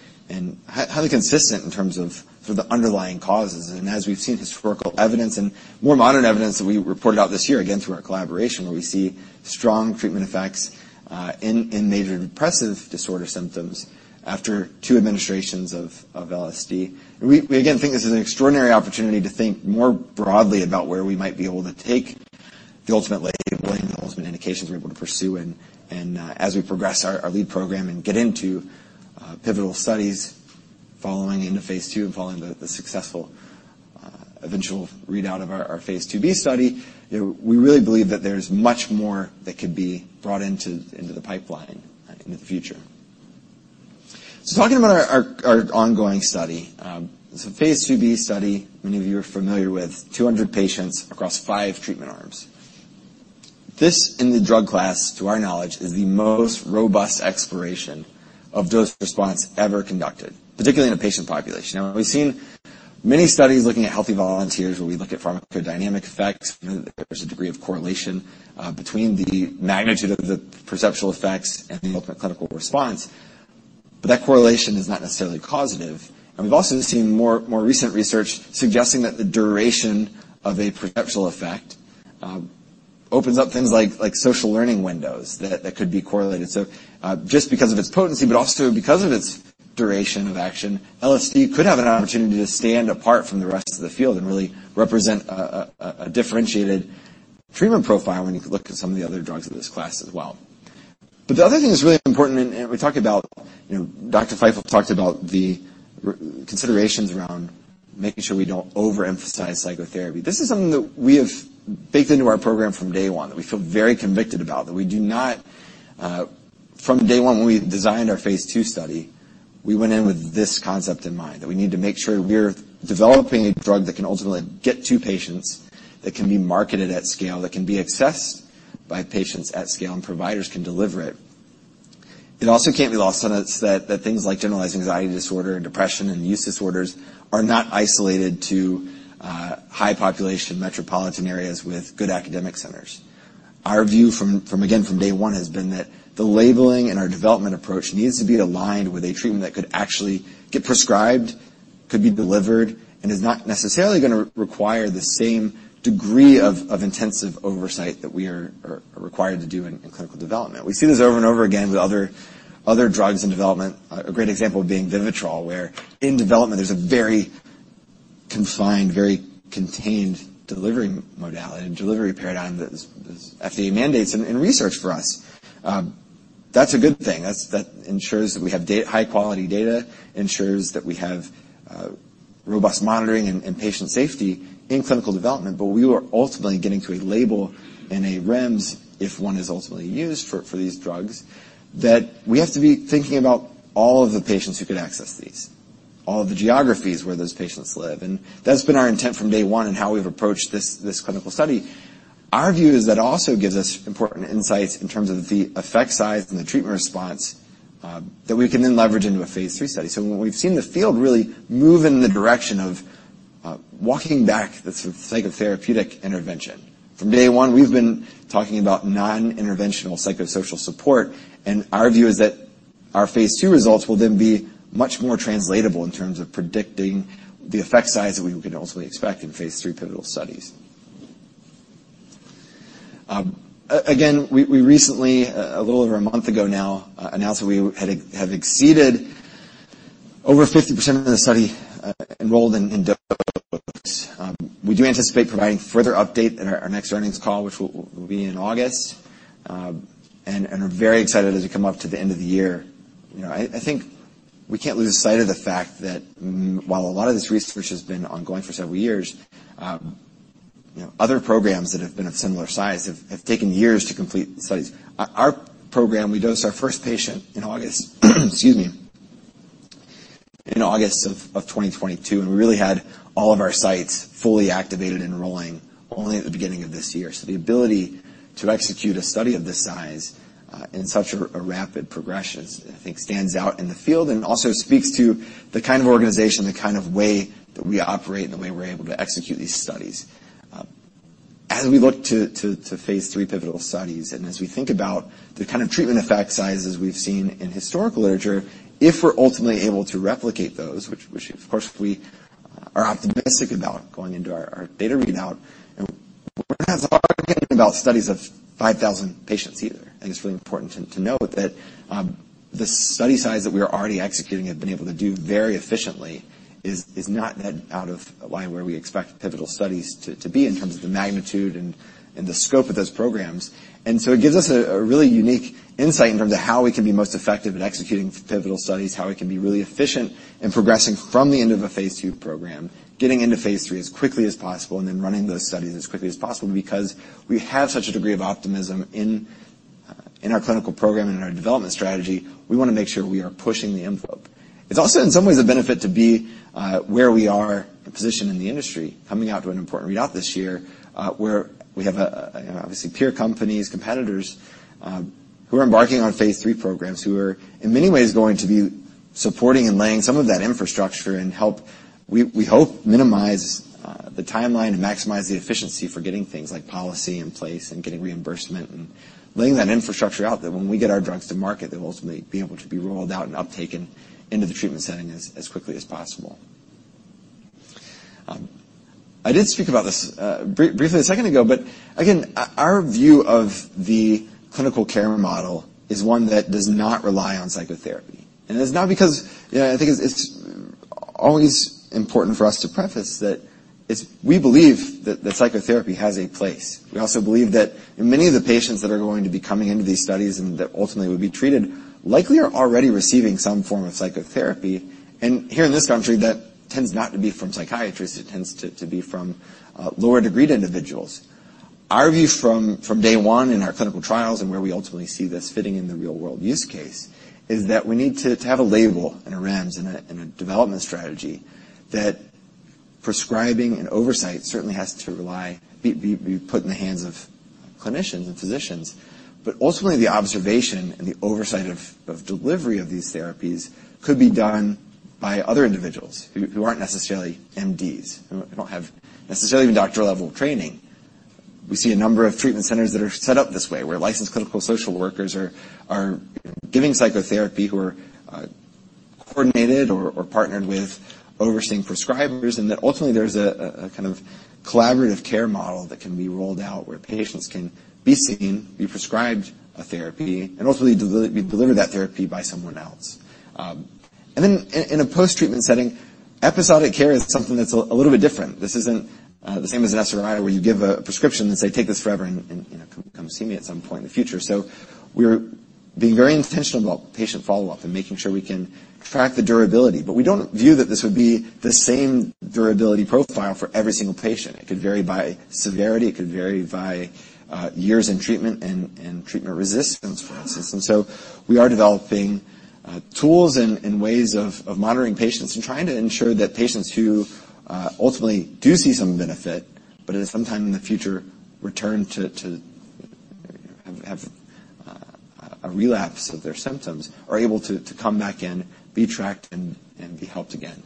[SPEAKER 2] highly consistent in terms of sort of the underlying causes. As we've seen historical evidence and more modern evidence that we reported out this year, again, through our collaboration, where we see strong treatment effects in major depressive disorder symptoms after two administrations of LSD. We again think this is an extraordinary opportunity to think more broadly about where we might be able to take the ultimate label and the ultimate indications we're able to pursue, and as we progress our lead program and get into pivotal studies following into phase II, and following the successful eventual readout of our phase II-B study, we really believe that there's much more that could be brought into the pipeline in the future. Talking about our ongoing study. phase II-B study, many of you are familiar with, 200 patients across five treatment arms. This, in the drug class, to our knowledge, is the most robust exploration of dose response ever conducted, particularly in a patient population. Now, we've seen many studies looking at healthy volunteers, where we look at pharmacodynamic effects. There's a degree of correlation, between the magnitude of the perceptual effects and the ultimate clinical response, but that correlation is not necessarily causative. We've also seen more, more recent research suggesting that the duration of a perceptual effect, opens up things like social learning windows that could be correlated. Just because of its potency, but also because of its duration of action, LSD could have an opportunity to stand apart from the rest of the field and really represent a, a differentiated treatment profile when you look at some of the other drugs in this class as well. The other thing that's really important, and we talked about, you know, Dr. Feifel talked about the considerations around- making sure we don't overemphasize psychotherapy. This is something that we have baked into our program from day one, that we feel very convicted about, that we do not from day one, when we designed our phase II study, we went in with this concept in mind, that we need to make sure we're developing a drug that can ultimately get to patients, that can be marketed at scale, that can be accessed by patients at scale, and providers can deliver it. It also can't be lost on us that things like generalized anxiety disorder and depression and use disorders are not isolated to high population metropolitan areas with good academic centers. Our view from again, from day one has been that the labeling and our development approach needs to be aligned with a treatment that could actually get prescribed, could be delivered, and is not necessarily gonna require the same degree of intensive oversight that we are required to do in clinical development. We see this over and over again with other drugs in development. A great example being VIVITROL, where in development there's a very confined, very contained delivery modality and delivery paradigm that is FDA mandates in research for us. That's a good thing. That ensures that we have high-quality data, ensures that we have robust monitoring and patient safety in clinical development. We are ultimately getting to a label and a REMS, if one is ultimately used for these drugs, that we have to be thinking about all of the patients who could access these, all of the geographies where those patients live. That's been our intent from day one and how we've approached this clinical study. Our view is that it also gives us important insights in terms of the effect size and the treatment response, that we can then leverage into a phase three study. When we've seen the field really move in the direction of walking back the psychotherapeutic intervention. From day one, we've been talking about non-interventional psychosocial support, and our view is that our phase two results will then be much more translatable in terms of predicting the effect size that we can ultimately expect in phase three pivotal studies. Again, we recently, a little over a month ago now, announced that we have exceeded over 50% of the study enrolled in dose. We do anticipate providing further update at our next earnings call, which will be in August, and are very excited as we come up to the end of the year. You know, I think we can't lose sight of the fact that while a lot of this research has been ongoing for several years, you know, other programs that have been of similar size have taken years to complete studies. Our program, we dosed our first patient in August, excuse me, in August of 2022, and we really had all of our sites fully activated, enrolling only at the beginning of this year. The ability to execute a study of this size, in such a rapid progression, I think, stands out in the field and also speaks to the kind of organization, the kind of way that we operate, and the way we're able to execute these studies. As we look to phase III pivotal studies, as we think about the kind of treatment effect sizes we've seen in historical literature, if we're ultimately able to replicate those, of course, we are optimistic about going into [data readout], and we're not arguing about studies of 5,000 patients either. I think it's really important to note that the study size that we are already executing and have been able to do very efficiently is not that out of line where we expect pivotal studies to be in terms of the magnitude and the scope of those programs. It gives us a really unique insight in terms of how we can be most effective in executing pivotal studies, how we can be really efficient in progressing from the end of a phase two program, getting into phase three as quickly as possible, and then running those studies as quickly as possible. We have such a degree of optimism in our clinical program and in our development strategy, we wanna make sure we are pushing the envelope. It's also, in some ways, a benefit to be, where we are positioned in the industry, coming out to an important readout this year, where we have, you know, obviously peer companies, competitors, who are embarking on phase three programs, who are in many ways going to be supporting and laying some of that infrastructure and help, we hope, minimize the timeline and maximize the efficiency for getting things like policy in place and getting reimbursement, and laying that infrastructure out, that when we get our drugs to market, they'll ultimately be able to be rolled out and uptaken into the treatment setting as quickly as possible. I did speak about this briefly a second ago, but again, our view of the clinical care model is one that does not rely on psychotherapy. It's not because... You know, I think it's, we believe that psychotherapy has a place. We also believe that many of the patients that are going to be coming into these studies and that ultimately will be treated, likely are already receiving some form of psychotherapy. Here in this country, that tends not to be from psychiatrists, it tends to be from lower-degreed individuals. Our view from day one in our clinical trials and where we ultimately see this fitting in the real-world use case, is that we need to have a label and a REMS and a development strategy that prescribing and oversight certainly has to rely, be put in the hands of clinicians and physicians. Ultimately, the observation and the oversight of delivery of these therapies could be done by other individuals who aren't necessarily MDs, who don't have necessarily even doctoral-level training. We see a number of treatment centers that are set up this way, where licensed clinical social workers are giving psychotherapy, who are coordinated or partnered with overseeing prescribers. Ultimately, there's a kind of collaborative care model that can be rolled out, where patients can be seen, be prescribed a therapy, and ultimately be delivered that therapy by someone else. In a post-treatment setting, episodic care is something that's a little bit different. This isn't the same as an SRI, where you give a prescription and say, "Take this forever, and, you know, come see me at some point in the future. We're being very intentional about patient follow-up and making sure we can track the durability, but we don't view that this would be the same durability profile for every single patient. It could vary by severity, it could vary by years in treatment and treatment resistance, for instance. We are developing tools and ways of monitoring patients and trying to ensure that patients who ultimately do see some benefit, but at some time in the future, return to have a relapse of their symptoms, are able to come back in, be tracked, and be helped again.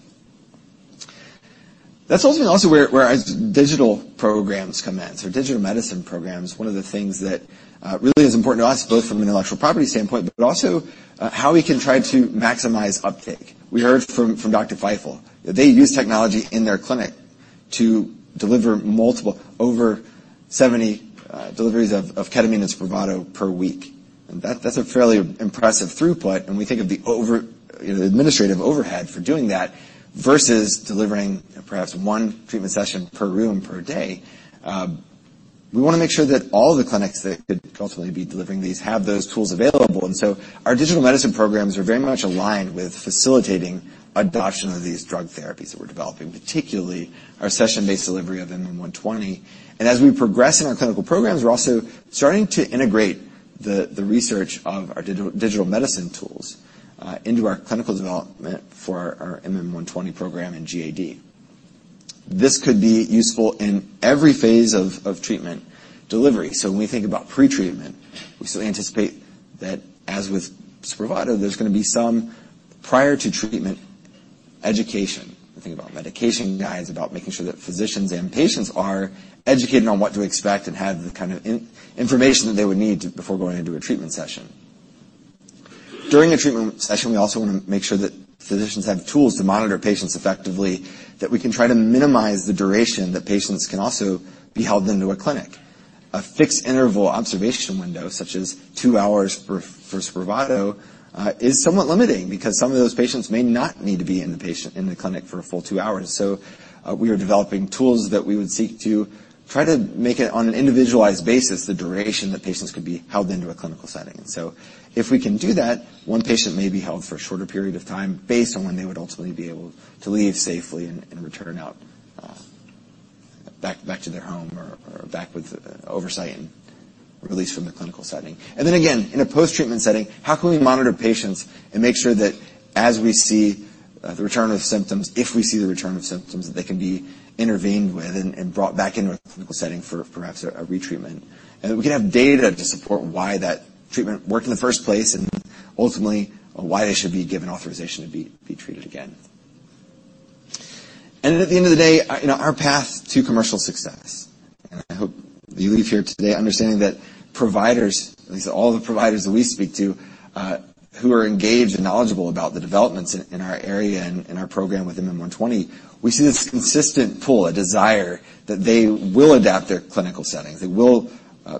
[SPEAKER 2] That's also where our digital programs come in. Digital medicine programs, one of the things that really is important to us, both from an intellectual property standpoint, but also how we can try to maximize uptake. We heard from Dr. Feifel, that they use technology in their clinic to deliver multiple, over 70 deliveries of ketamine and SPRAVATO per week. That's a fairly impressive throughput, and we think of the administrative overhead for doing that versus delivering perhaps one treatment session per room per day. We wanna make sure that all the clinics that could ultimately be delivering these, have those tools available. Our digital medicine programs are very much aligned with facilitating adoption of these drug therapies that we're developing, particularly our session-based delivery of MM-120. As we progress in our clinical programs, we're also starting to integrate the research of our digital medicine tools into our clinical development for our MM-120 program in GAD. This could be useful in every phase of treatment delivery. When we think about pretreatment, we still anticipate that as with SPRAVATO, there's gonna be some prior-to-treatment education. We think about medication guides, about making sure that physicians and patients are educated on what to expect and have the kind of information that they would need to... before going into a treatment session. During a treatment session, we also want to make sure that physicians have tools to monitor patients effectively, that we can try to minimize the duration that patients can also be held into a clinic. A fixed interval observation window, such as two hours for SPRAVATO, is somewhat limiting because some of those patients may not need to be in the clinic for a full two hours. We are developing tools that we would seek to try to make it on an individualized basis, the duration that patients could be held into a clinical setting. If we can do that, one patient may be held for a shorter period of time based on when they would ultimately be able to leave safely and return out back to their home or back with oversight and released from the clinical setting. Then again, in a post-treatment setting, how can we monitor patients and make sure that as we see the return of symptoms, if we see the return of symptoms, that they can be intervened with and brought back into a clinical setting for perhaps a retreatment. We can have data to support why that treatment worked in the first place, and ultimately, why they should be given authorization to be treated again. At the end of the day, you know, our path to commercial success, and I hope you leave here today understanding that providers, at least all the providers that we speak to, who are engaged and knowledgeable about the developments in our area and in our program with MM-120, we see this consistent pull, a desire, that they will adapt their clinical settings. They will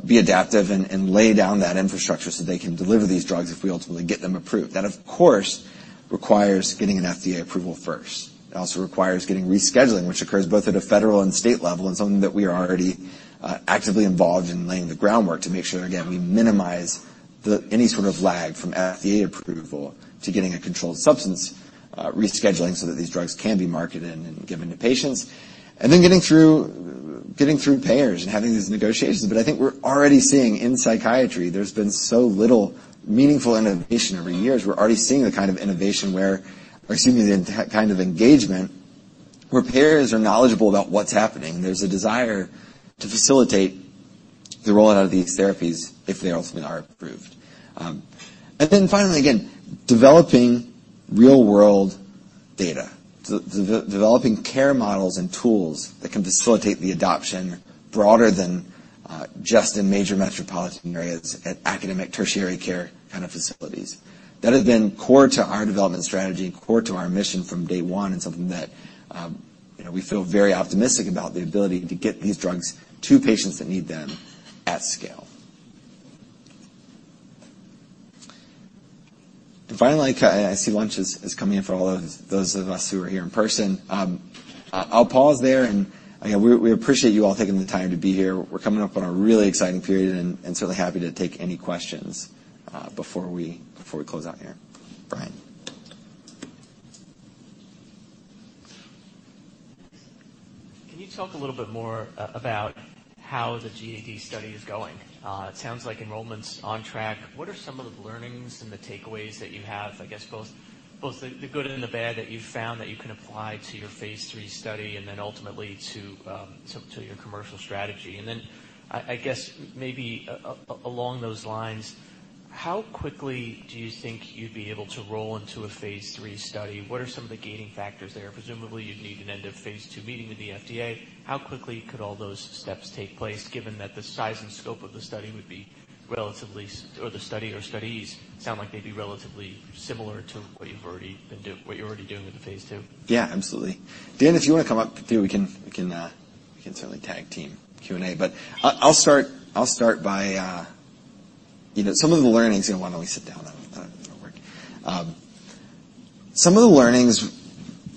[SPEAKER 2] be adaptive and lay down that infrastructure so they can deliver these drugs if we ultimately get them approved. That, of course, requires getting an FDA approval first. It also requires getting rescheduling, which occurs both at a federal and state level, and something that we are already actively involved in laying the groundwork to make sure, again, we minimize any sort of lag from FDA approval to getting a controlled substance rescheduling, so that these drugs can be marketed and given to patients. Then getting through payers and having these negotiations. I think we're already seeing in psychiatry, there's been so little meaningful innovation over the years. We're already seeing the kind of innovation where we're seeing the kind of engagement, where payers are knowledgeable about what's happening. There's a desire to facilitate the rollout of these therapies if they ultimately are approved. Finally, again, developing real-world data. developing care models and tools that can facilitate the adoption broader than just in major metropolitan areas, at academic tertiary care kind of facilities. That has been core to our development strategy, core to our mission from day one, and something that, you know, we feel very optimistic about the ability to get these drugs to patients that need them at scale. Finally, I see lunch is coming in for all of those of us who are here in person. I'll pause there. Again, we appreciate you all taking the time to be here. We're coming up on a really exciting period and certainly happy to take any questions before we close out here. Brian?
[SPEAKER 5] Can you talk a little bit more about how the GAD study is going? It sounds like enrollment's on track. What are some of the learnings and the takeaways that you have, I guess, both the good and the bad that you've found that you can apply to your phase III study and then ultimately to your commercial strategy? I guess, maybe along those lines, how quickly do you think you'd be able to roll into a phase III study? What are some of the gating factors there? Presumably, you'd need an end of phase II meeting with the FDA. How quickly could all those steps take place, given that the size and scope of the study would be relatively, or the study or studies sound like they'd be relatively similar to what you're already doing with the phase II?
[SPEAKER 2] Yeah, absolutely. Dan, if you want to come up too, we can certainly tag-team Q&A, but I'll start by... You know, some of the learnings. Why don't we sit down? Some of the learnings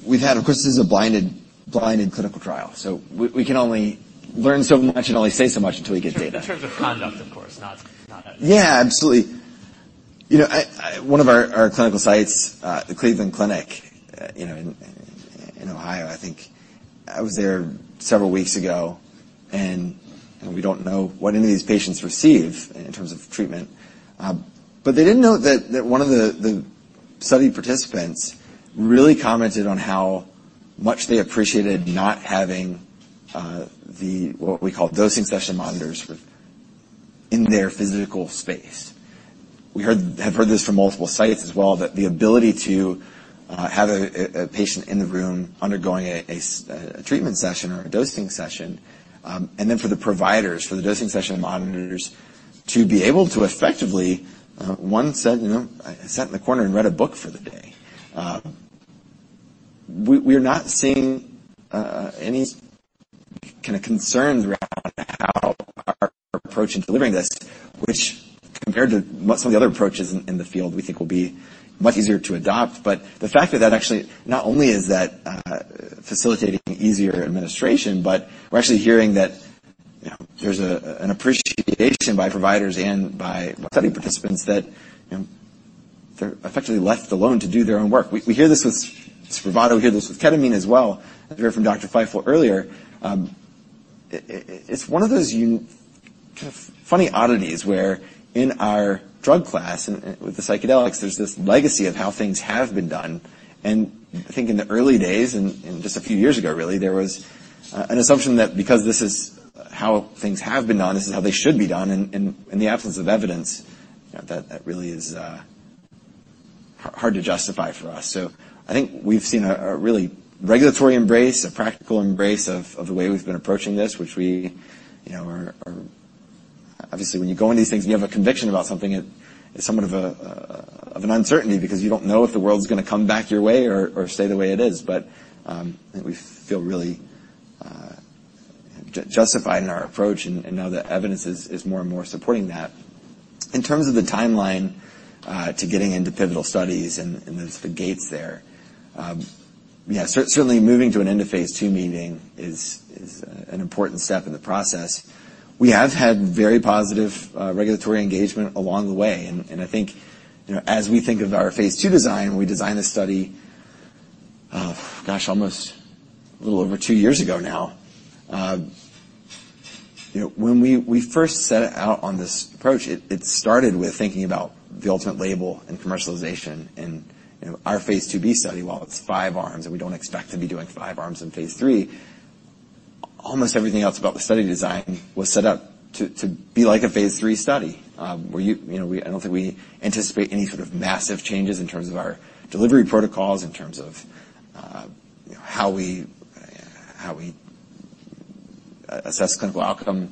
[SPEAKER 2] we've had, of course, this is a blinded clinical trial, so we can only learn so much and only say so much until we get data.
[SPEAKER 5] In terms of conduct, of course, not.
[SPEAKER 2] Yeah, absolutely. You know, I, one of our clinical sites, the Cleveland Clinic, you know, in Ohio, I think. I was there several weeks ago, and we don't know what any of these patients receive in terms of treatment. They didn't know that one of the study participants really commented on how much they appreciated not having the, what we call dosing session monitors in their physical space. We have heard this from multiple sites as well, that the ability to have a patient in the room undergoing a treatment session or a dosing session, and then for the providers, for the dosing session monitors, to be able to effectively, one said, "You know, I sat in the corner and read a book for the day." We are not seeing any kind of concerns around how our approach in delivering this, which compared to what some of the other approaches in the field, we think will be much easier to adopt. The fact that that actually, not only is that facilitating easier administration, but we're actually hearing that, you know, there's an appreciation by providers and by study participants that, you know, they're effectively left alone to do their own work. We hear this with SPRAVATO, we hear this with ketamine as well, as we heard from Dr. Feifel earlier. It's one of those kind of funny oddities, where in our drug class and with the psychedelics, there's this legacy of how things have been done. I think in the early days and just a few years ago, really, there was an assumption that because this is how things have been done, this is how they should be done, and in the absence of evidence, that really is hard to justify for us. I think we've seen a really regulatory embrace, a practical embrace of the way we've been approaching this, which we, you know, are... Obviously, when you go into these things, and you have a conviction about something, it is somewhat of an uncertainty because you don't know if the world's gonna come back your way or stay the way it is. We feel really justified in our approach and now the evidence is more and more supporting that. In terms of the timeline to getting into pivotal studies and the gates there. Certainly moving to an end of phase II meeting is an important step in the process. We have had very positive regulatory engagement along the way, and I think, you know, as we think of our phase II design, when we designed this study, oh, gosh, almost a little over two years ago now. You know, when we first set out on this approach, it started with thinking about the ultimate label and commercialization. You know, our phase II-B study, while it's five arms, and we don't expect to be doing five arms in phase III, almost everything else about the study design was set up to be like a phase three study. Where you know, we, I don't think we anticipate any sort of massive changes in terms of our delivery protocols, in terms of, you know, how we assess clinical outcome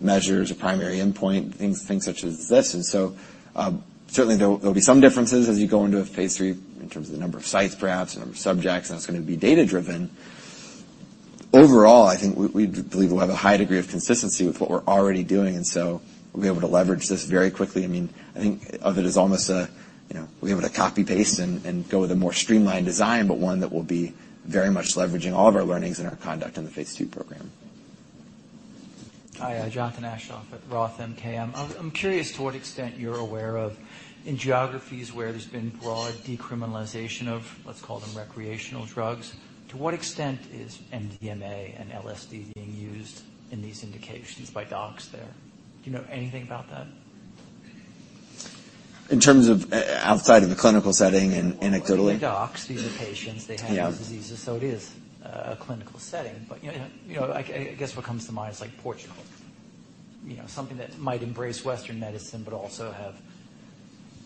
[SPEAKER 2] measures or primary endpoint, things such as this. Certainly, there'll be some differences as you go into a phase three, in terms of the number of sites, perhaps, the number of subjects, and it's gonna be data-driven. Overall, I think we believe we'll have a high degree of consistency with what we're already doing, and so we'll be able to leverage this very quickly. I mean, I think of it as almost a, you know, we'll be able to copy, paste, and go with a more streamlined design, but one that will be very much leveraging all of our learnings and our conduct in the phase II program.
[SPEAKER 6] Hi, Jonathan Aschoff at ROTH MKM. I'm curious to what extent you're aware of, in geographies where there's been broad decriminalization of, let's call them recreational drugs, to what extent is MDMA and LSD being used in these indications by docs there? Do you know anything about that?
[SPEAKER 2] In terms of, outside of the clinical setting and anecdotally?
[SPEAKER 6] The docs, these are patients, they have-
[SPEAKER 2] Yeah...
[SPEAKER 6] diseases, so it is a clinical setting. You know, I guess what comes to mind is like Portugal. You know, something that might embrace Western medicine, also have,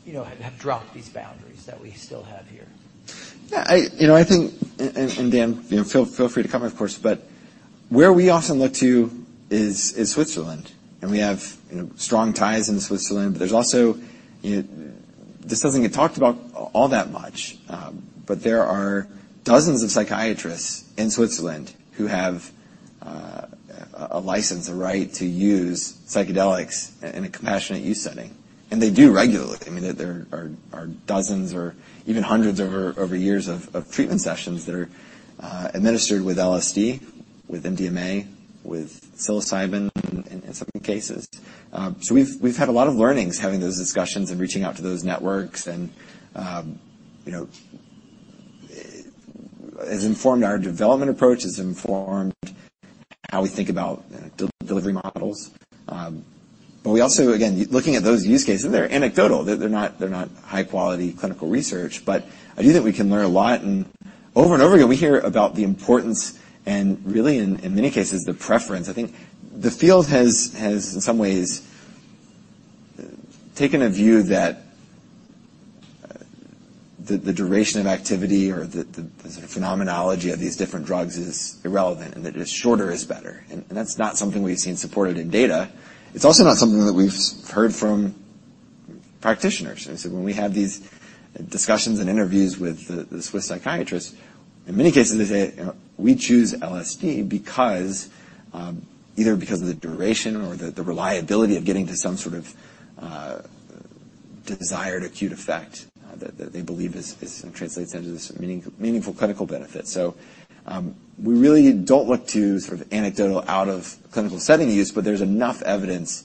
[SPEAKER 6] you know, have dropped these boundaries that we still have here.
[SPEAKER 2] Yeah, you know, I think Dan, feel free to comment, of course, but where we often look to is Switzerland, and we have, you know, strong ties in Switzerland. There's also, you know, this doesn't get talked about all that much, but there are dozens of psychiatrists in Switzerland who have a license, a right to use psychedelics in a compassionate use setting. They do regularly. I mean, there are dozens or even hundreds over years of treatment sessions that are administered with LSD, with MDMA, with psilocybin, in some cases. We've had a lot of learnings, having those discussions and reaching out to those networks, and, you know, it has informed our development approach, has informed how we think about delivery models. We also, again, looking at those use cases, they're anecdotal. They're not high-quality clinical research, but I do think we can learn a lot. Over and over again, we hear about the importance and really in many cases, the preference. I think the field has, in some ways, taken a view that the duration of activity or the phenomenology of these different drugs is irrelevant, and that the shorter is better. That's not something we've seen supported in data. It's also not something that we've heard from practitioners. When we had these discussions and interviews with the Swiss psychiatrists. In many cases, they say, we choose LSD because either because of the duration or the reliability of getting to some sort of desired acute effect that they believe translates into this meaning, meaningful clinical benefit. We really don't look to sort of anecdotal out of clinical setting use, but there's enough evidence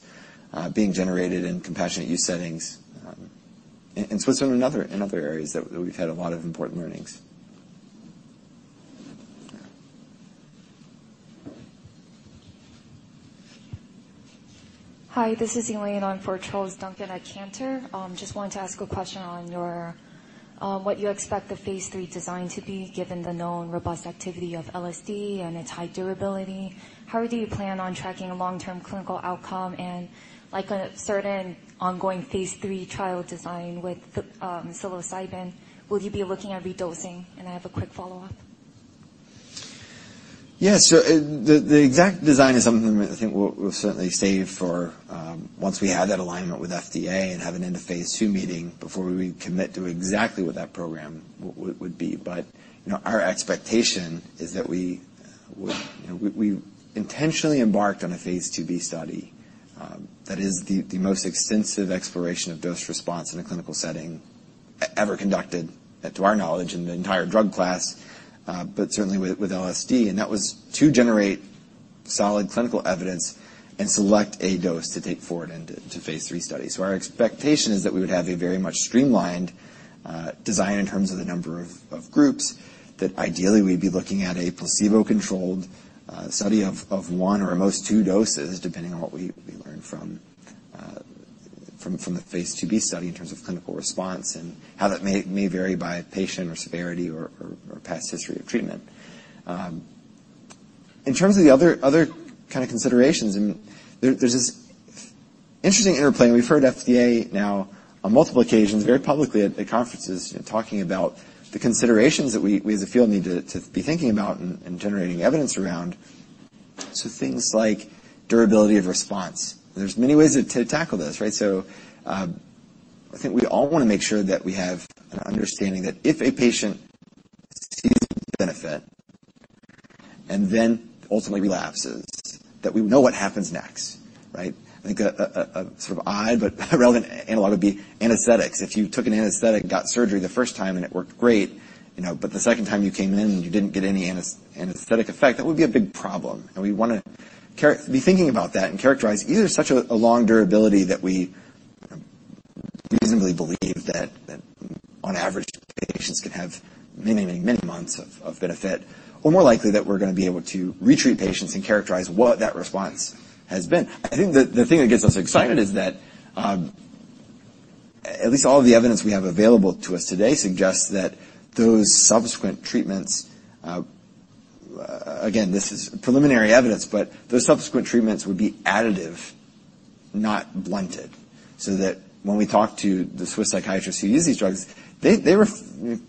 [SPEAKER 2] being generated in compassionate use settings in Switzerland and other areas that we've had a lot of important learnings.
[SPEAKER 12] Hi, this is Elaine on for Charles Duncan at Cantor. Just wanted to ask a question on your, what you expect the phase III design to be, given the known robust activity of LSD and its high durability. How do you plan on tracking a long-term clinical outcome, and like a certain ongoing phase III trial design with the psilocybin, will you be looking at redosing? I have a quick follow-up.
[SPEAKER 2] The exact design is something I think we'll certainly save for, once we have that alignment with FDA and have an end of phase II meeting before we commit to exactly what that program would be. You know, our expectation is that we, you know, we intentionally embarked on a phase II-B study. That is the most extensive exploration of dose response in a clinical setting ever conducted, to our knowledge, in the entire drug class, but certainly with LSD, and that was to generate solid clinical evidence and select a dose to take forward into phase III study. Our expectation is that we would have a very much streamlined design in terms of the number of groups, that ideally, we'd be looking at a placebo-controlled study of one or at most two doses, depending on what we learn from the phase II-B study in terms of clinical response and how that may vary by patient or severity or past history of treatment. In terms of the other kind of considerations, and there's this interesting interplay, and we've heard FDA now on multiple occasions, very publicly at conferences, you know, talking about the considerations that we as a field, need to be thinking about and generating evidence around. Things like durability of response. There's many ways to tackle this, right? I think we all want to make sure that we have an understanding that if a patient sees benefit and then ultimately relapses, that we know what happens next, right? I think a sort of odd but relevant analog would be anesthetics. If you took an anesthetic and got surgery the first time and it worked great, you know, but the second time you came in and you didn't get any anesthetic effect, that would be a big problem. We want to be thinking about that and characterize either such a long durability that we reasonably believe that on average, patients can have many months of benefit, or more likely, that we're going to be able to retreat patients and characterize what that response has been. I think the thing that gets us excited is that, at least all of the evidence we have available to us today suggests that those subsequent treatments, again, this is preliminary evidence, but those subsequent treatments would be additive, not blunted. When we talk to the Swiss psychiatrists who use these drugs, they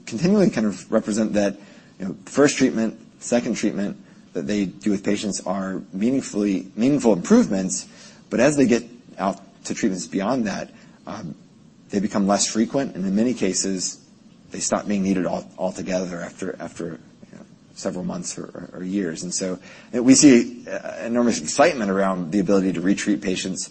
[SPEAKER 2] continually kind of represent that, you know, first treatment, second treatment that they do with patients are meaningful improvements, but as they get out to treatments beyond that, they become less frequent, and in many cases, they stop being needed altogether after several months or years. We see enormous excitement around the ability to retreat patients,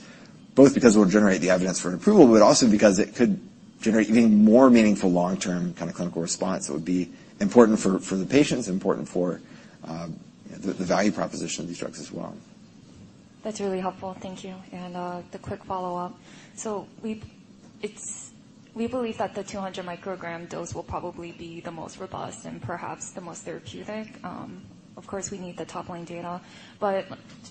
[SPEAKER 2] both because it will generate the evidence for an approval, but also because it could generate even more meaningful long-term kind of clinical response. It would be important for the patients, important for the value proposition of these drugs as well.
[SPEAKER 12] That's really helpful. Thank you. The quick follow-up. We believe that the 200 microgram dose will probably be the most robust and perhaps the most therapeutic. Of course, we need the top-line data, but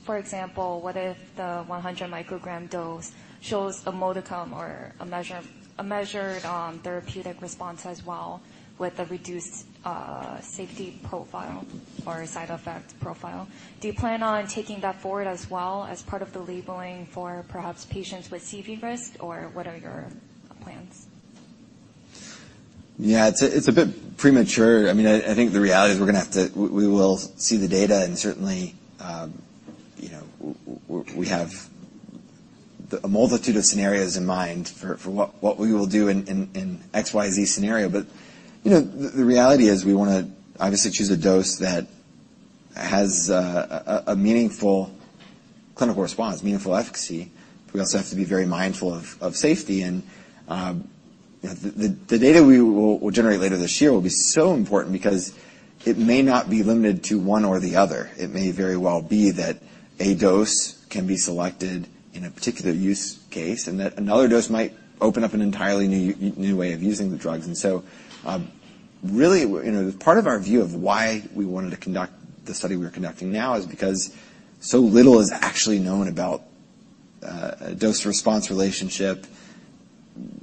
[SPEAKER 12] for example, what if the 100 microgram dose shows a modicum or a measured therapeutic response as well, with a reduced safety profile or side effect profile? Do you plan on taking that forward as well as part of the labeling for perhaps patients with CV risk, or what are your plans?
[SPEAKER 2] Yeah, it's a bit premature. I mean, I think the reality is we're going to have to... We will see the data, and certainly, you know, we have a multitude of scenarios in mind for what we will do in X, Y, Z scenario. You know, the reality is we want to obviously choose a dose that has a meaningful clinical response, meaningful efficacy. We also have to be very mindful of safety, and the data we will generate later this year will be so important because it may not be limited to one or the other. It may very well be that a dose can be selected in a particular use case, and that another dose might open up an entirely new way of using the drugs. Really, you know, part of our view of why we wanted to conduct the study we're conducting now is because so little is actually known about dose-response relationship,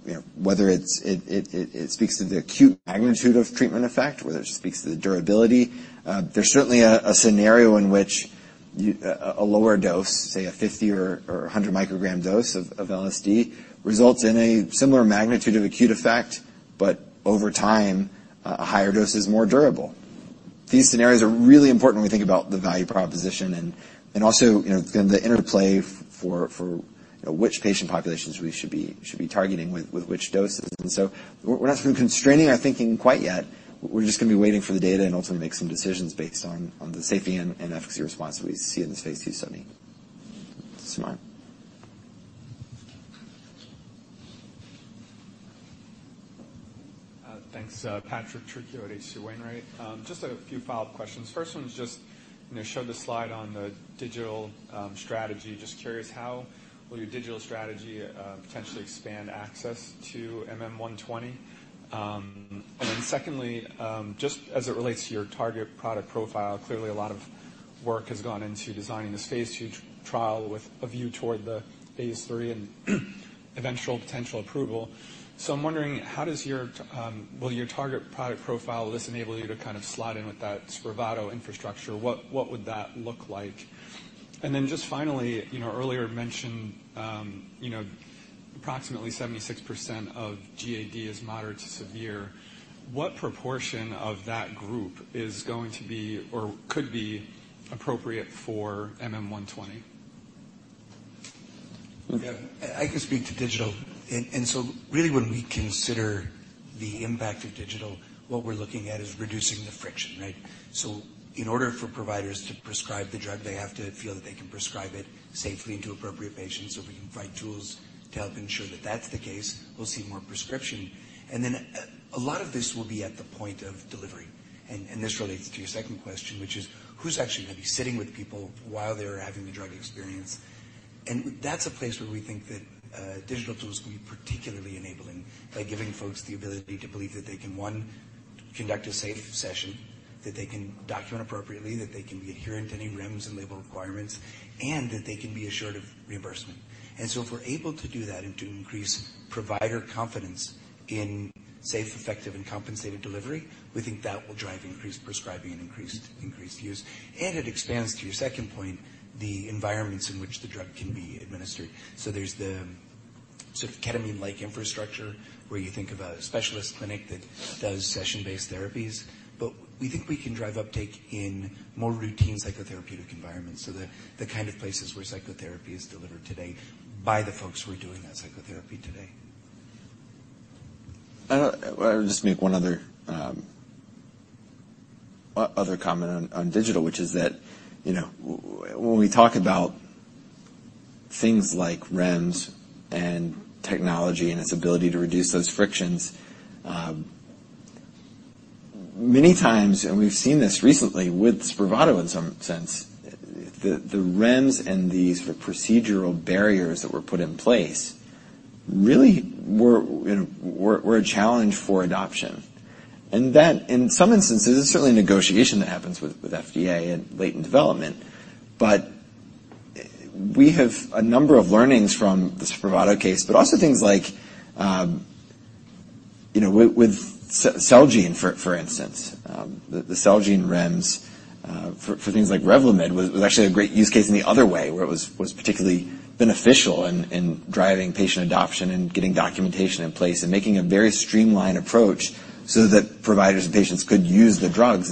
[SPEAKER 2] you know, whether it speaks to the acute magnitude of treatment effect, whether it speaks to the durability. There's certainly a scenario in which a lower dose, say, a 50 or 100 microgram dose of LSD, results in a similar magnitude of acute effect, but over time, a higher dose is more durable. These scenarios are really important when we think about the value proposition and also, you know, the interplay for which patient populations we should be targeting with which doses. We're not sort of constraining our thinking quite yet. We're just going to be waiting for the data and ultimately make some decisions based on the safety and efficacy response that we see in the phase II 70. Sumant?
[SPEAKER 9] Thanks. Patrick Trucchio at H.C. Wainwright. Just a few follow-up questions. First one is just, you know, show the slide on the digital strategy. Just curious, how will your digital strategy potentially expand access to MM-120? Then secondly, just as it relates to your target product profile, clearly a lot of work has gone into designing this phase II trial with a view toward the phase III and eventual potential approval. I'm wondering, will your target product profile, this enable you to kind of slide in with that SPRAVATO infrastructure? What would that look like? Then just finally, you know, earlier you mentioned, you know, approximately 76% of GAD is moderate to severe. What proportion of that group is going to be or could be appropriate for MM-120?
[SPEAKER 2] Yeah, I can speak to digital. So really, when we consider the impact of digital, what we're looking at is reducing the friction, right? So in order for providers to prescribe the drug, they have to feel that they can prescribe it safely to appropriate patients. So if we can provide tools to help ensure that that's the case, we'll see more prescription. Then a lot of this will be at the point of delivery. This relates to your second question, which is, who's actually going to be sitting with people while they're having the drug experience? That's a place where we think that digital tools can be particularly enabling by giving folks the ability to believe that they can, one, conduct a safe session, that they can document appropriately, that they can be adherent to any REMS and label requirements, and that they can be assured of reimbursement. If we're able to do that and to increase provider confidence in safe, effective, and compensated delivery, we think that will drive increased prescribing and increased use. It expands to your second point, the environments in which the drug can be administered. There's the sort of ketamine-like infrastructure, where you think of a specialist clinic that does session-based therapies, but we think we can drive uptake in more routine psychotherapeutic environments. The kind of places where psychotherapy is delivered today by the folks who are doing that psychotherapy today. I don't... I'll just make one other comment on digital, which is that, you know, when we talk about things like REMS and technology and its ability to reduce those frictions, many times, and we've seen this recently with SPRAVATO in some sense, the REMS and the sort of procedural barriers that were put in place really were, you know, a challenge for adoption. That, in some instances, it's certainly a negotiation that happens with FDA and late in development. We have a number of learnings from the SPRAVATO case, but also things like, you know, with Celgene, for instance. The Celgene REMS for things like REVLIMID, was actually a great use case in the other way, where it was particularly beneficial in driving patient adoption and getting documentation in place and making a very streamlined approach so that providers and patients could use the drugs.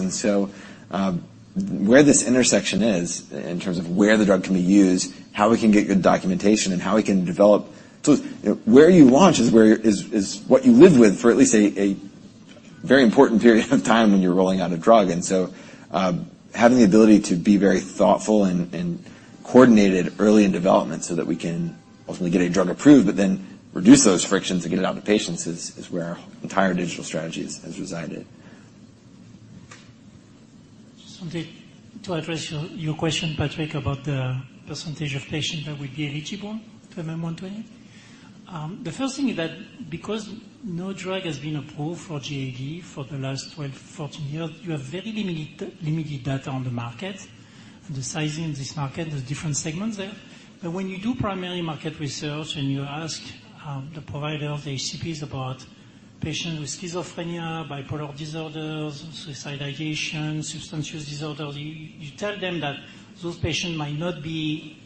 [SPEAKER 2] Where this intersection is in terms of where the drug can be used, how we can get good documentation, and how we can develop tools, where you launch is where is what you live with for at least a very important period of time when you're rolling out a drug. Having the ability to be very thoughtful and coordinated early in development so that we can ultimately get a drug approved, but then reduce those frictions and get it out to patients, is where our entire digital strategy has resided.
[SPEAKER 13] Just something to address your question, Patrick, about the percentage of patients that will be eligible to MM-120. The first thing is that because no drug has been approved for GAD for the last 12, 14 years, you have very limited data on the market. The sizing of this market, there's different segments there. When you do primarily market research and you ask the provider of the HCPs about patients with schizophrenia, bipolar disorders, suicide ideation, substance use disorders, you tell them that those patients might not be,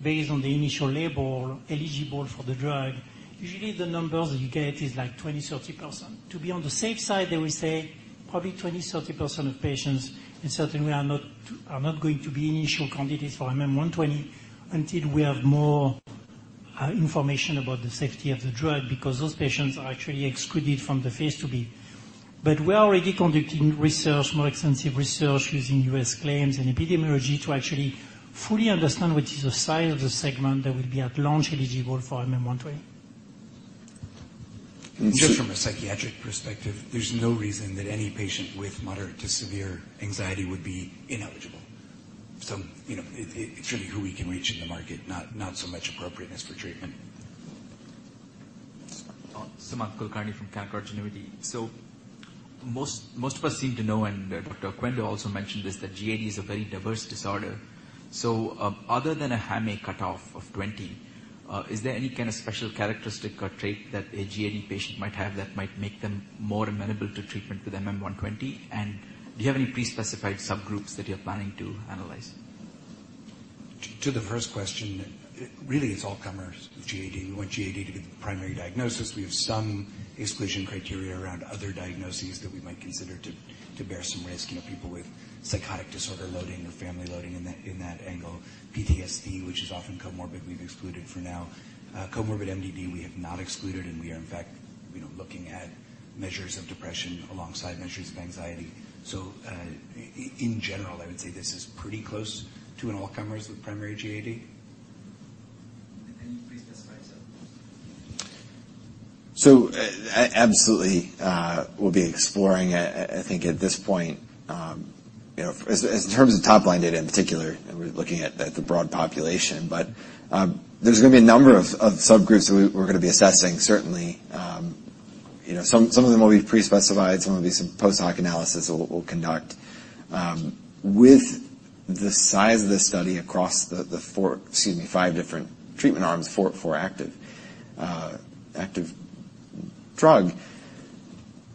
[SPEAKER 13] based on the initial label, eligible for the drug. Usually, the numbers that you get is like 20%, 30%. To be on the safe side, they will say, probably 20%, 30% of patients in certain way are not going to be initial candidates for MM-120, until we have more information about the safety of the drug, because those patients are actually excluded from the phase II-B. We are already conducting research, more extensive research, using U.S. claims and epidemiology to actually fully understand what is the size of the segment that will be at large eligible for MM-120. Just from a psychiatric perspective, there's no reason that any patient with moderate to severe anxiety would be ineligible. You know, it's really who we can reach in the market, not so much appropriateness for treatment.
[SPEAKER 8] Sumant Kulkarni from Canaccord Genuity. Most of us seem to know, and Dr. Oquendo also mentioned this, that GAD is a very diverse disorder. Other than a HAM-A cutoff of 20, is there any kind of special characteristic or trait that a GAD patient might have that might make them more amenable to treatment with MM-120? Do you have any pre-specified subgroups that you're planning to analyze?
[SPEAKER 13] To the first question, really, it's all comers with GAD. We want GAD to be the primary diagnosis. We have some exclusion criteria around other diagnoses that we might consider to bear some risk. You know, people with psychotic disorder loading or family loading in that, in that angle. PTSD, which is often comorbid, we've excluded for now. Comorbid MDD, we have not excluded, and we are in fact, you know, looking at measures of depression alongside measures of anxiety. In general, I would say this is pretty close to an all comers with primary GAD.
[SPEAKER 8] Can you please specify, sir?
[SPEAKER 2] Absolutely, we'll be exploring I think at this point, you know, as in terms of top-line data in particular, and we're looking at the broad population. There's going to be a number of subgroups that we're going to be assessing, certainly. You know, some of them will be pre-specified, some of them will be some post-hoc analysis we'll conduct. With the size of this study across the four, excuse me, five different treatment arms, four active drug.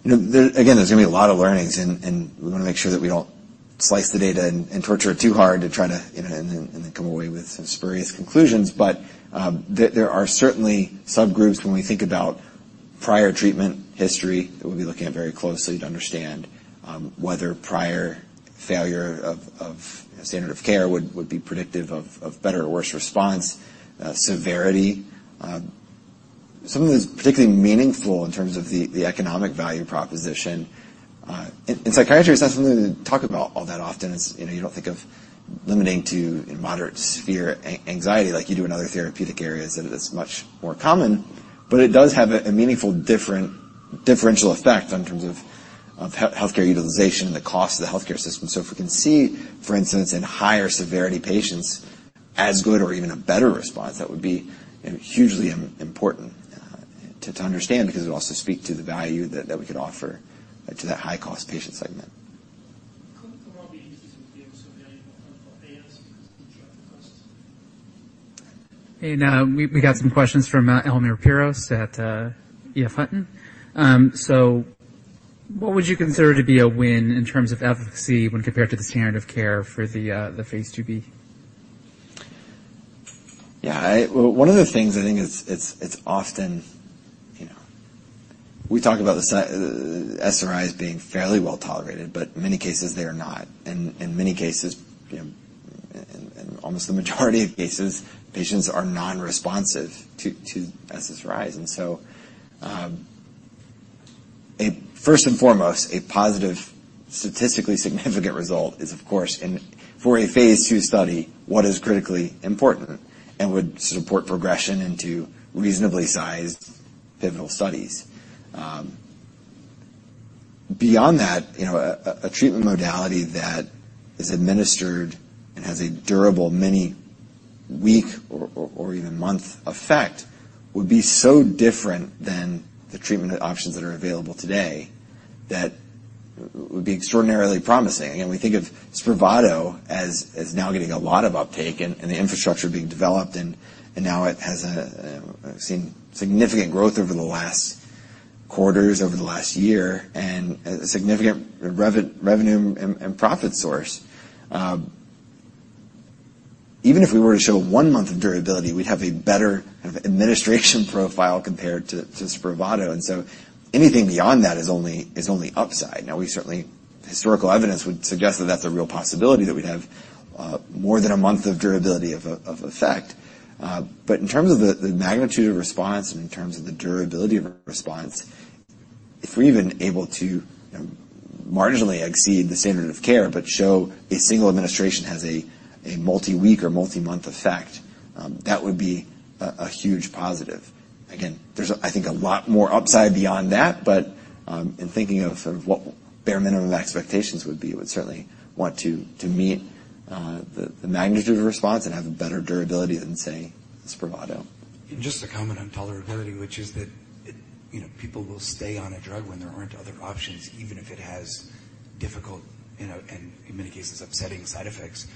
[SPEAKER 2] You know, there again, there's going to be a lot of learnings, and we want to make sure that we don't slice the data and torture it too hard to try to, you know, and then come away with some spurious conclusions. There are certainly subgroups when we think about prior treatment history, that we'll be looking at very closely to understand whether prior failure of standard of care would be predictive of better or worse response, severity. Some of this is particularly meaningful in terms of the economic value proposition. In psychiatry, it's not something that we talk about all that often. It's, you know, you don't think of limiting to moderate, severe anxiety like you do in other therapeutic areas that it is much more common. It does have a meaningful differential effect in terms of healthcare utilization and the cost of the healthcare system. If we can see, for instance, in higher-severity patients as good or even a better response, that would be hugely important, to understand, because it would also speak to the value that we could offer to that high-cost patient segment.
[SPEAKER 13] Comorbidities would be also very important for payers because of the drug cost.
[SPEAKER 1] We got some questions from Elemer Piros at EF Hutton. What would you consider to be a win in terms of efficacy when compared to the standard of care for the phase II-B?
[SPEAKER 2] Well, one of the things I think it's often, you know, we talk about the SSRIs being fairly well tolerated, but in many cases, they are not. In many cases, you know, in almost the majority of cases, patients are non-responsive to SSRIs. A first and foremost, a positive, statistically significant result is, of course, for a phase II study, what is critically important and would support progression into reasonably sized pivotal studies. Beyond that, you know, a treatment modality that is administered and has a durable many week or even month effect, would be so different than the treatment options that are available today. That would be extraordinarily promising. We think of SPRAVATO as now getting a lot of uptake and the infrastructure being developed, and now it has a seen significant growth over the last quarters, over the last year, and a significant revenue and profit source. Even if we were to show one month of durability, we'd have a better kind of administration profile compared to SPRAVATO. Anything beyond that is only upside. Historical evidence would suggest that that's a real possibility, that we'd have more than a month of durability of effect. In terms of the magnitude of response and in terms of the durability of response, if we're even able to marginally exceed the standard of care, but show a single administration has a multi-week or multi-month effect, that would be a huge positive. Again, there's, I think, a lot more upside beyond that, but in thinking of sort of what bare minimum expectations would be, we would certainly want to meet the magnitude of response and have a better durability than, say, SPRAVATO.
[SPEAKER 13] Just a comment on tolerability, which is that, you know, people will stay on a drug when there aren't other options, even if it has difficult, you know, and in many cases, upsetting side effects.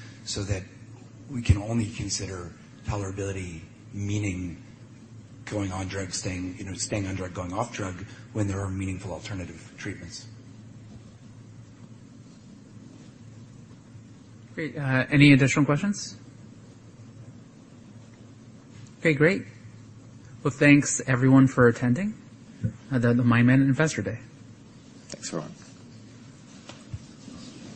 [SPEAKER 13] We can only consider tolerability, meaning going on drug, staying, you know, staying on drug, going off drug, when there are meaningful alternative treatments.
[SPEAKER 1] Great. any additional questions? Okay, great. Well, thanks, everyone, for attending, the MindMed Investor Day.
[SPEAKER 2] Thanks, everyone.